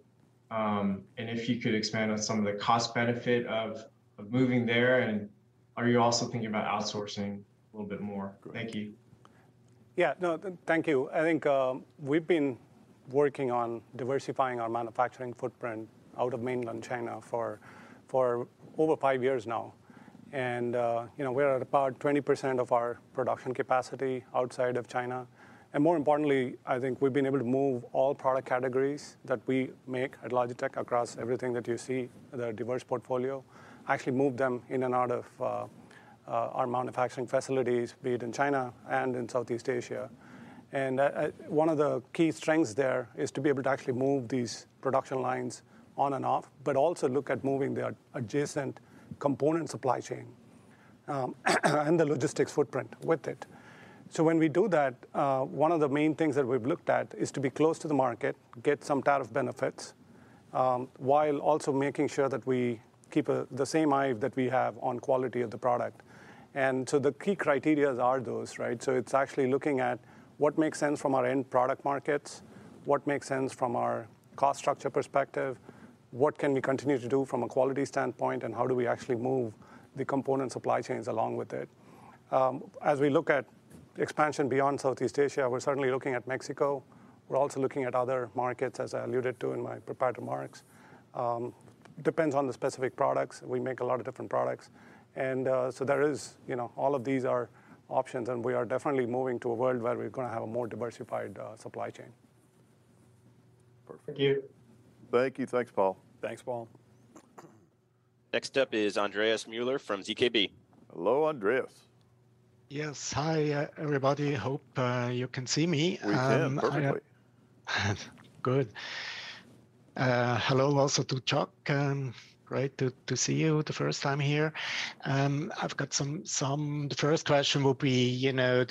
If you could expand on some of the cost benefit of moving there, and are you also thinking about outsourcing a little bit more? Great. Thank you. Yeah, no, thank you. I think, we've been working on diversifying our manufacturing footprint out of mainland China for over five years now. You know, we're at about 20% of our production capacity outside of China. More importantly, I think we've been able to move all product categories that we make at Logitech across everything that you see, the diverse portfolio, actually move them in and out of our manufacturing facilities, be it in China and in Southeast Asia. One of the key strengths there is to be able to actually move these production lines on and off, but also look at moving the adjacent component supply chain and the logistics footprint with it. When we do that, one of the main things that we've looked at is to be close to the market, get some tariff benefits, while also making sure that we keep the same eye that we have on quality of the product. The key criteria are those, right? It's actually looking at what makes sense from our end product markets, what makes sense from our cost structure perspective, what can we continue to do from a quality standpoint, and how do we actually move the component supply chains along with it? As we look at expansion beyond Southeast Asia, we're certainly looking at Mexico. We're also looking at other markets, as I alluded to in my prepared remarks. Depends on the specific products. We make a lot of different products. There is all of these are options, and we are definitely moving to a world where we're gonna have a more diversified supply chain. Perfect. Thank you. Thank you. Thanks, Paul. Thanks, Paul. Next up is Andreas Mueller from ZKB. Hello, Andreas. Yes. Hi, everybody. Hope you can see me. We can perfectly. Good. Hello also to Chuck, great to see you the first time here. I've got The first question will be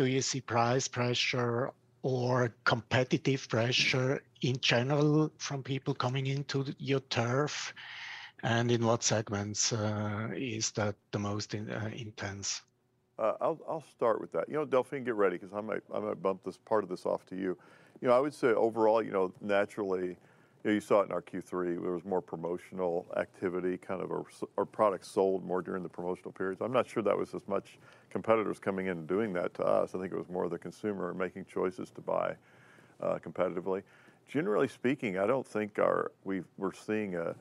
do you see price pressure or competitive pressure in general from people coming into your turf? In what segments is that the most intense? I'll start with that. You know, Delphine, get ready because I might bump this, part of this off to you. You know, I would say overall naturally you saw it in our Q3, there was more promotional activity, kind of our products sold more during the promotional periods. I'm not sure that was as much competitors coming in and doing that to us. I think it was more the consumer making choices to buy competitively. Generally speaking, I don't think we're seeing a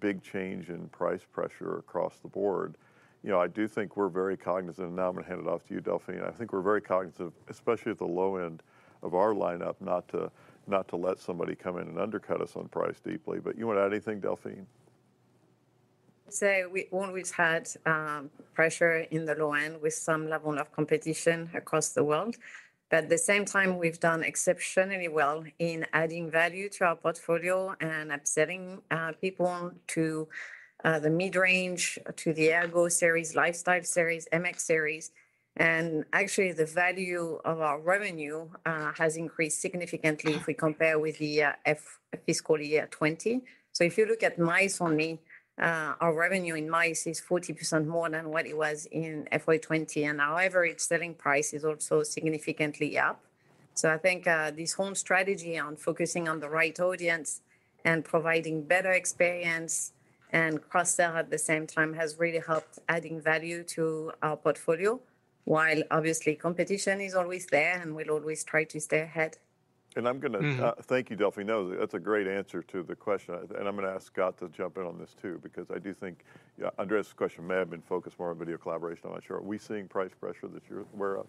big change in price pressure across the board. You know, I do think we're very cognizant, and now I'm gonna hand it off to you, Delphine. I think we're very cognizant, especially at the low end of our lineup, not to let somebody come in and undercut us on price deeply. you wanna add anything, Delphine? We always had pressure in the low end with some level of competition across the world, but at the same time, we've done exceptionally well in adding value to our portfolio and upselling people to the mid-range, to the ERGO series, Lifestyle series, MX series, and actually the value of our revenue has increased significantly if we compare with the fiscal year '20. If you look at mice only, our revenue in mice is 40% more than what it was in FY '20, and our average selling price is also significantly up. I think this whole strategy on focusing on the right audience and providing better experience and cross-sell at the same time has really helped adding value to our portfolio, while obviously competition is always there, and we'll always try to stay ahead. I'm gonna. Thank you, Delphine Donné. No, that's a great answer to the question. I'm gonna ask Scott to jump in on this too, because I do think, yeah, Andreas Mueller's question may have been focused more on video collaboration. I'm not sure. Are we seeing price pressure that you're aware of?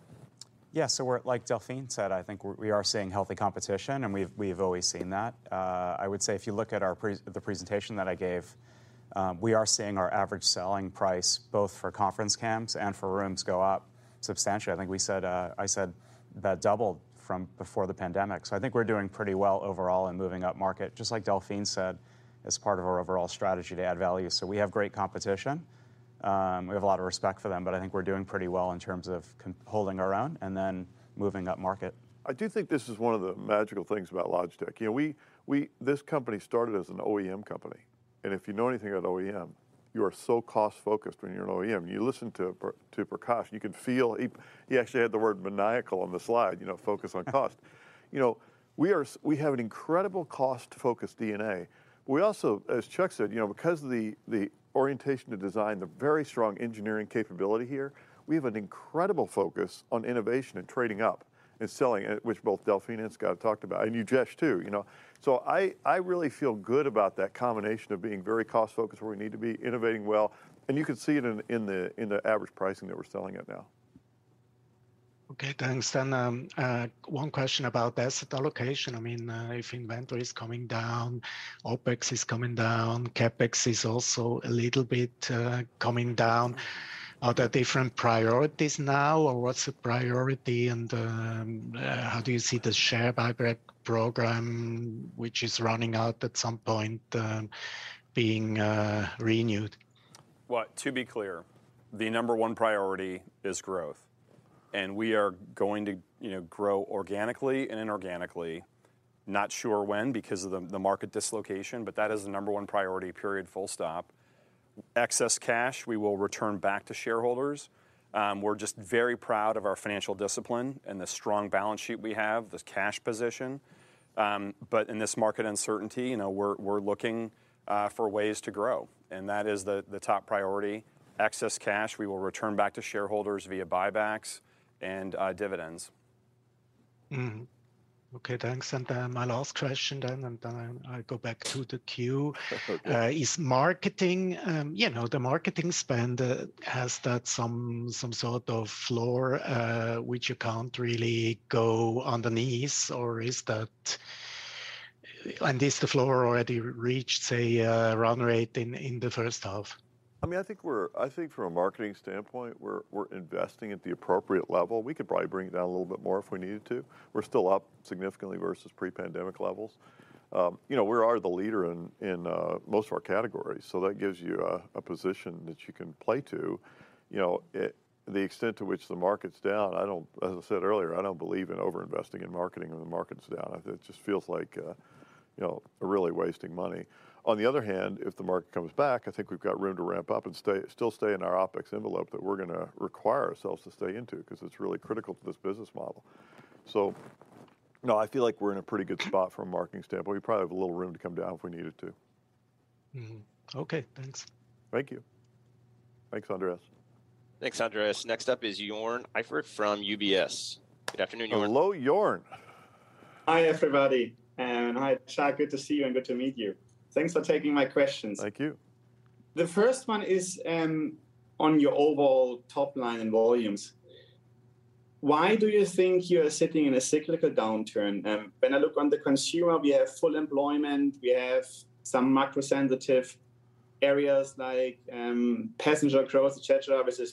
We're, like Delphine Donné said, I think we are seeing healthy competition, and we've always seen that. I would say if you look at our presentation that I gave, we are seeing our average selling price both for conference cams and for rooms go up substantially. I think we said, I said about double from before the pandemic. I think we're doing pretty well overall in moving up market, just like Delphine Donné said, as part of our overall strategy to add value. We have great competition. We have a lot of respect for them, but I think we're doing pretty well in terms of holding our own and then moving up market. I do think this is one of the magical things about Logitech. You know, this company started as an OEM company, and if you know anything about OEM, you are so cost-focused when you're an OEM. You listen to Prakash, you can feel he actually had the word maniacal on the slide focus on cost. You know, we have an incredible cost-focused DNA. We also, as Chuck said because of the orientation to design, the very strong engineering capability here, we have an incredible focus on innovation and trading up and selling, which both Delphine and Scott talked about, and you, Jesh, too, you know. I really feel good about that combination of being very cost-focused where we need to be, innovating well, and you can see it in the, in the average pricing that we're selling at now. Okay. Thanks. One question about the asset allocation. I mean, if inventory is coming down, OpEx is coming down, CapEx is also a little bit coming down. Are there different priorities now, or what's the priority and how do you see the share buyback program, which is running out at some point, being renewed? Well, to be clear, the number one priority is growth, we are going to grow organically and inorganically. Not sure when because of the market dislocation, that is the number one priority, period, full stop. Excess cash we will return back to shareholders. We're just very proud of our financial discipline and the strong balance sheet we have, the cash position. In this market uncertainty we're looking for ways to grow, and that is the top priority. Excess cash we will return back to shareholders via buybacks and dividends. Okay. Thanks. My last question then I go back to the queue. Is marketing the marketing spend, has that some sort of floor, which you can't really go underneath? Or is that. Is the floor already reached, say, run rate in the first half? I mean, I think from a marketing standpoint, we're investing at the appropriate level. We could probably bring it down a little bit more if we needed to. We're still up significantly versus pre-pandemic levels. You know, we are the leader in most of our categories, so that gives you a position that you can play to. You know, the extent to which the market's down, I don't, as I said earlier, I don't believe in over-investing in marketing when the market's down. I think it just feels like really wasting money. On the other hand, if the market comes back, I think we've got room to ramp up and still stay in our OpEx envelope that we're gonna require ourselves to stay into, because it's really critical to this business model. No, I feel like we're in a pretty good spot from a marketing standpoint. We probably have a little room to come down if we needed to. Okay, thanks. Thank you. Thanks, Andreas. Thanks, Andreas. Next up is Jörn Iffert from UBS. Good afternoon, Jörn. Hello, Jörn. Hi, everybody. Hi, Chuck, good to see you and good to meet you. Thanks for taking my questions. Thank you. The first one is, on your overall top line volumes. Why do you think you are sitting in a cyclical downturn? When I look on the consumer, we have full employment, we have some macro-sensitive areas like passenger across. It's a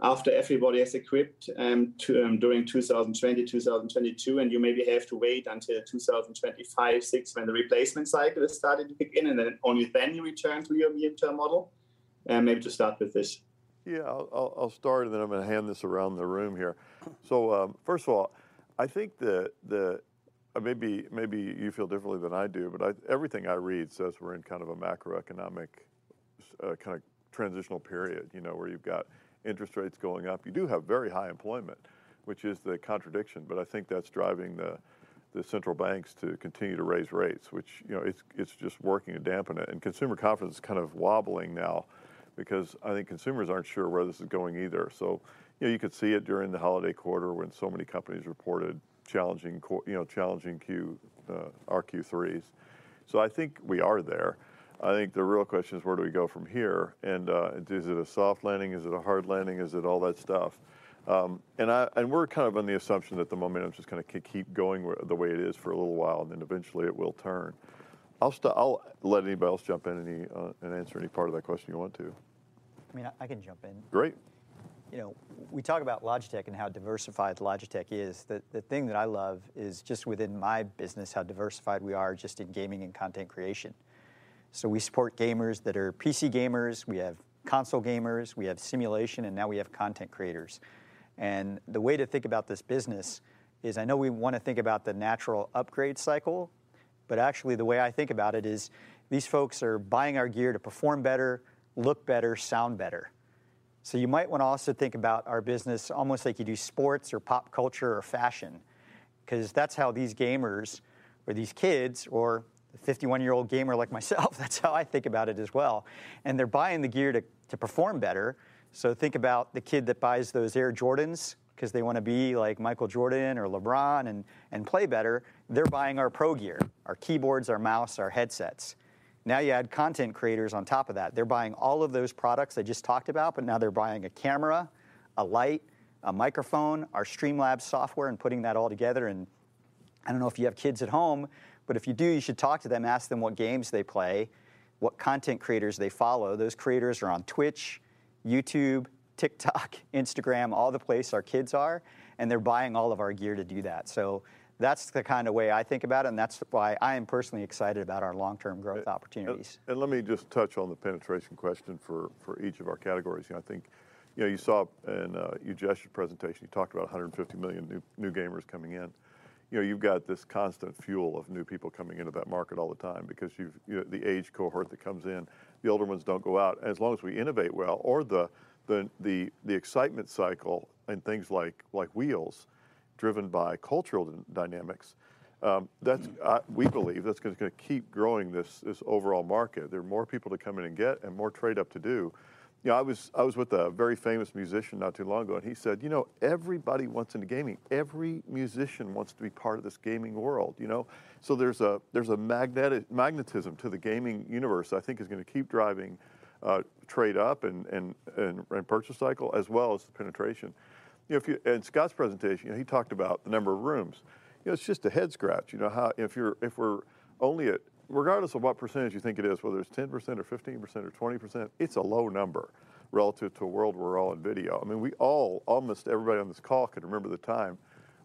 kind of transitional period where you've got interest rates going up. You do have very high employment, which is the contradiction, I think that's driving the central banks to continue to raise rates, which it's just working to dampen it. Consumer confidence is kind of wobbling now because I think consumers aren't sure where this is going either. You know, you could see it during the holiday quarter when so many companies reported challenging challenging Q, our Q3s. I think we are there. I think the real question is, where do we go from here? Is it a soft landing? Is it a hard landing? Is it all that stuff? We're kind of on the assumption that the momentum's just gonna keep going where, the way it is for a little while, and then eventually it will turn. I'll let anybody else jump in any, and answer any part of that question you want to. I mean, I can jump in. Great. You know, we talk about Logitech and how diversified Logitech is. The thing that I love is just within my business, how diversified we are just in gaming and content creation. The way to think about this business is, I know we wanna think about the natural upgrade cycle, but actually the way I think about it is, these folks are buying our gear to perform better, look better, sound better. You might wanna also think about our business almost like you do sports or pop culture or fashion, 'cause that's how these gamers or these kids or a 51-year-old gamer like myself, that's how I think about it as well, they're buying the gear to perform better. Think about the kid that buys those Air Jordan 'cause they wanna be like Michael Jordan or LeBron and play better. They're buying our pro gear, our keyboards, our mouse, our headsets. Now you add content creators on top of that. They're buying all of those products I just talked about, but now they're buying a camera, a light, a microphone, our Streamlabs software and putting that all together and, I don't know if you have kids at home, but if you do, you should talk to them, ask them what games they play, what content creators they follow. Those creators are on Twitch, YouTube, TikTok, Instagram, all the place our kids are, and they're buying all of our gear to do that. That's the kinda way I think about it, and that's why I am personally excited about our long-term growth opportunities. Let me just touch on the penetration question for each of our categories. You know, I think you saw in Ujesh's presentation, he talked about $150 million new gamers coming in. You know, you've got this constant fuel of new people coming into that market all the time because you've the age cohort that comes in, the older ones don't go out. As long as we innovate well, or the excitement cycle and things like wheels driven by cultural dynamics, that's, we believe that's gonna keep growing this overall market. There are more people to come in and get and more trade up to do. You know, I was with a very famous musician not too long ago, and he said, "You know, everybody wants into gaming. Every musician wants to be part of this gaming world," you know? There's a, there's a magnetic, magnetism to the gaming universe I think is gonna keep driving trade up and, and purchase cycle, as well as the penetration. You know, and Scott's presentation he talked about the number of rooms. You know, it's just a head scratch, you know? How, if we're only at, regardless of what percentage you think it is, whether it's 10% or 15% or 20%, it's a low number relative to a world where we're all in video. I mean, we all, almost everybody on this call can remember the time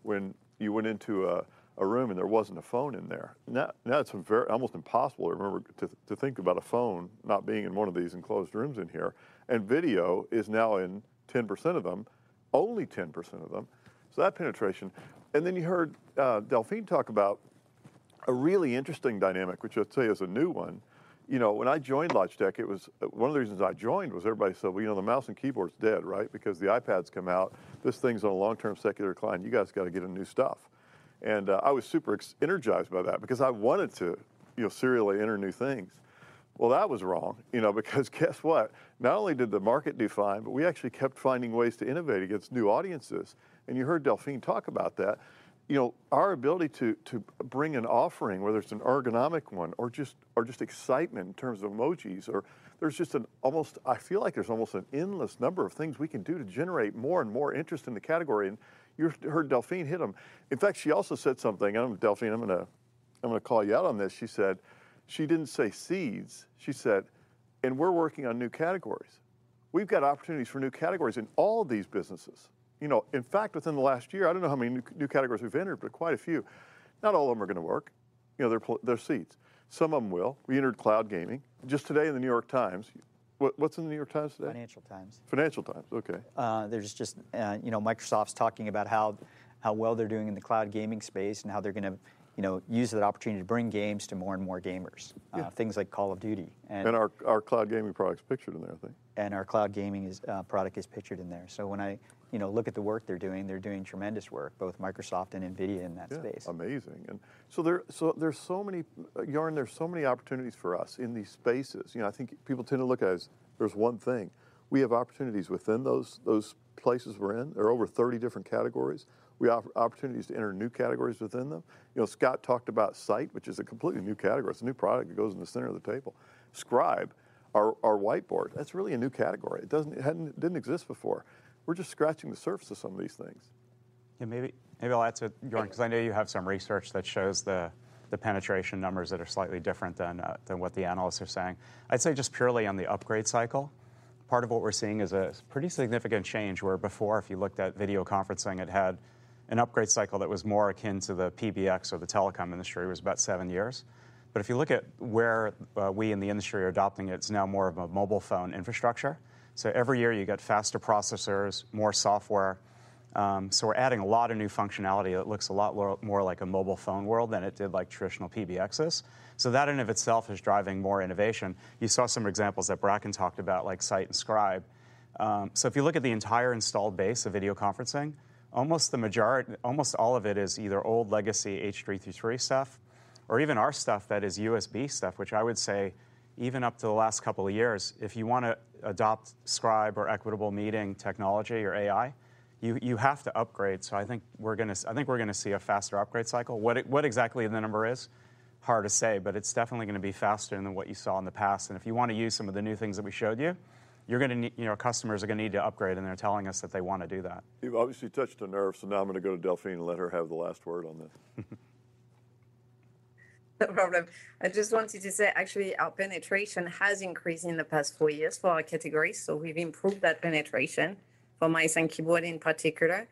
when you went into a room and there wasn't a phone in there. Now it's very, almost impossible to remember, to think about a phone not being in one of these enclosed rooms in here. Video is now in 10% of them, only 10% of them. That penetration. Then you heard Delphine talk about a really interesting dynamic, which I'll tell you is a new one. You know, when I joined Logitech, it was one of the reasons I joined was everybody said, "well the mouse and keyboard's dead, right? Because the iPad's come out, this thing's on a long-term secular decline. You guys gotta get into new stuff." I was super energized by that because I wanted to serially enter new things. Well, that was wrong because guess what? Not only did the market do fine, but we actually kept finding ways to innovate against new audiences, and you heard Delphine talk about that. You know, our ability to bring an offering, whether it's an ergonomic one or just excitement in terms of emojis or, there's just an almost, I feel like there's almost an endless number of things we can do to generate more and more interest in the category, and you've heard Delphine hit them. In fact, she also said something, Delphine, I'm gonna call you out on this. She said, she didn't say seeds. She said, "We're working on new categories." We've got opportunities for new categories in all of these businesses. You know, in fact, within the last year, I don't know how many new categories we've entered, but quite a few. Not all of them are gonna work they're seeds. Some of them will. We entered cloud gaming. Just today in The New York Times. What's in The New York Times today? Financial Times. Financial Times, okay. There's just Microsoft's talking about how well they're doing in the cloud gaming space and how they're gonna use that opportunity to bring games to more and more gamers. Yeah. Things like Call of Duty. Our cloud gaming product's pictured in there, I think. Our cloud gaming product is pictured in there. When i look at the work they're doing, they're doing tremendous work, both Microsoft and NVIDIA in that space. Yeah, amazing. There, so there's so many, Jarn, there's so many opportunities for us in these spaces. You know, I think people tend to look at it as there's one thing. We have opportunities within those places we're in. There are over 30 different categories. We have opportunities to enter new categories within them. You know, Scott talked about Sight, which is a completely new category. It's a new product that goes in the center of the table. Scribe, our whiteboard, that's really a new category. It doesn't, it didn't exist before. We're just scratching the surface of some of these things. Maybe I'll add to Jörn, 'cause I know you have some research that shows the penetration numbers that are slightly different than what the analysts are saying. I'd say just purely on the upgrade cycle, part of what we're seeing is a pretty significant change, where before if you looked at video conferencing, it had an upgrade cycle that was more akin to the PBX or the telecom industry. It was about seven years. If you look at where we in the industry are adopting it's now more of a mobile phone infrastructure. Every year you get faster processors, more software. We're adding a lot of new functionality that looks a lot more like a mobile phone world than it did like traditional PBXs. That in and of itself is driving more innovation. You saw some examples that Bracken talked about, like Sight and Scribe. If you look at the entire installed base of video conferencing, almost the majority, almost all of it is either old legacy H.323 stuff or even our stuff that is USB stuff, which I would say even up to the last couple of years, if you wanna adopt Scribe or Equitable Meeting Technology or AI, you have to upgrade. I think we're gonna see a faster upgrade cycle. What exactly the number is, hard to say, but it's definitely gonna be faster than what you saw in the past. If you wanna use some of the new things that we showed you know, customers are gonna need to upgrade, and they're telling us that they wanna do that. You've obviously touched a nerve, so now I'm gonna go to Delphine and let her have the last word on this. No problem. I just wanted to say, actually, our penetration has increased in the past four years for our category. We've improved that penetration for mice and keyboard in particular.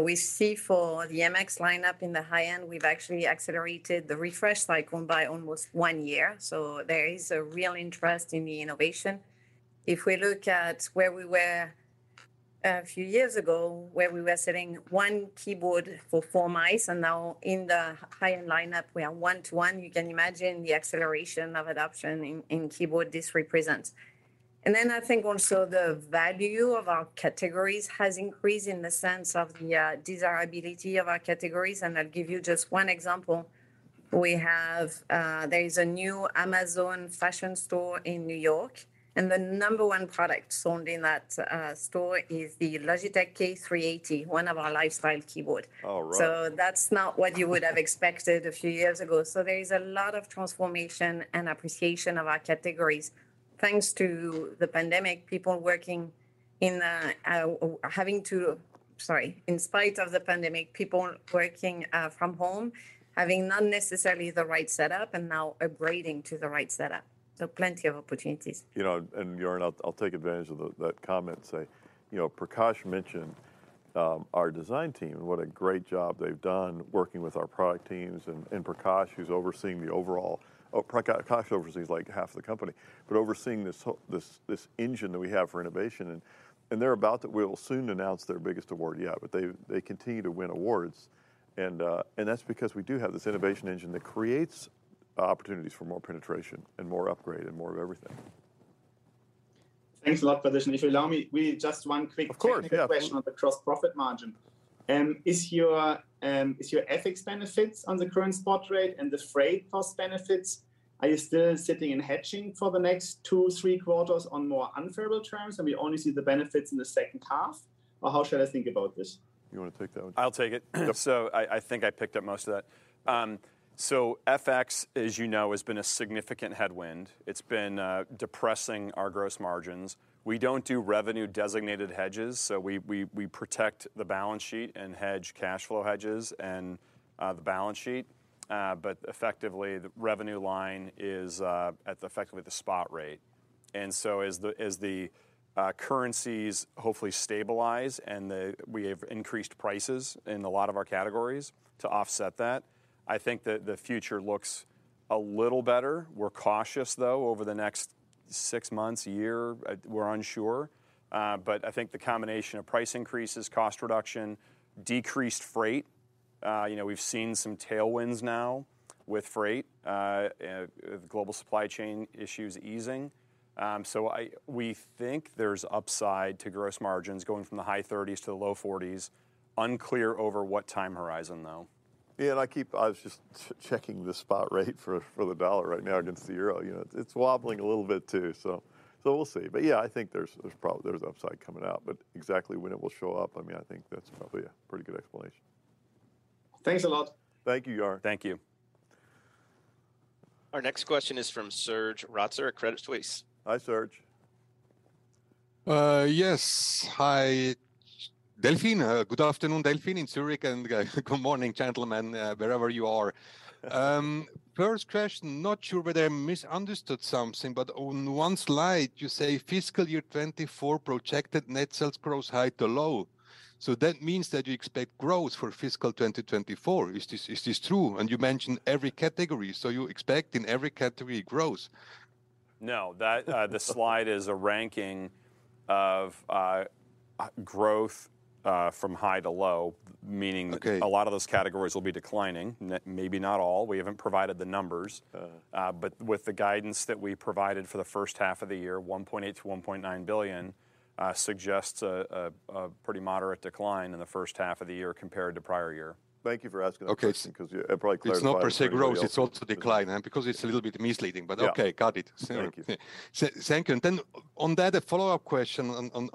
We see for the MX lineup in the high end, we've actually accelerated the refresh cycle by almost one year. There is a real interest in the innovation. If we look at where we were a few years ago, where we were selling one keyboard for four mice, and now in the high-end lineup we are one to one, you can imagine the acceleration of adoption in keyboard this represents. I think also the value of our categories has increased in the sense of the desirability of our categories. I'll give you just one example. We have, there is a new Amazon fashion store in New York, the number 1 product sold in that store is the Logitech K380, one of our lifestyle keyboard. All right. That's not what you would have expected a few years ago. There is a lot of transformation and appreciation of our categories. Thanks to the pandemic, people working in, Sorry. In spite of the pandemic, people working from home, having not necessarily the right setup and now upgrading to the right setup. Plenty of opportunities. You know, Jörn, I'll take advantage of that comment and say Prakash mentioned our design team and what a great job they've done working with our product teams. Prakash oversees, like, half the company, but overseeing this engine that we have for innovation. We will soon announce their biggest award yet, but they continue to win awards and that's because we do have this innovation engine that creates opportunities for more penetration and more upgrade and more of everything. Thanks a lot for this. If you allow me, really just one quick- Of course, yeah.... technical question on the gross profit margin. Is your FX benefits on the current spot rate and the freight cost benefits, are you still sitting and hedging for the next 2, 3 quarters on more unfavorable terms and we only see the benefits in the second half? How should I think about this? You wanna take that one? I'll take it. Yep. up most of that. FX, as you know, has been a significant headwind. It's been depressing our gross margins. We don't do revenue designated hedges, so we protect the balance sheet and hedge cash flow hedges and the balance sheet. But effectively the revenue line is at effectively the spot rate. As the currencies hopefully stabilize and we have increased prices in a lot of our categories to offset that, I think the future looks a little better. We're cautious, though, over the next 6 months, year, we're unsure. But I think the combination of price increases, cost reduction, decreased freight we've seen some tailwinds now with freight, global supply chain issues easing. We think there's upside to gross margins going from the high 30s to the low 40s. Unclear over what time horizon, though. I was just checking the spot rate for the dollar right now against the euro. You know, it's wobbling a little bit too, so we'll see. Yeah, I think there's upside coming out. Exactly when it will show up, I mean, I think that's probably a pretty good explanation. Thanks a lot. Thank you, Jörn. Thank you. Our next question is from Serge Rotzer at Credit Suisse. Hi, Serge. Yes. Hi, Delphine. Good afternoon, Delphine, in Zurich, and good morning, gentlemen, wherever you are. First question, not sure whether I misunderstood something, but on one slide you say fiscal year 2024 projected net sales grows high to low. That means that you expect growth for fiscal 2024. Is this true? You mention every category, so you expect in every category growth. No, the slide is a ranking of growth from high to low, meaning. Okay... a lot of those categories will be declining. maybe not all. We haven't provided the numbers. Uh. With the guidance that we provided for the first half of the year, $1.8 billion-$1.9 billion, suggests a pretty moderate decline in the first half of the year compared to prior year. Thank you for asking that, Serge. Okay... 'cause it probably clarifies it for anybody else... It's not per se growth, it's also decline. Because it's a little bit misleading. Yeah. Okay, got it. Thank you. Thank you. On that, a follow-up question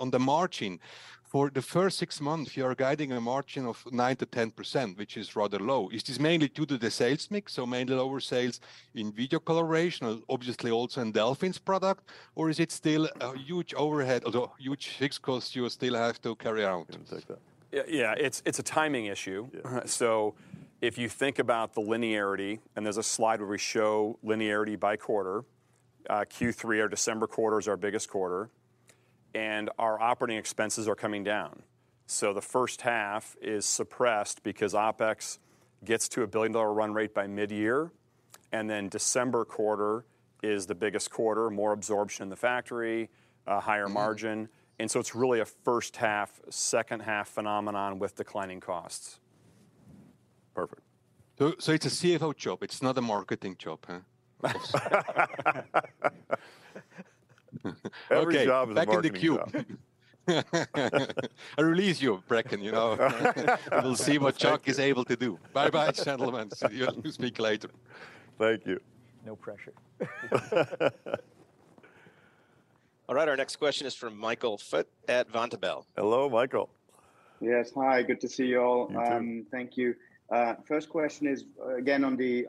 on the margin. For the first 6 months, you are guiding a margin of 9-10%, which is rather low. Is this mainly due to the sales mix, so mainly lower sales in video coloration, obviously also in Delphine's product, or is it still a huge overhead or fixed cost you still have to carry out? You can take that. Yeah, yeah. It's a timing issue. Yeah. If you think about the linearity, and there's a slide where we show linearity by quarter, Q3 or December quarter is our biggest quarter. Our operating expenses are coming down. The first half is suppressed because OpEx gets to a $1 billion run rate by midyear, and then December quarter is the biggest quarter, more absorption in the factory, a higher margin. It's really a first half/second half phenomenon with declining costs. Perfect. It's a CFO job, it's not a marketing job, huh? Every job is a marketing job. Okay, back in the cube. I release you, Bracken, you know? We'll see what Chuck is able to do. Bye-bye, gentlemen. Speak later. Thank you. No pressure. All right, our next question is from Michael Foeth at Vontobel. Hello, Michael. Yes. Hi, good to see you all. You too. Thank you. First question is, again, on the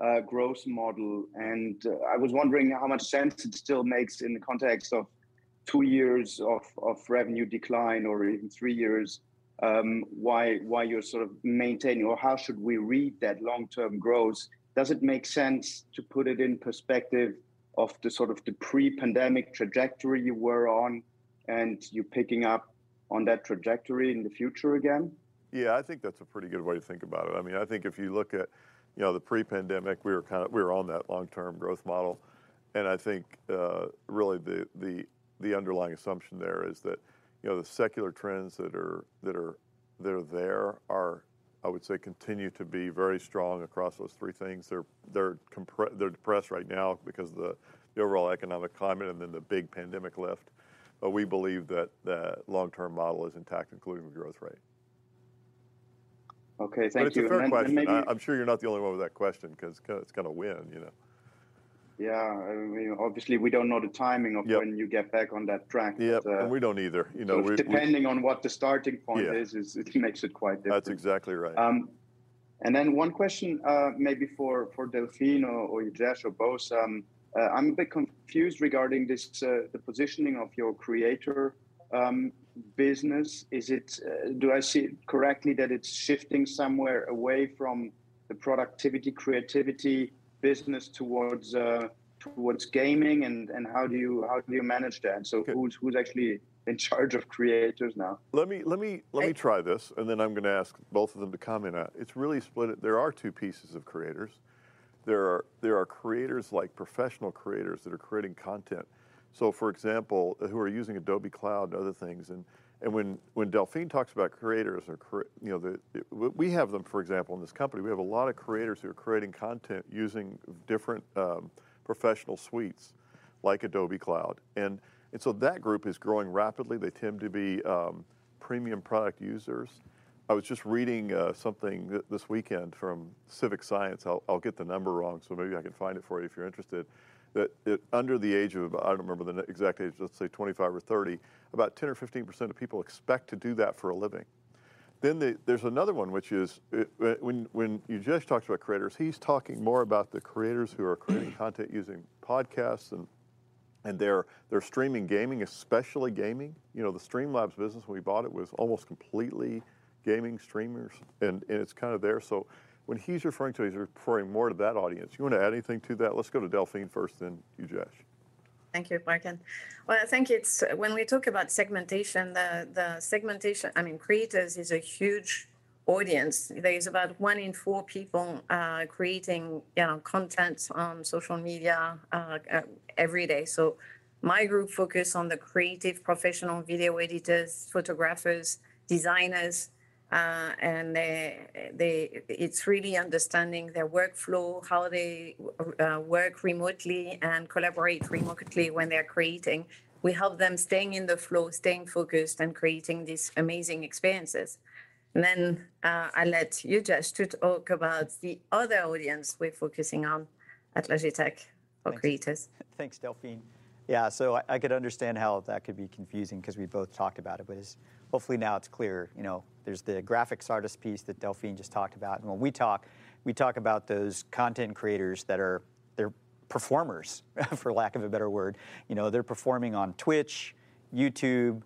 long-term growth model, and I was wondering how much sense it still makes in the context of 2 years of revenue decline, or even 3 years, why you're sort of maintaining, or how should we read that long-term growth? Does it make sense to put it in perspective of the sort of the pre-pandemic trajectory you were on, and you're picking up on that trajectory in the future again? Yeah, I think that's a pretty good way to think about it. I mean, I think if you look at the pre-pandemic, we were on that long-term growth model. I think, really the underlying assumption there is that the secular trends that are there are, I would say, continue to be very strong across those three things. They're depressed right now because of the overall economic climate and then the big pandemic lift. We believe that that long-term model is intact, including the growth rate. Okay, thank you. It's a fair question. And maybe- I'm sure you're not the only one with that question, 'cause it's got to win, you know. I mean, obviously we don't know. Yep when you get back on that track. Yep, we don't either. You know. Depending on what the starting point is. Yeah is it makes it quite different. That's exactly right. One question, maybe for Delphine or Rajesh or both. I'm a bit confused regarding the positioning of your creator business. Do I see it correctly that it's shifting somewhere away from the productivity, creativity business towards gaming? How do you manage that? Okay... who's actually in charge of creators now? Let me try this, and then I'm gonna ask both of them to comment on it. It's really split. There are two pieces of creators. There are creators, like professional creators, that are creating content, so for example, who are using Adobe Creative Cloud and other things. When Delphine talks about creators or You know, we have them, for example, in this company, we have a lot of creators who are creating content using different professional suites, like Adobe Creative Cloud, so that group is growing rapidly. They tend to be premium product users. I was just reading something this weekend from CivicScience. I'll get the number wrong, so maybe I can find it for you, if you're interested, that under the age of, I don't remember the exact age, let's say 25 or 30, about 10% or 15% of people expect to do that for a living. There's another one, which is when Rajesh talks about creators, he's talking more about the creators who are creating content using podcasts and they're streaming gaming, especially gaming. You know, the Streamlabs business when we bought it was almost completely gaming streamers and it's kind of there. When he's referring to, he's referring more to that audience. You want to add anything to that? Let's go to Delphine first, then Rajesh. Thank you, Bracken. Well, I think it's, when we talk about segmentation, the segmentation, I mean, creators is a huge audience. There is about 1 in 4 people creating content on social media every day. My group focus on the creative professional video editors, photographers, designers, and they. It's really understanding their workflow, how they work remotely and collaborate remotely when they're creating. We help them staying in the flow, staying focused, and creating these amazing experiences. I'll let Rajesh to talk about the other audience we're focusing on at Logitech for creators. Thanks, Delphine. I could understand how that could be confusing, 'cause we both talked about it, but it's, hopefully now it's clear. You know, there's the graphics artist piece that Delphine just talked about. When we talk, we talk about those content creators that are, they're performers, for lack of a better word. You know, they're performing on Twitch, youtube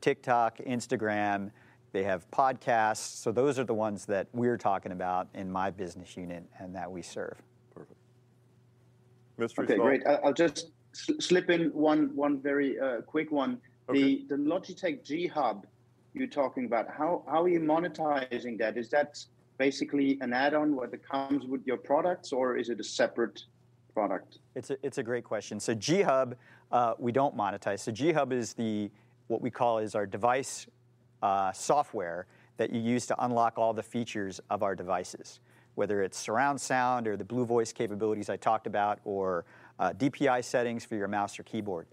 TikTok, Instagram. They have podcasts. Those are the ones that we're talking about in my business unit, and that we serve. Perfect. Missed result- Okay, great. I'll just slip in one very quick one. Okay. The Logitech G HUB you're talking about, how are you monetizing that? Is that basically an add-on, whether it comes with your products or is it a separate product? It's a great question. G HUB, we don't monetize. G HUB is the, what we call is our device software that you use to unlock all the features of our devices, whether it's surround sound or the Blue VO! CE capabilities I talked about, or DPI settings for your mouse or keyboard.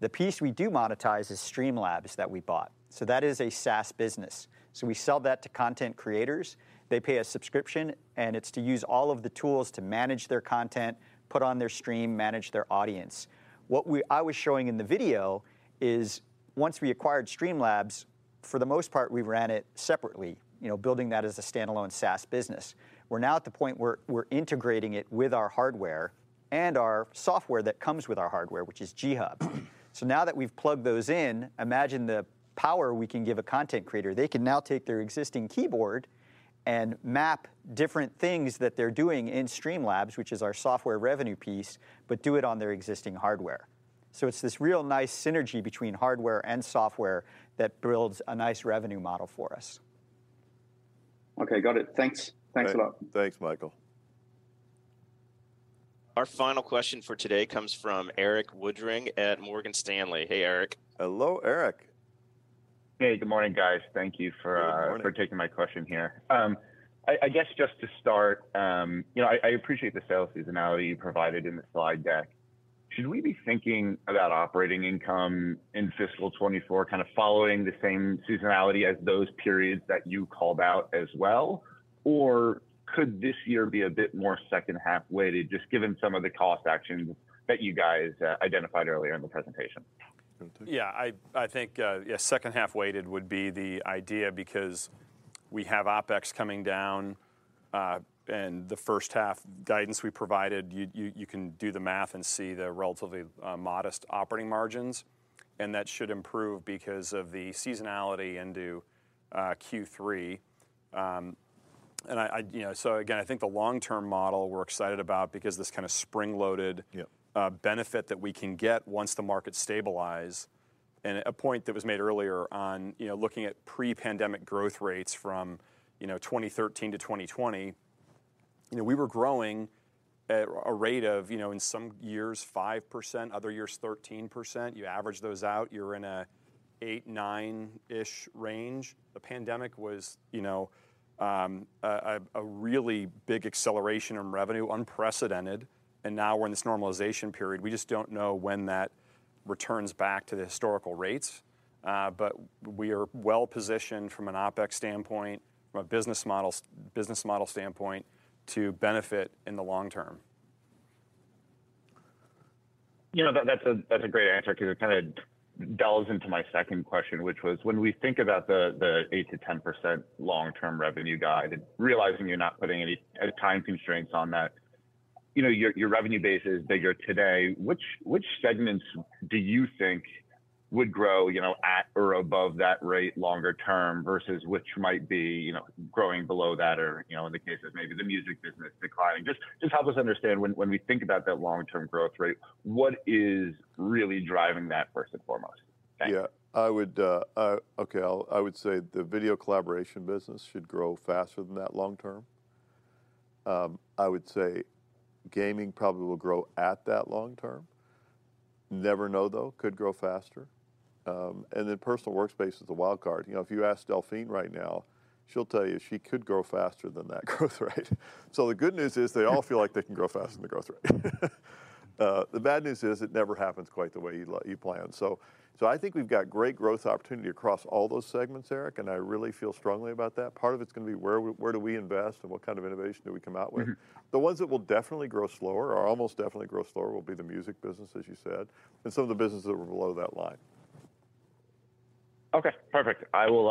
The piece we do monetize is Streamlabs that we bought. That is a SaaS business. We sell that to content creators. They pay a subscription, and it's to use all of the tools to manage their content, put on their stream, manage their audience. I was showing in the video is once we acquired Streamlabs, for the most part, we ran it separately. You know, building that as a standalone SaaS business. We're now at the point where we're integrating it with our hardware and our software that comes with our hardware, which is G HUB. Now that we've plugged those in, imagine the power we can give a content creator. They can now take their existing keyboard and map different things that they're doing in Streamlabs, which is our software revenue piece, but do it on their existing hardware. It's this real nice synergy between hardware and software that builds a nice revenue model for us. Okay, got it. Thanks. Thanks a lot. Thanks, Michael. Our final question for today comes from Erik Woodring at Morgan Stanley. Hey, Erik. Hello, Erik. Hey, good morning, guys. Thank you for. Good morning. for taking my question here. I guess just to start I appreciate the sales seasonality you provided in the slide deck. Should we be thinking about operating income in fiscal 2024 kinda following the same seasonality as those periods that you called out as well? Or could this year be a bit more second half weighted, just given some of the cost actions that you guys identified earlier in the presentation? Bracken Yeah, I think, yeah, second half weighted would be the idea because we have OpEx coming down, and the first half guidance we provided, you can do the math and see the relatively modest operating margins. That should improve because of the seasonality into Q3. i again, I think the long-term model we're excited about because this kinda spring-loaded- Yeah benefit that we can get once the markets stabilize. A point that was made earlier on looking at pre-pandemic growth rates from 2013 to 2020 we were growing at a rate of in some years 5%, other years 13%. You average those out, you're in a 8, 9-ish range. The pandemic was a really big acceleration in revenue, unprecedented, and now we're in this normalization period. We just don't know when that returns back to the historical rates. We are well-positioned from an OpEx standpoint, from a business model standpoint, to benefit in the long term. You know, that's a great answer because it kinda delves into my second question, which was when we think about the 8%-10% long-term revenue guide. Realizing you're not putting any time constraints on that your revenue base is bigger today. Which segments do you think would grow at or above that rate longer term versus which might be growing below that or in the case of maybe the music business declining? Just help us understand when we think about that long-term growth rate, what is really driving that first and foremost? Thanks. I would say the video collaboration business should grow faster than that long term. I would say gaming probably will grow at that long term. Never know, though, could grow faster. Then personal workspace is the wild card. You know, if you ask Delphine right now, she'll tell you she could grow faster than that growth rate. The good news is they all feel like they can grow faster than the growth rate. The bad news is it never happens quite the way you plan. I think we've got great growth opportunity across all those segments, Erik, and I really feel strongly about that. Part of it's gonna be where do we invest and what kind of innovation do we come out with? The ones that will definitely grow slower or almost definitely grow slower will be the music business, as you said, and some of the businesses that were below that line. Okay, perfect. I will,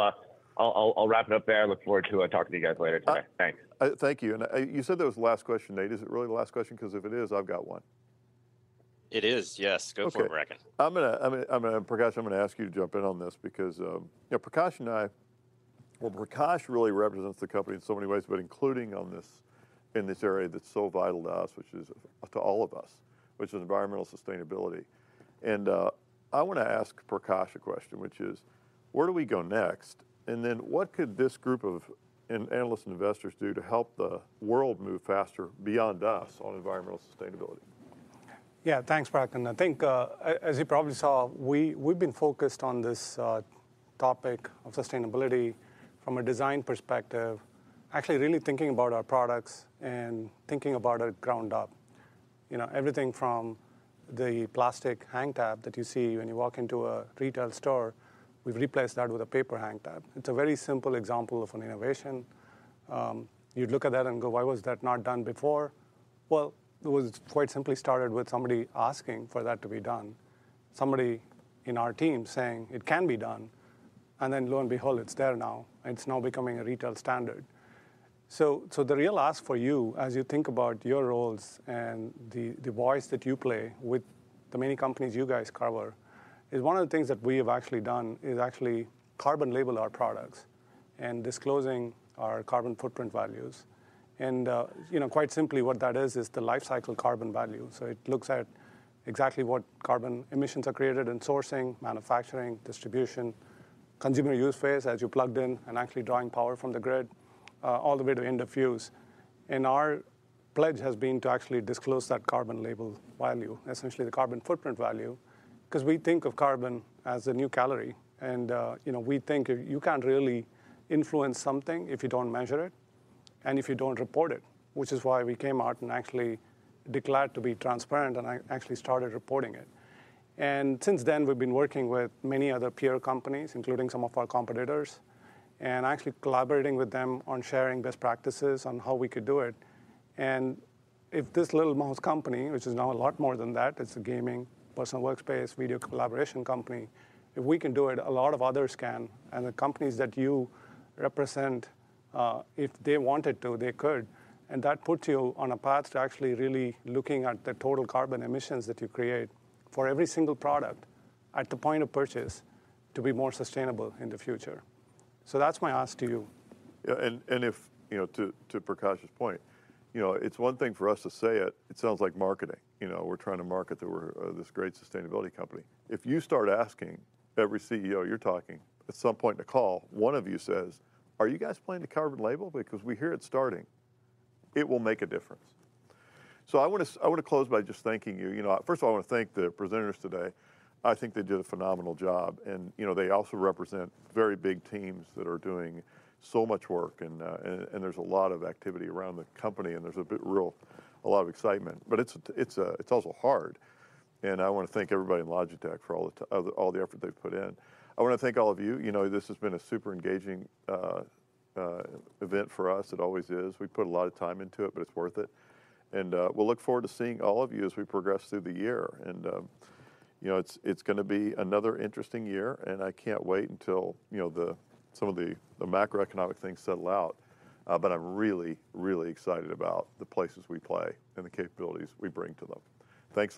I'll wrap it up there. I look forward to talking to you guys later today. Thanks I, thank you. You said that was the last question, Nate. Is it really the last question? 'Cause if it is, I've got one. It is, yes. Okay. Go for it, Bracken. I'm gonna Prakash, I'm gonna ask you to jump in on this because Prakash and I, well, Prakash really represents the company in so many ways, but including on this, in this area that's so vital to us, which is, to all of us, which is environmental sustainability. I wanna ask Prakash a question, which is: Where do we go next? What could this group of analysts and investors do to help the world move faster beyond us on environmental sustainability? Thanks, Bracken. I think, as you probably saw, we've been focused on this topic of sustainability from a design perspective, actually really thinking about our products and thinking about it ground up. You know, everything from the plastic hang tag that you see when you walk into a retail store, we've replaced that with a paper hang tag. It's a very simple example of an innovation. You'd look at that and go, "Why was that not done before?" Well, it was quite simply started with somebody asking for that to be done, somebody in our team saying, "It can be done," lo and behold, it's there now, it's now becoming a retail standard. The real ask for you as you think about your roles and the voice that you play with the many companies you guys cover, is one of the things that we have actually done is actually carbon label our products and disclosing our carbon footprint values. You know, quite simply what that is is the lifecycle carbon value. It looks at exactly what carbon emissions are created in sourcing, manufacturing, distribution, consumer use phase, as you plugged in and actually drawing power from the grid, all the way to end of use. Our pledge has been to actually disclose that carbon label value, essentially the carbon footprint value, 'cause we think of carbon as the new calorie. You know, we think, you can't really influence something if you don't measure it and if you don't report it, which is why we came out and actually declared to be transparent and actually started reporting it. Since then, we've been working with many other peer companies, including some of our competitors, and actually collaborating with them on sharing best practices on how we could do it. If this little mouse company, which is now a lot more than that, it's a gaming, personal workspace, video collaboration company, if we can do it, a lot of others can. The companies that you represent, if they wanted to, they could. That puts you on a path to actually really looking at the total carbon emissions that you create for every single product at the point of purchase to be more sustainable in the future. That's my ask to you. if to Prakash's point it's one thing for us to say it. It sounds like marketing, you know? We're trying to market that we're this great sustainability company. If you start asking every CEO you're talking, at some point in the call, one of you says, "Are you guys planning to carbon label? Because we hear it's starting," it will make a difference. I wanna close by just thanking you. You know, first of all, I wanna thank the presenters today. I think they did a phenomenal job. You know, they also represent very big teams that are doing so much work, and there's a lot of activity around the company, and there's a lot of excitement. It's, it's also hard. I wanna thank everybody in Logitech for all the effort they've put in. I wanna thank all of you. You know, this has been a super engaging event for us. It always is. We put a lot of time into it, but it's worth it. We'll look forward to seeing all of you as we progress through the year. You know, it's gonna be another interesting year, and I can't wait until some of the macroeconomic things settle out. I'm really, really excited about the places we play and the capabilities we bring to them. Thanks a lot